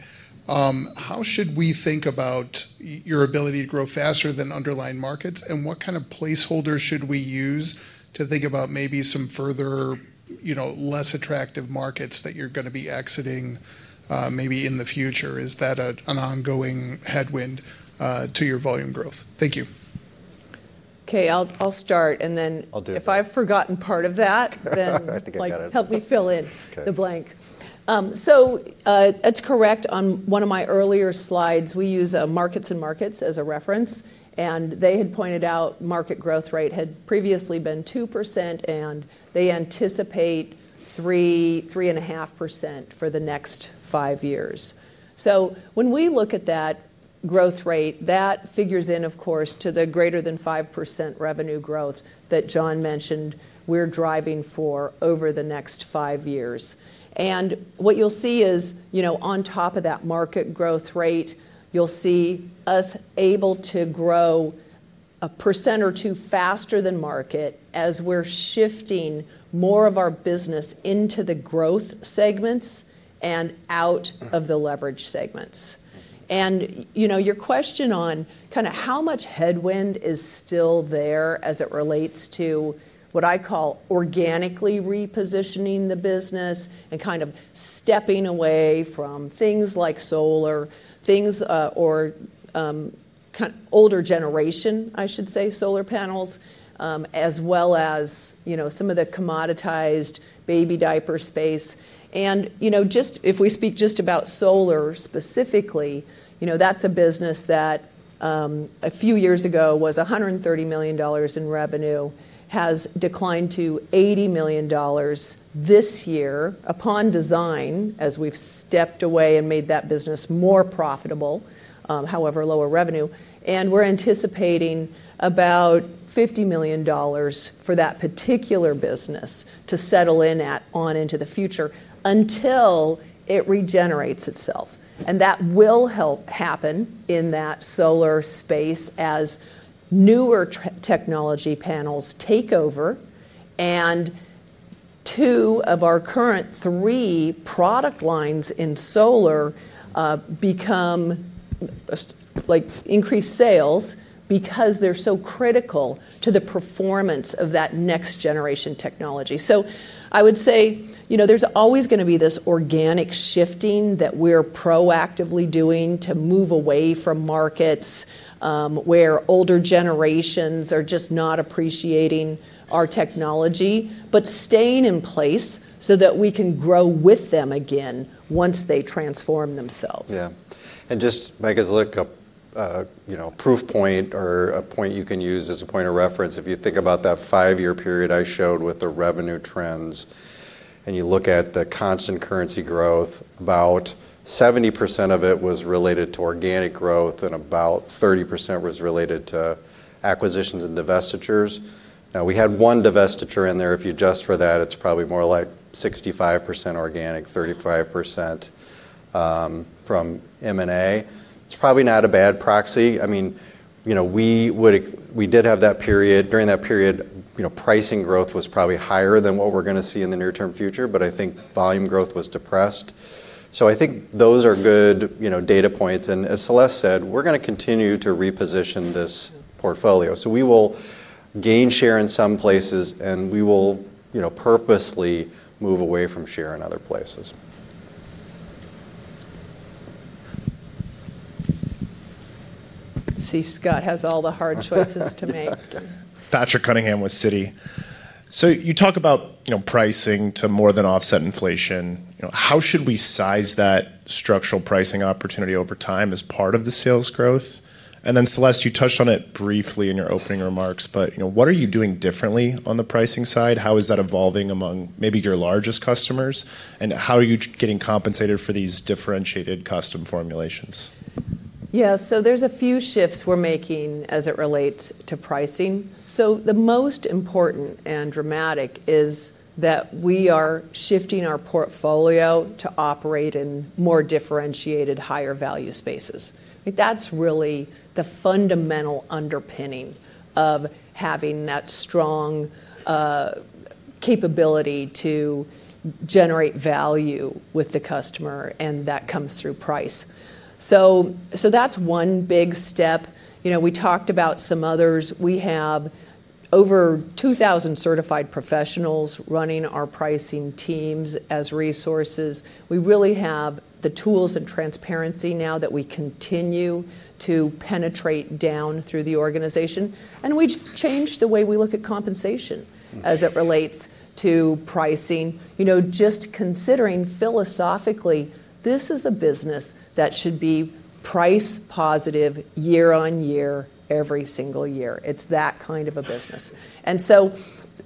How should we think about your ability to grow faster than underlying markets and what kind of placeholders should we use to think about maybe some further, you know, less attractive markets that you're going to be exiting maybe in the future? Is that an ongoing headwind to your volume growth? Thank you. Okay, I'll start and then if I've forgotten part of that, then help me fill in the blank. That's correct. On one of my earlier slides, we use Markets and Markets as a reference, and they had pointed out market growth rate had previously been 2%, and they anticipate 3.5%, 3.5% for the next five years. When we look at that growth rate, that figures in, of course, to the greater than 5% revenue growth that John mentioned we're driving for over the next five years. What you'll see is, on top of that market growth rate, you'll see us able to grow a percent or two faster than market as we're shifting more of our business into the growth segments and out of the leverage segments. Your question on kind of how much headwind is still there as it relates to what I call organically repositioning the business and kind of stepping away from things like solar things or kind of older generation, I should say, solar panels, as well as some of the commoditized baby diaper space. If we speak just about solar specifically, that's a business that a few years ago was $130 million in revenue, has declined to $80 million this year upon design as we've stepped away and made that business more profitable, however lower revenue. We're anticipating about $50 million for that particular business to settle in on into the future until it regenerates itself. That will help happen in that solar space as newer technology panels take over and two of our current three product lines in solar become like increased sales because they're so critical to the performance of that next generation technology. I would say there's always going to be this organic shifting that we're proactively doing to move away from markets where older generations are just not appreciating our technology, but staying in place so that we can grow with them again once they transform themselves. Yeah. Just make us look up a proof point or a point you can use as a point of reference. If you think about that five-year period I showed with the revenue trends and you look at the constant currency growth, about 70% of it was related to organic growth and about 30% was related to acquisitions and divestitures. Now we had one divestiture in there. If you adjust for that, it's probably more like 65% organic, 35% from M&A. It's probably not a bad proxy. I mean, we did have that period. During that period, pricing growth was probably higher than what we're going to see in the near-term future, but I think volume growth was depressed. I think those are good data points. As Celeste said, we're going to continue to reposition this portfolio. We will gain share in some places and we will purposely move away from share in other places. See, Scott has all the hard choices to make. Patrick Cunningham with Citi. You talk about pricing to more than offset inflation. How should we size that structural pricing opportunity over time as part of the sales growth? Celeste, you touched on it briefly in your opening remarks, but what are you doing differently on the pricing side? How is that evolving among maybe your largest customers? How are you getting compensated for these differentiated custom formulations? Yeah, so there's a few shifts we're making as it relates to pricing. The most important and dramatic is that we are shifting our portfolio to operate in more differentiated, higher value spaces. I think that's really the fundamental underpinning of having that strong capability to generate value with the customer, and that comes through price. That's one big step. We talked about some others. We have over 2,000 certified professionals running our pricing teams as resources. We really have the tools and transparency now that we continue to penetrate down through the organization. We've changed the way we look at compensation as it relates to pricing. Just considering philosophically, this is a business that should be price positive year on year, every single year. It's that kind of a business.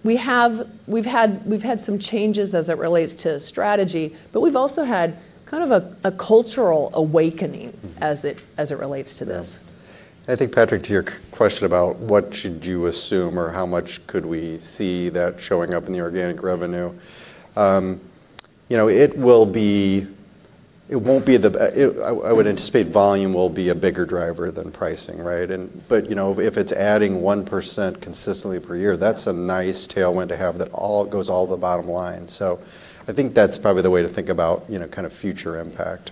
We've had some changes as it relates to strategy, but we've also had kind of a cultural awakening as it relates to this. I think, Patrick, to your question about what should you assume or how much could we see that showing up in the organic revenue, it won't be the, I would anticipate volume will be a bigger driver than pricing, right? If it's adding 1% consistently per year, that's a nice tailwind to have that all goes to the bottom line. I think that's probably the way to think about kind of future impact.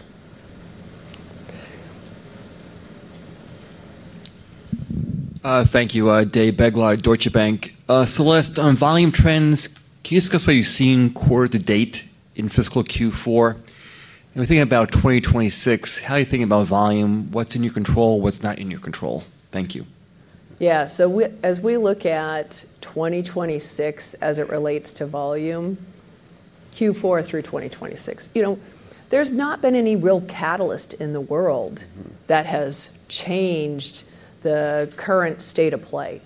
Thank you. Dave Begleiter, Deutsche Bank. Celeste, on volume trends, can you discuss what you've seen quarter to date in fiscal Q4? We're thinking about 2026. How are you thinking about volume? What's in your control? What's not in your control? Thank you. Yeah, as we look at 2026 as it relates to volume, Q4 through 2026, there's not been any real catalyst in the world that has changed the current state of play.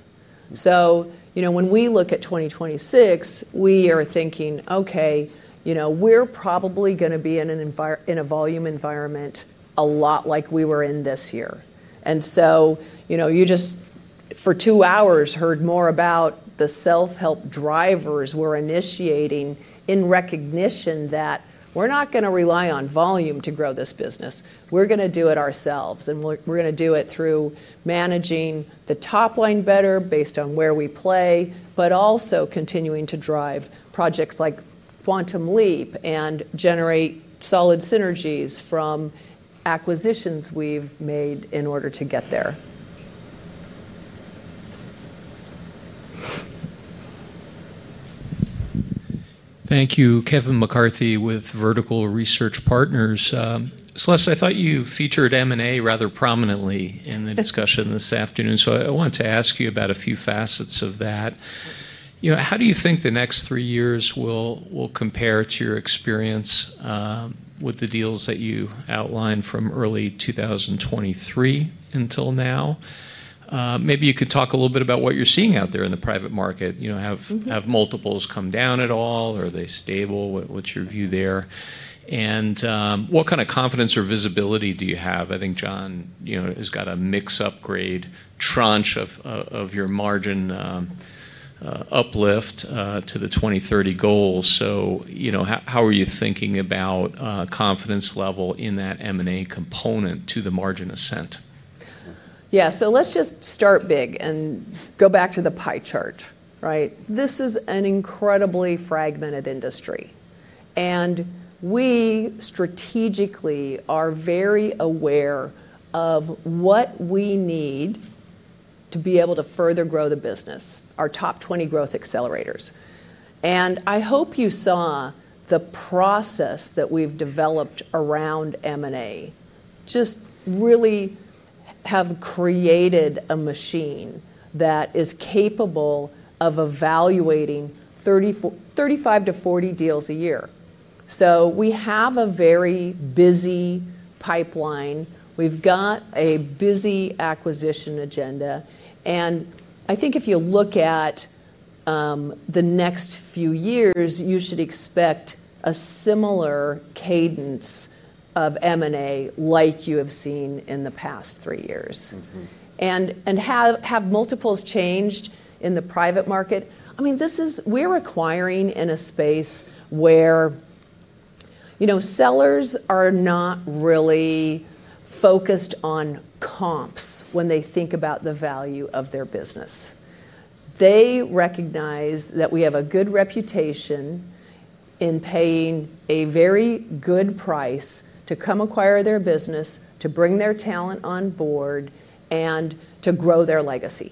When we look at 2026, we are thinking, okay, we're probably going to be in a volume environment a lot like we were in this year. For two hours you heard more about the self-help drivers we're initiating in recognition that we're not going to rely on volume to grow this business. We're going to do it ourselves, and we're going to do it through managing the top line better based on where we play, but also continuing to drive projects like Project Quantum Leap and generate solid synergies from acquisitions we've made in order to get there. Thank you, Kevin McCarthy with Vertical Research Partners. Celeste, I thought you featured M&A rather prominently in the discussion this afternoon. I want to ask you about a few facets of that. How do you think the next three years will compare to your experience with the deals that you outlined from early 2023 until now? Maybe you could talk a little bit about what you're seeing out there in the private market. Have multiples come down at all? Are they stable? What's your view there? What kind of confidence or visibility do you have? I think John has got a mix-up grade tranche of your margin uplift to the 2030 goals. How are you thinking about confidence level in that M&A component to the margin ascent? Yeah, let's just start big and go back to the pie chart, right? This is an incredibly fragmented industry. We strategically are very aware of what we need to be able to further grow the business, our top 20 growth accelerators. I hope you saw the process that we've developed around M&A just really have created a machine that is capable of evaluating 35-40 deals a year. We have a very busy pipeline. We've got a busy acquisition agenda. I think if you look at the next few years, you should expect a similar cadence of M&A like you have seen in the past three years. Have multiples changed in the private market? I mean, we're acquiring in a space where sellers are not really focused on comps when they think about the value of their business. They recognize that we have a good reputation in paying a very good price to come acquire their business, to bring their talent on board, and to grow their legacy.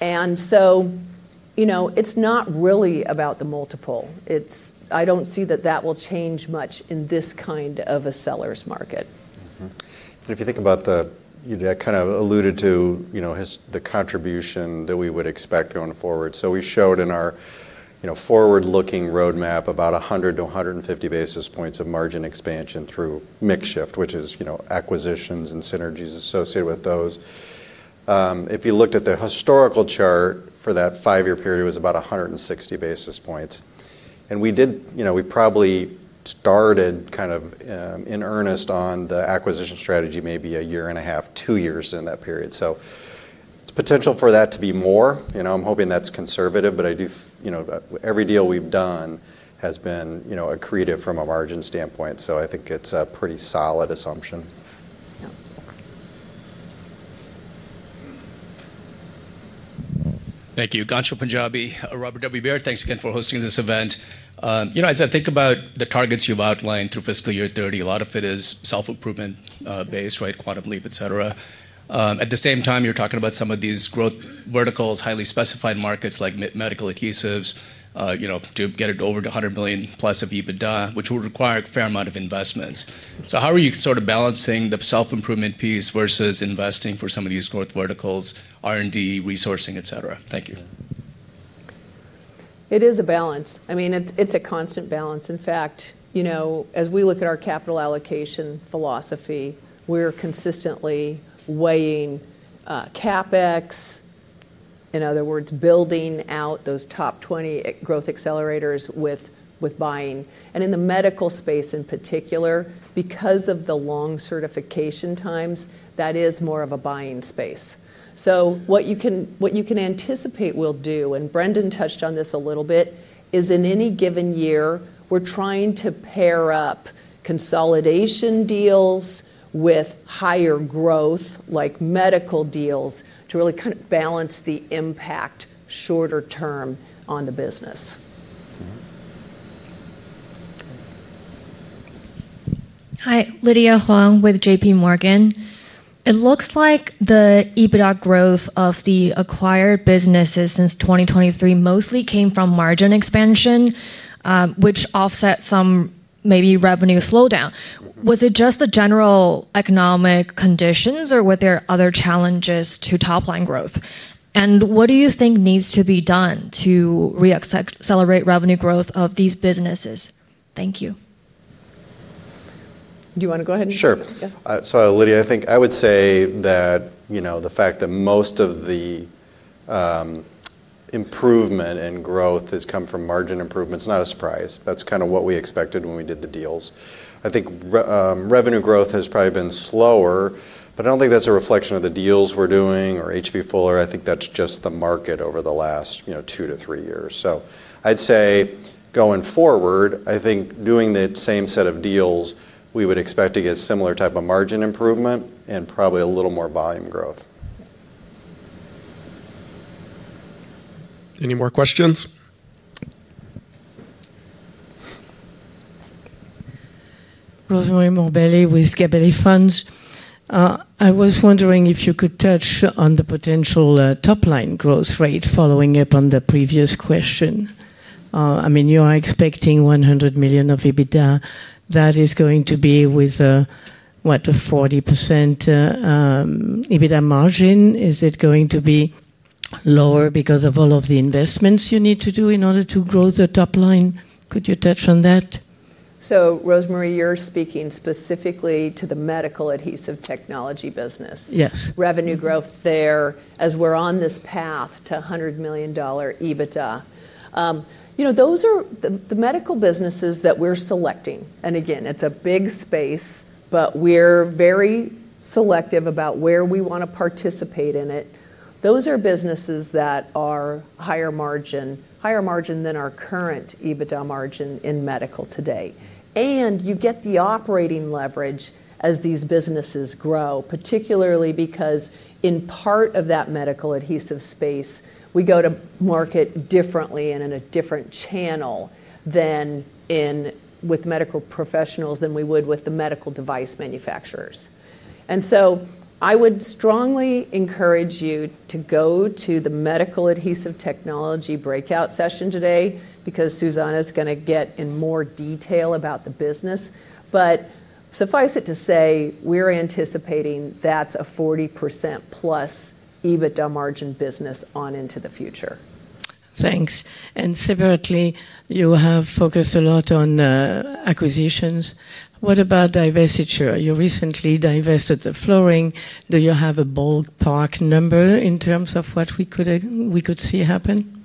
It's not really about the multiple. I don't see that that will change much in this kind of a seller's market. If you think about the, you kind of alluded to, you know, the contribution that we would expect going forward. We showed in our forward-looking roadmap about 100 to 150 basis points of margin expansion through mix shift, which is acquisitions and synergies associated with those. If you looked at the historical chart for that five-year period, it was about 160 basis points. We probably started kind of in earnest on the acquisition strategy maybe a year and a half, two years in that period. It's potential for that to be more. I'm hoping that's conservative, but I do, you know, every deal we've done has been accretive from a margin standpoint. I think it's a pretty solid assumption. Thank you. Ghansham Panjabi, Baird. Thanks again for hosting this event. As I think about the targets you've outlined through fiscal year 2030, a lot of it is self-improvement-based, right? Project Quantum Leap, etc. At the same time, you're talking about some of these growth verticals, highly specified markets like medical adhesives, to get it over to $100 million+ of EBITDA, which will require a fair amount of investments. How are you sort of balancing the self-improvement piece versus investing for some of these growth verticals, R&D, resourcing, etc.? Thank you. It is a balance. I mean, it's a constant balance. In fact, as we look at our capital allocation philosophy, we're consistently weighing CapEx, in other words, building out those top 20 growth accelerators with buying. In the medical space in particular, because of the long certification times, that is more of a buying space. What you can anticipate we'll do, and Brendan touched on this a little bit, is in any given year, we're trying to pair up consolidation deals with higher growth like medical deals to really kind of balance the impact shorter term on the business. Hi, Lydia Huang with JPMorgan. It looks like the EBITDA growth of the acquired businesses since 2023 mostly came from margin expansion, which offset some maybe revenue slowdown. Was it just the general economic conditions, or were there other challenges to top line growth? What do you think needs to be done to re-accelerate revenue growth of these businesses? Thank you. Do you want to go ahead? Sure. Lydia, I think I would say that the fact that most of the improvement in growth has come from margin improvement is not a surprise. That's kind of what we expected when we did the deals. I think revenue growth has probably been slower, but I don't think that's a reflection of the deals we're doing or H.B. Fuller. I think that's just the market over the last two to three years. I'd say going forward, I think doing the same set of deals, we would expect to get a similar type of margin improvement and probably a little more volume growth. Any more questions? Rosemarie Morbelli with Gabelli Funds. I was wondering if you could touch on the potential top line growth rate following up on the previous question. I mean, you are expecting $100 million of EBITDA. That is going to be with a, what, a 40% EBITDA margin? Is it going to be lower because of all of the investments you need to do in order to grow the top line? Could you touch on that? Rosemarie, you're speaking specifically to the medical adhesive technology business? Yes. Revenue growth there, as we're on this path to $100 million EBITDA. Those are the medical businesses that we're selecting. It's a big space, but we're very selective about where we want to participate in it. Those are businesses that are higher margin, higher margin than our current EBITDA margin in medical today. You get the operating leverage as these businesses grow, particularly because in part of that medical adhesive space, we go to market differently and in a different channel with medical professionals than we would with the medical device manufacturers. I would strongly encourage you to go to the medical adhesive technology breakout session today because Susanna is going to get in more detail about the business. Suffice it to say, we're anticipating that's a 40%+ EBITDA margin business on into the future. Thanks. Separately, you have focused a lot on acquisitions. What about divestiture? You recently divested the flooring. Do you have a ballpark number in terms of what we could see happen?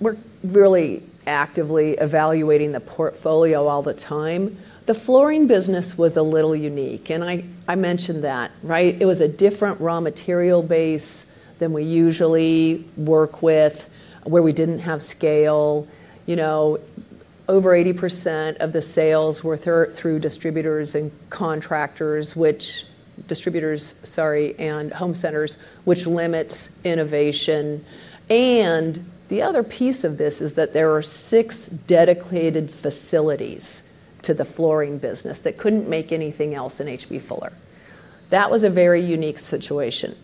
We're really actively evaluating the portfolio all the time. The flooring business was a little unique, and I mentioned that, right? It was a different raw material base than we usually work with, where we didn't have scale. Over 80% of the sales were through distributors and contractors, distributors and home centers, which limits innovation. The other piece of this is that there are six dedicated facilities to the flooring business that couldn't make anything else in H.B. Fuller. That was a very unique situation.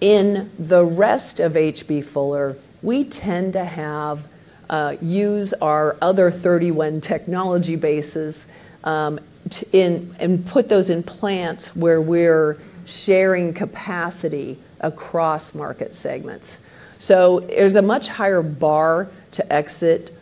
In the rest of H.B. Fuller, we tend to use our other 31 technology bases and put those in plants where we're sharing capacity across market segments. There's a much higher bar to exit,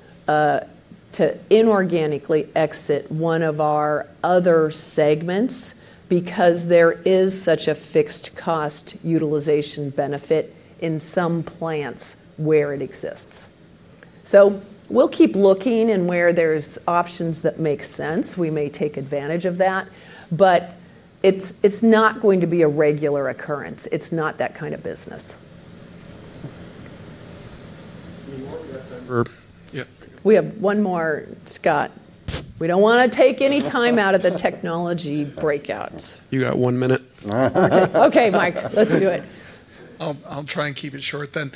to inorganically exit one of our other segments because there is such a fixed cost utilization benefit in some plants where it exists. We'll keep looking and where there's options that make sense, we may take advantage of that, but it's not going to be a regular occurrence. It's not that kind of business. We have one more, Scott. We don't want to take any time out of the technology breakouts. You have one minute. Okay, Mike, let's do it. I'll try and keep it short then.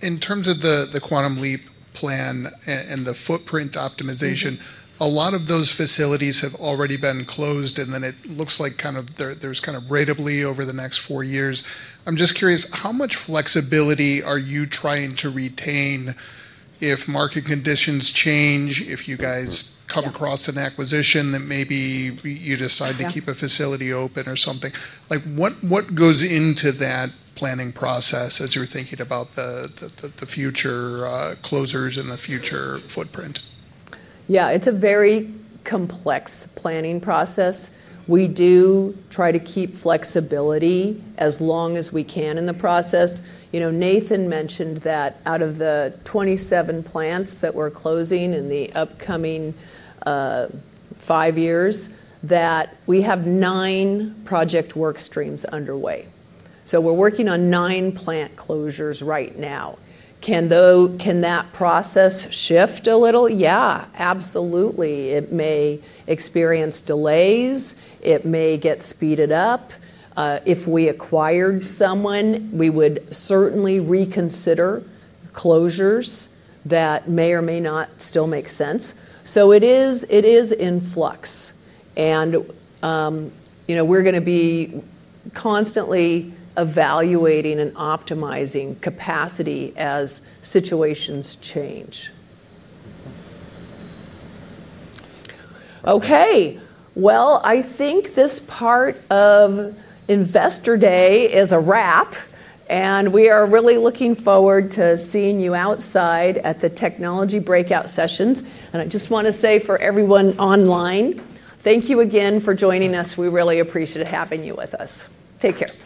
In terms of the Project Quantum Leap plan and the footprint optimization, a lot of those facilities have already been closed, and then it looks like kind of there's kind of rateably over the next four years. I'm just curious, how much flexibility are you trying to retain if market conditions change, if you guys come across an acquisition that maybe you decide to keep a facility open or something? Like what goes into that planning process as you're thinking about the future closures and the future footprint? Yeah, it's a very complex planning process. We do try to keep flexibility as long as we can in the process. You know, Nathan mentioned that out of the 27 plants that we're closing in the upcoming five years, we have nine project work streams underway. We are working on nine plant closures right now. Can that process shift a little? Yeah, absolutely. It may experience delays. It may get speeded up. If we acquired someone, we would certainly reconsider closures that may or may not still make sense. It is in flux. You know, we're going to be constantly evaluating and optimizing capacity as situations change. I think this part of Investor Day is a wrap, and we are really looking forward to seeing you outside at the technology breakout sessions. I just want to say for everyone online, thank you again for joining us. We really appreciate having you with us. Take care.